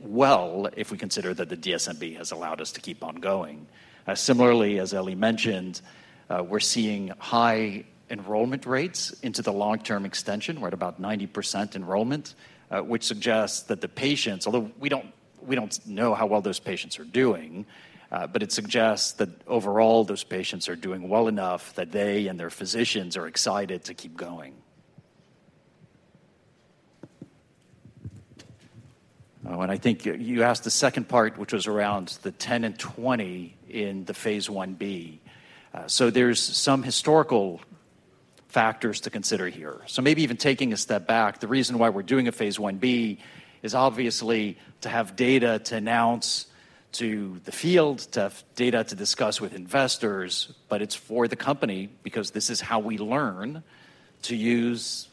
well, if we consider that the DSMB has allowed us to keep on going. Similarly, as Eli mentioned, we're seeing high enrollment rates into the long-term extension. We're at about 90% enrollment, which suggests that the patients, although we don't know how well those patients are doing, it suggests that overall those patients are doing well enough that they and their physicians are excited to continue. I think you asked the second part, which was around the 10 and 20 in the phase Ib. There are some historical factors to consider here. Maybe even taking a step back, the reason why we're doing a phase Ib is obviously to have data to announce to the field, to have data to discuss with investors, but it's for the company because this is how we learn to use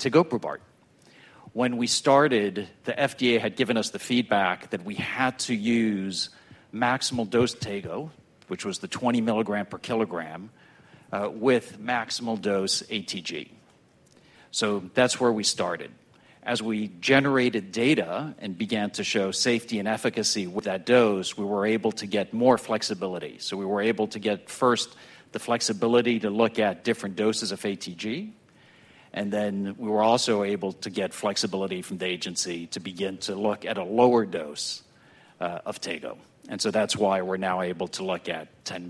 tegoprubart. When we started, the FDA had given us the feedback that we had to use maximal dose tego, which was the 20 mg/kg with maximal dose ATG. That's where we started. As we generated data and began to show safety and efficacy with that dose, we were able to get more flexibility. We were able to get first the flexibility to look at different doses of ATG. Then we were also able to get flexibility from the agency to begin to look at a lower dose of tego. That's why we're now able to look at 10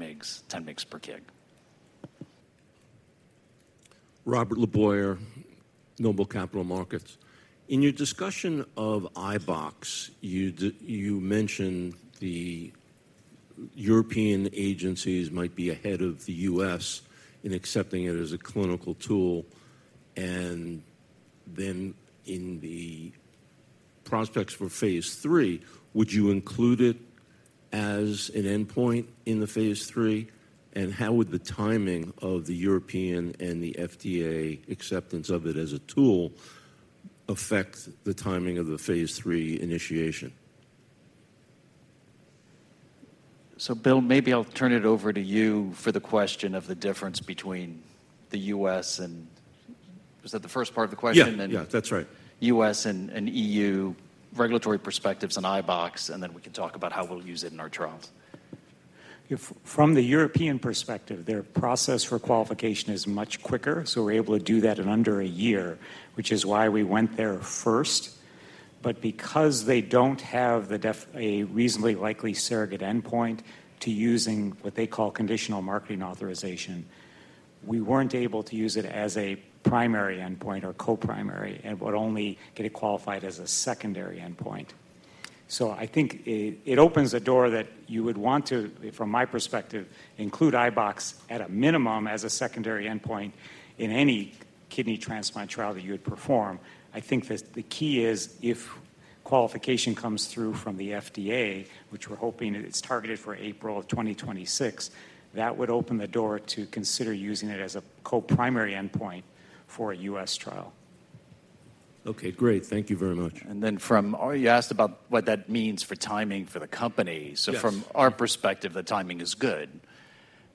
mg/kg. In your discussion of iBox, you mentioned the European agencies might be ahead of the U.S. in accepting it as a clinical tool. In the prospects for phase III, would you include it as an endpoint in the phase III and how would the timing of the European and the FDA acceptance of it as a tool affect the timing of the phase III initiation. Bill, maybe I'll turn it over to you for the question of the difference between the U.S. and was that the first part of the question? Yeah, that's right. U.S. and E.U. regulatory perspectives on iBox, and then we can talk about how we'll use it in our trials. From the European perspective, their process for qualification is much quicker. We're able to do that in under a year, which is why we went there first. Because they don't have a reasonably likely surrogate endpoint to use in what they call conditional marketing authorization, we weren't able to use it as a primary endpoint or co-primary and would only get it qualified as a secondary endpoint. I think it opens a door that you would want to, from my perspective, include iBox at a minimum as a secondary endpoint in any kidney transplant trial that you would perform. I think that the key is if qualification comes through from the FDA, which we're hoping is targeted for April of 2026, that would open the door to consider using it as a co-primary endpoint for a U.S. trial. Okay, great. Thank you very much. You asked about what that means for timing for the company. From our perspective, the timing is good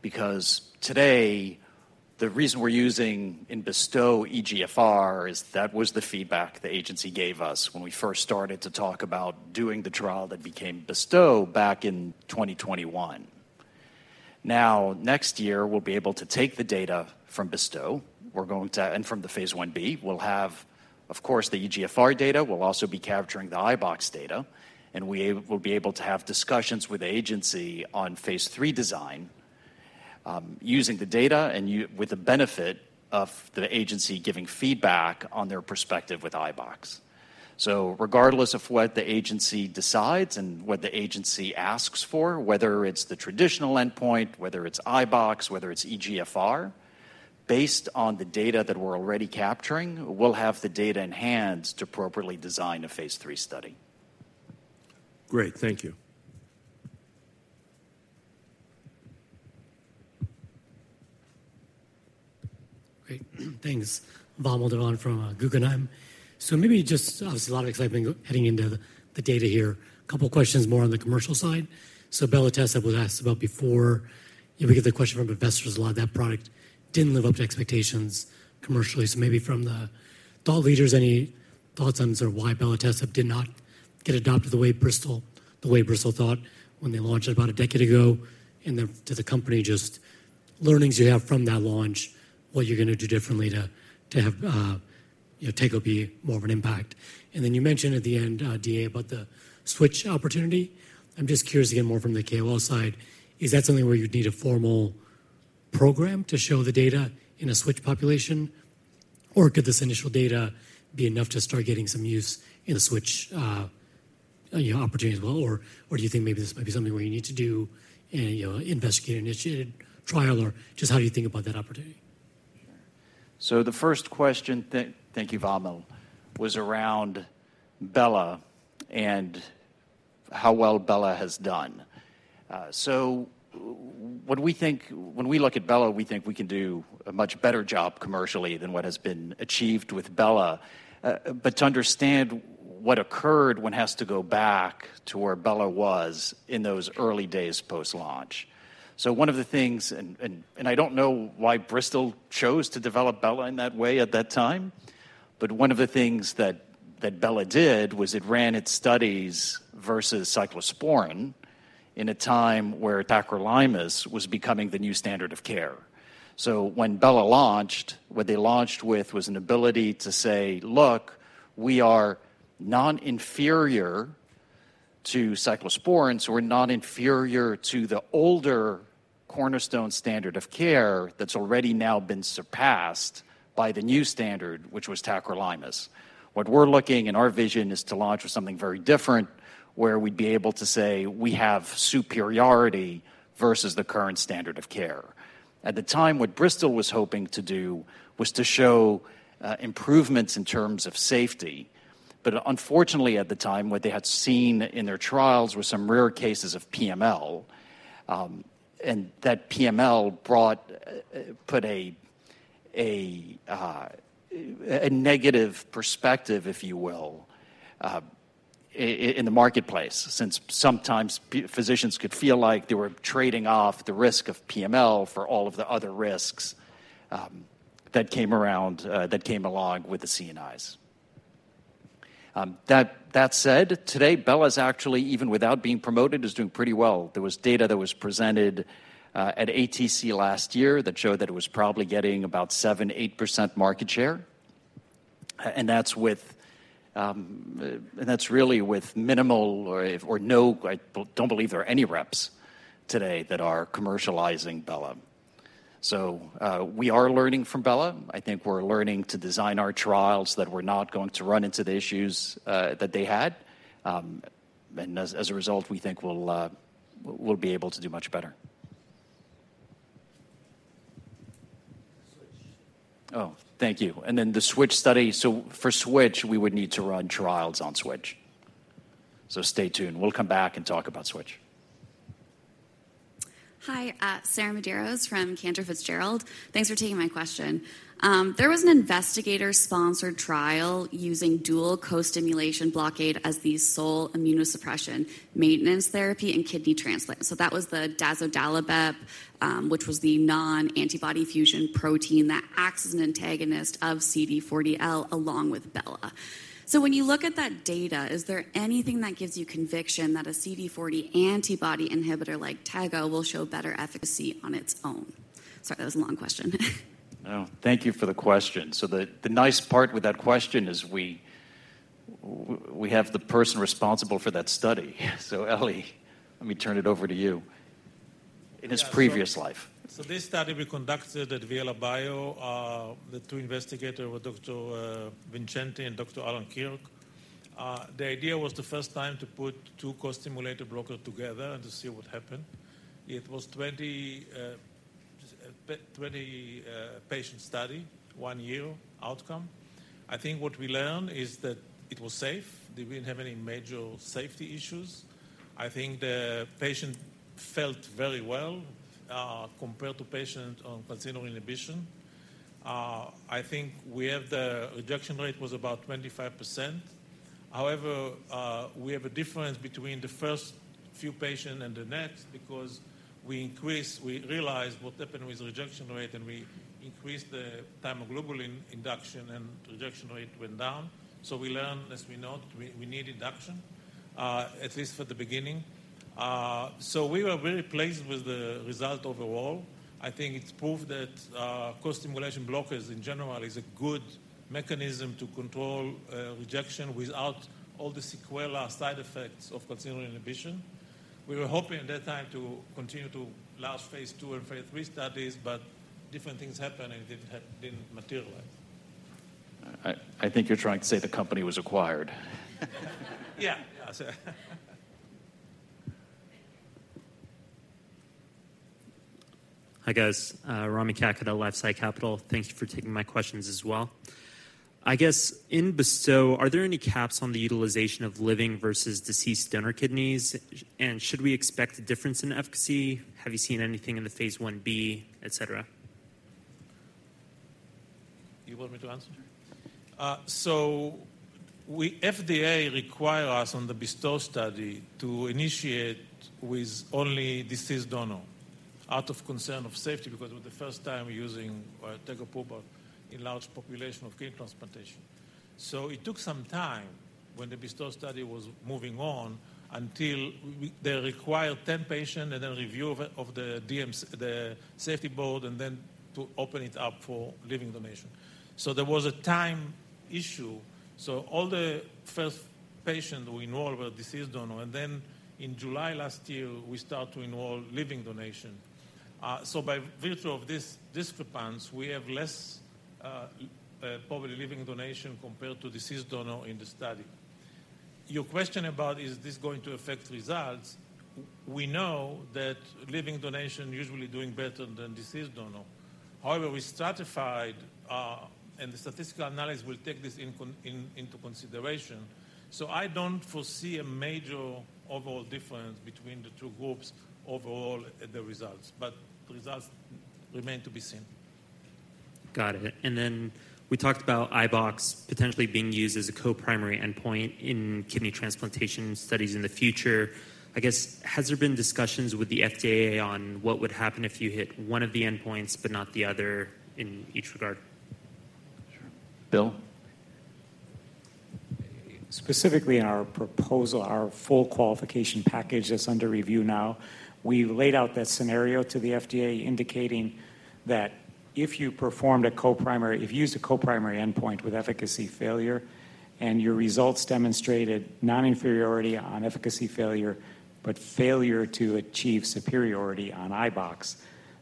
because today the reason we're using in BESTOW eGFR is that was the feedback the agency gave us when we first started to talk about doing the trial that became BESTOW back in 2021. Next year we'll be able to take the data from BESTOW we're going to and from the phase Ib we'll have of course the eGFR data. We'll also be capturing the iBox data, and we will be able to have discussions with the agency on phase III design using the data and with the benefit of the agency giving feedback on their perspective with iBox. Regardless of what the agency decides and what the agency asks for, whether it's the traditional endpoint, whether it's iBox, whether it's eGFR, based on the data that we're already capturing, we'll have the data in hand to appropriately design a phase III study. Great. Thank you. Great, thanks. Vamil Divan from Guggenheim. Maybe just obviously a lot of excitement heading into the data here. A couple questions more on the commercial side. So, belatacept, that was asked about before. We get the question from investors, a lot of that product didn't live up to expectations commercially. Maybe from the thought leaders, any thoughts on why BSA did not get adopted the way Bristol thought when they launched about a decade ago? To the company, just learnings you have from that launch, what you're going to do differently to have, you know, tegoprubart have more of an impact. You mentioned at the end about the SWITCH opportunity. I'm just curious again, more from the KOL side, is that something where you'd need a formal program to show the data in a SWITCH population, or could this initial data be enough to start getting some use in the SWITCH opportunity as well? Or do you think maybe this might be something you need to do and initiate trial or just how do. You think about that opportunity? The first question, thank you Vamil, was around bela and how well bela has done. What we think when we look at bela is we think we can do a much better job commercially than what has been achieved with bela. To understand what occurred, one has to go back to where bela was in those early days post launch. One of the things, and I don't know why Bristol chose to develop bela in that way at that time, but one of the things that bela did was it ran its studies versus cyclosporine in a time where tacrolimus was becoming the new standard of care. When bela launched, what they launched with was an ability to say, look, we are non-inferior to cyclosporine, so we're not inferior to the older cornerstone standard of care that's already now been surpassed by the new standard, which was tacrolimus. What we're looking at and our vision is to launch with something very different where we'd be able to say we have superiority versus the current standard of care. At the time, what Bristol was hoping to do was to show improvements in terms of safety. Unfortunately, at the time what they had seen in their trials were some rare cases of PML. That PML put a negative perspective, if you will, in the marketplace since sometimes physicians could feel like they were trading off the risk of PML for all of the other risks that came along with the CNIs. That said, today bela's actually, even without being promoted, doing pretty well. There was data that was presented at ATC last year that showed that it was probably getting about 7%-8% market share. That's really with minimal or no, I don't believe there are any reps today that are commercializing bela. We are learning from bela. I think we're learning to design our trials so that we're not going to run into the issues that they had. As a result, we think we'll be able to do much better. Thank you. For SWITCH, we would need to run trials on SWITCH. Stay tuned, we'll come back and talk about SWITCH. Hi, Sarah Medeiros from Cantor Fitzgerald, thanks for taking my question. There was an investigator-sponsored trial using dual co-stimulation blockades as the sole immunosuppression maintenance therapy in kidney transplant. That was the daclizumab, which was the non-antibody fusion protein that acts as an antagonist of CD40L along with belatacept. When you look at that data Is there anything that gives you conviction That a CD40 antibody inhibitor like tegoprubart will show better efficacy on its own? Sorry, that was a long question. Thank you for the question. The nice part with that question is we have the person responsible for that study. Ellie, let me turn it over to you. In his previous life. This study we conducted at Viela Bio, the two investigators were Dr. Vincenti and Dr. Allan Kirk. The idea was the first time to put two co-stimulator blocker together and to see what happened. It was 20 patient study, one year outcome. I think what we learned is that it was safe, they didn't have any major safety issues. I think the patient felt very well. Compared to patient on calcineurin inhibition I think we have the rejection rate was about 25%. However, we have a difference between the first few patient and the next because we increased, we realize what happened with rejection rate and we increased the time of global induction and rejection rate went down. We learned as we note, we need induction at least for the beginning. We were very pleased with the result. Overall I think it's proof that co-stimulation blockers in general is a good mechanism to control rejection without all the sequela side effects of calcineurin inhibition. We were hoping at that time to quickly continue to last phase 2 and phase III studies. Different things happen and it didn't materialize. I think you're trying to say the company was acquired. Yeah. Hi guys. Rami Katkhuda, LifeSci Capital. Thank you for taking my questions as well. I guess in BESTOW are there any caps on the utilization of living versus deceased donor kidneys, and should we expect a difference in efficacy? Have you seen anything in the Phase 1b, et cetera? You want me to answer? FDA required us on the BESTOW study to initiate with only deceased donor out of concern of safety because it was the first time using tegoprubart in a large population of kidney transplantation. It took some time when the BESTOW study was moving on until they required 10 patients and then review of the DMC, the safety board, and then to open it up for living donation. There was a time issue. All the first patients we enrolled were deceased donor. In July last year we started to enroll living donation. By virtue of this discrepancy, we have less probably living donation compared to deceased donor in the study. Your question about is this going to affect results? We know that living donation usually does better than deceased donor. However, we stratified and the statistical analysis will take this into consideration. I don't foresee a major overall difference between the two groups overall the results, but the results remain to be seen. Got it. We talked about iBox potentially being used as a co-primary endpoint in kidney transplantation studies in the future. I guess has there been discussions with the FDA on what would happen if you hit one of the endpoints but not the other in each regard? Bill. Specifically, our proposal, our full qualification package that's under review now, we laid out that scenario to the FDA indicating that if you performed a co-primary, if you use a co-primary endpoint with efficacy failure and your results demonstrated non-inferiority on efficacy failure but failure to achieve superiority on iBox,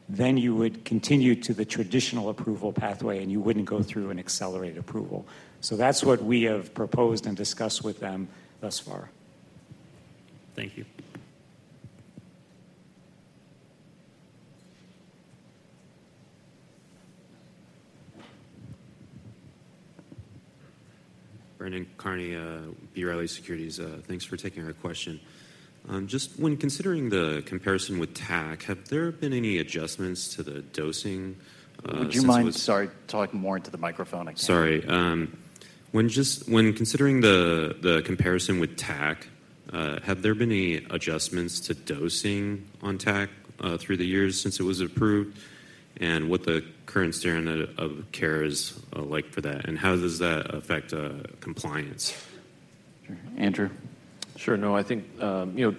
then you would continue to the traditional approval pathway and you wouldn't go through an accelerated approval. That's what we have proposed and discussed with them thus far. Thank you. Brandon Carney, B. Riley Securities. Thanks for taking our question. Just when considering the comparison with tacrolimus, have there been any adjustments to the dosing? Would you mind start talking more into the microphone? Sorry, just when considering the comparison with tacrolimus, have there been any adjustments to dose seen on tacrolimus through the years since it was approved, and what the current standard of care is like for that, and how does that affect compliance? Andrew? Sure. No, I think you know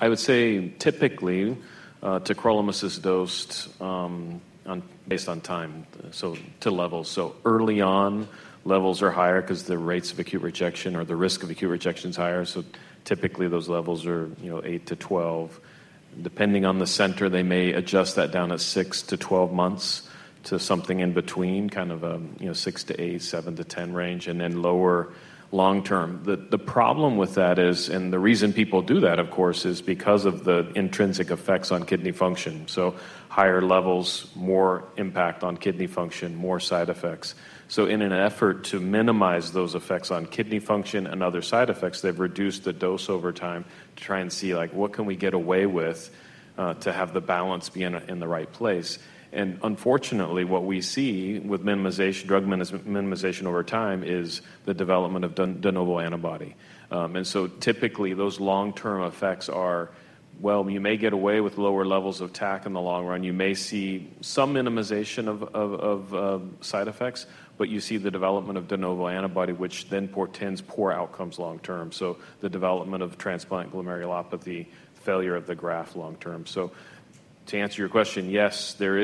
I would say typically tacrolimus is dosed based on time, so levels. Early on, levels are higher because the rates of acute rejection or the risk of acute rejection is higher. Typically those levels are, you know, 8-12 depending on the center. They may adjust that down to 6-12 months to something in between, kind of, you know, six to eight, 7-10 range, and then lower long term. The problem with that is, and the reason people do that, of course, is because of the intrinsic effects on kidney function. Higher levels, more impact on kidney function, more side effects. In an effort to minimize those effects on kidney function and other side effects, they've reduced the dose over time to try and see, like, what can we get away with to have the balance be in the right place. Unfortunately, what we see with drug minimization over time is the development of de novo antibody. Typically those long term effects are, well, you may get away with lower levels of tac in the long run. You may see some minimization of side effects, but you see the development of de novo antibody, which then portends poor outcomes long term. The development of transplant glomerular failure of the graft long term. To answer your question, yes, there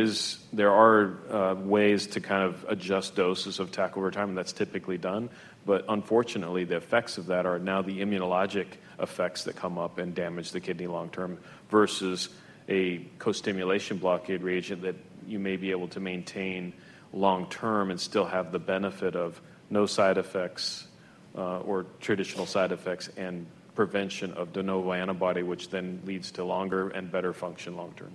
are ways to kind of adjust doses of tac over time, and that's typically done. Unfortunately, the effects of that are now the immunologic effects that come up and damage the kidney long term versus a co-stimulation blockade reagent that you may be able to maintain long term and still have the benefit of no side effects, side effects or traditional side effects, and prevention of de novo antibody, which then leads to longer and better function long term.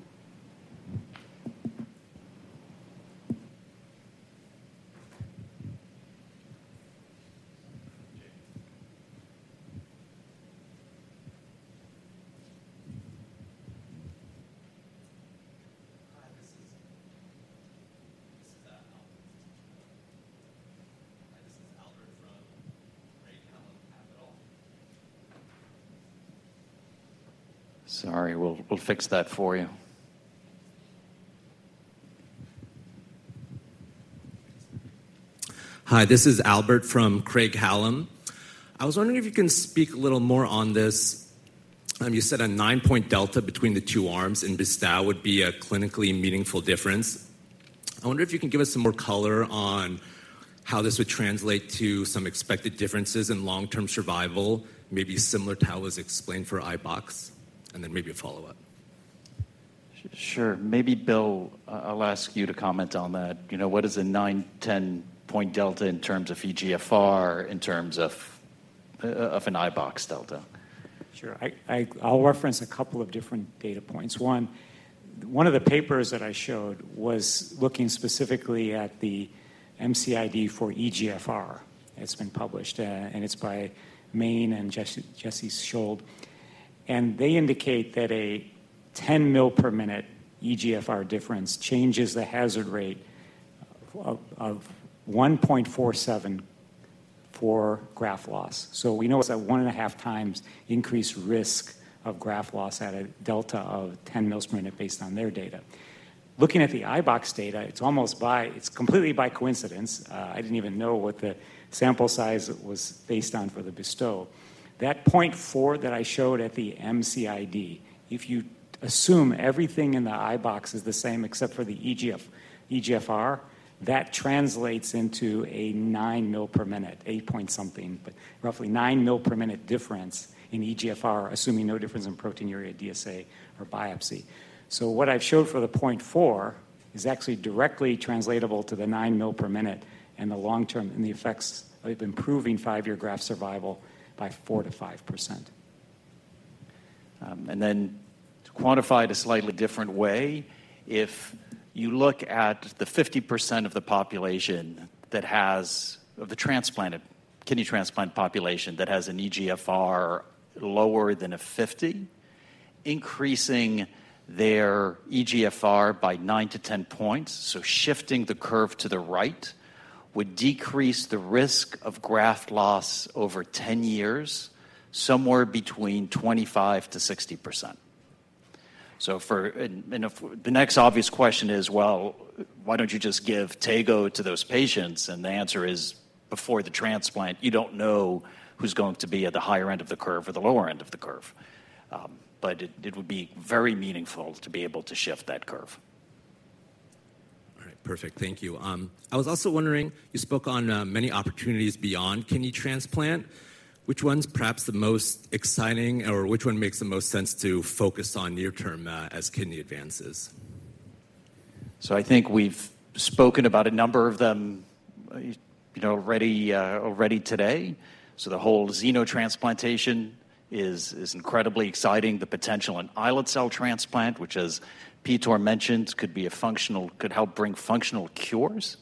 Hi, this is Zimpi. We'll fix that for you. Hi, this is Albert from Craig-Hallum. I was wondering if you can speak a little more on this. You said a 9% delta between the two arms in BESTOW would be a clinically meaningful difference. I wonder if you can give us some more color on how this would translate to some expected differences in long-term survival, maybe similar to how it was explained before iBox and then maybe a follow up. Sure, maybe. Bill, I'll ask you to comment on that. You know what is a nine, 10 point delta in terms of eGFR in terms of an iBox delta? Sure. I'll reference a couple of different data points. One of the papers that I showed was looking specifically at the MCID for eGFR. It's been published and it's by Main and Jesse Schuld, and they indicate that a 10 mL per minute eGFR difference changes the hazard rate to 1.47 for graft loss. We know it's a one and a half times increased risk of graft loss at a delta of 10 mL per minute based on their data. Looking at the iBox data, it's almost by—it's completely by coincidence. I didn't even know what the sample size was based on for the BESTOW, that 0.4 that I showed at the MCID. If you assume everything in the iBox is the same except for the eGFR, that translates into a 9 mL per minute, 8 point something but roughly 9 mL per minute difference in eGFR assuming no difference in proteinuria, DSA, or biopsy. What I've showed for the 0.4 is actually directly translatable to the 9 mL per minute and the long term and the effects of improving five-year graft survival by 4%-5%. To quantify it a slightly different way, if you look at the 50% of the transplanted kidney transplant population that has an eGFR lower than 50, increasing their eGFR by 9-10 points, shifting the curve to the right would decrease the risk of graft loss over 10 years somewhere between 25%-60%. The next obvious question is, why don't you just give tegoprubart to those patients? The answer is before the transplant you don't know who's going to be at the higher end of the curve or the lower end of the curve. It would be very meaningful to be able to shift that curve. All right, perfect, thank you. I was also wondering, you spoke on many opportunities beyond kidney transplant. Which one's perhaps the most exciting or which one makes the most sense to focus on near term as kidney advances? I think we've spoken about a number of them already today. The whole xenotransplantation is incredibly exciting. The potential in islet cell transplant, which as Piotr mentioned could be a functional, could help bring functional cures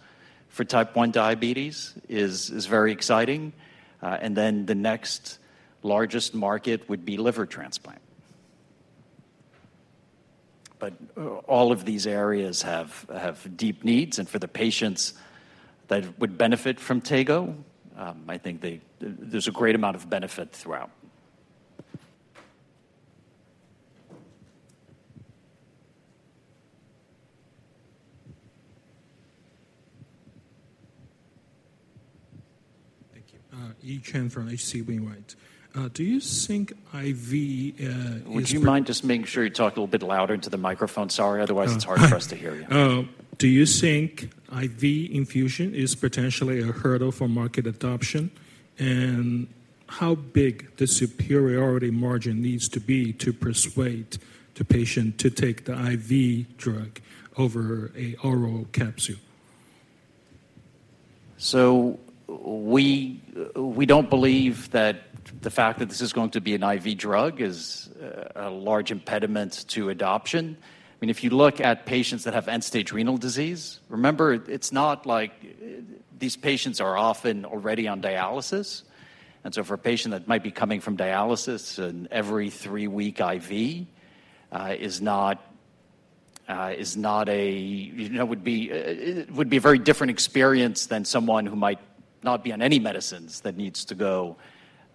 for type 1 diabetes, is very exciting. The next largest market would be liver transplant. All of these areas have deep needs, and for the patients that would benefit from tego, I think there's a great amount of benefit throughout. Thank you. Yi Chen from H.C. Wainwright. Do you think IV. Would you mind just making sure you talk a little bit louder into the microphone? Sorry, otherwise, it's hard for us to hear you. Do you think IV infusion is potentially a hurdle for market adoption, and how big does the superiority margin need to be to persuade the patient to take the IV drug over an oral capsule? We don't believe that the fact that this is going to be an IV drug is a large impediment to adoption. If you look at patients that have end stage renal disease, remember it's not like these patients are often already on dialysis. For a patient that might be coming from dialysis, an every three week IV is not, you know, would be a very different experience than someone who might not be on any medicines that needs to go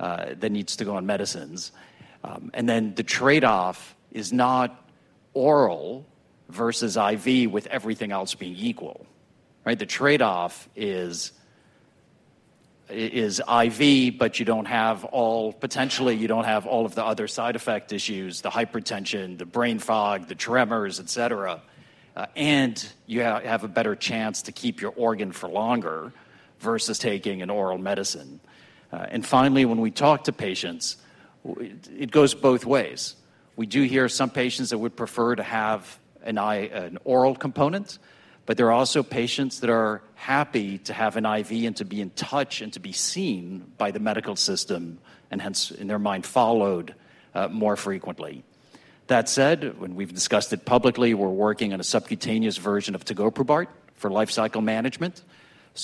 on medicines. The trade off is not oral versus IV with everything else being equal. The trade off is IV, but you don't have all, potentially you don't have all of the other side effect, the hypertension, the brain fog, the tremors, et cetera, and you have a better chance to keep your organ for longer versus taking an oral medicine. When we talk to patients, it goes both ways. We do hear some patients that would prefer to have an oral component. There are also patients that are happy to have an IV and to be in touch and to be seen by the medical system and hence in their mind followed more frequently. That said, when we've discussed it publicly, we're working on a subcutaneous version of tegoprubart for life cycle management.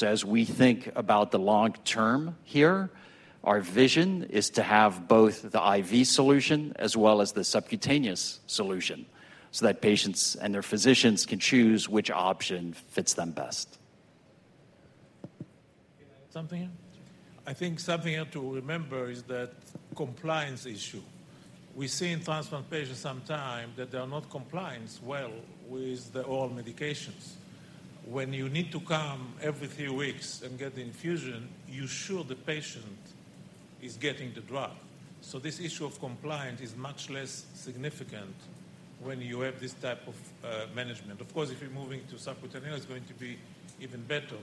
As we think about the long term here, our vision is to have both the IV solution as well as the subcutaneous solution so that patients and their physicians can choose which option fits them best. Something to remember is that compliance issue we see in transplant patients sometime that they are not compliance well with the oral medications. When you need to come every three weeks and get the infusion, you sure the patient is getting the drug. This issue of compliance is much less significant when you have this type of management. Of course, if you're moving to subcutaneous, it's going to be even better.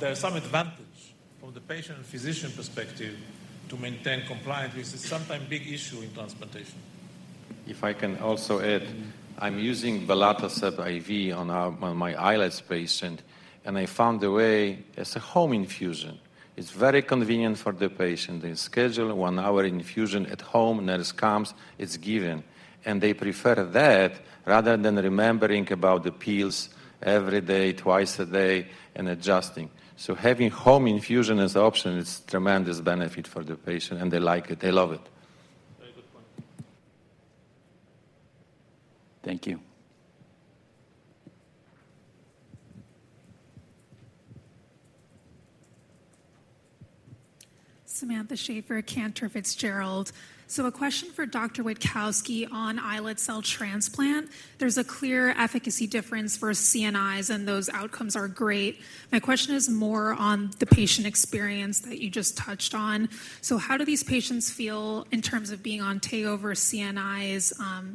There's some advantage from the patient and physician perspective to maintain compliance is sometimes big issue in transplantation. If I can also add, I'm using belatacept IV on my islet patient and I found a way as a home infusion. It's very convenient for the patient. They schedule one hour infusion at home, nurse comes, it's given, and they prefer that rather than remembering about the pills every day, twice a day, and adjusting. Having home infusion as option is tremendous benefit for the patient and they like it. They love it. Very good point. Thank you. Samantha Schaeffer Cantor Fitzgerald. A question for Dr. Witkowski. On islet cell transplant, there's a clear efficacy difference for CNIs and those outcomes are great. My question is more on the patient experience that you just touched on. How do these patients feel in terms of being on T over CNIs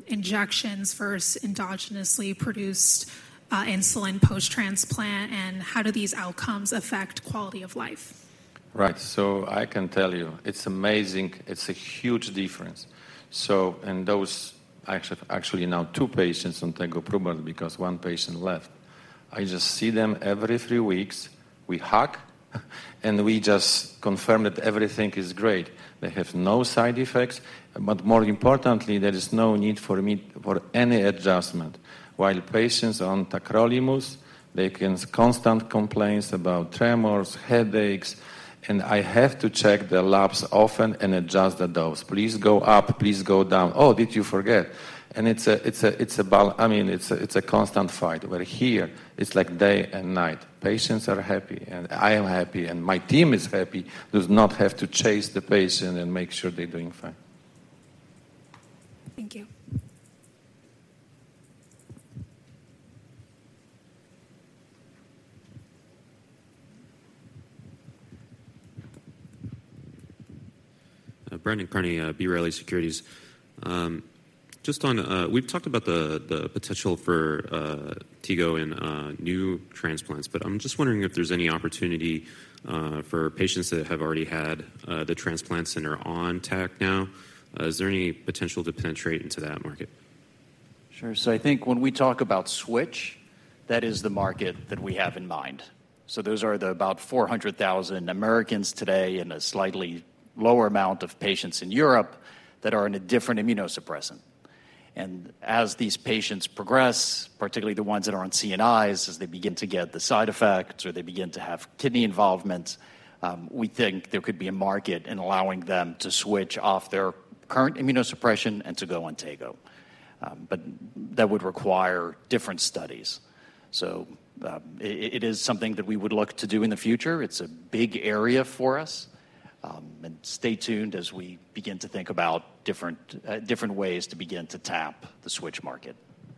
injections versus endogenously produced insulin post transplant? How do these outcomes affect quality of life? Right. I can tell you it's amazing. It's a huge difference. I have actually now two patients on tegoprubart because one patient left. I just see them every three weeks. We hug and we just confirm that everything is great. They have no side effects. More importantly, there is no need for me for any adjustment. While patients on tacrolimus have constant complaints about tremors, headaches, and I have to check the labs often and adjust the dose. Please go up, please go down. Oh, did you forget? It's a balance. It's a constant fight where here it's like day and night. Patients are happy, I am happy, and my team is happy. Does not have to chase the patient and make sure that they're doing fine. Thank you. Brandon Carney, B. Riley Securities, just on We've talked about the potential for tegoprubart in new transplants, I'm just wondering if there's any opportunity for patients that have already had the transplant center on tac now? Is there any potential to penetrate into that market? Sure. I think when we talk about SWITCH, that is the market that we have in mind. Those are the about 400,000 Americans today and a slightly lower amount of patients in Europe that are in a different immunosuppressant. As these patients progress, particularly the ones that are on CNIs, as they begin to get the side effects or they begin to have kidney involved, we think there could be a market in allowing them to SWITCH off their current immunosuppression and to go on tego, but that would require different studies. It is something that we would look to do in the future. It's a big area for us. Stay tuned as we begin to think about different ways to begin to tap the SWITCH market.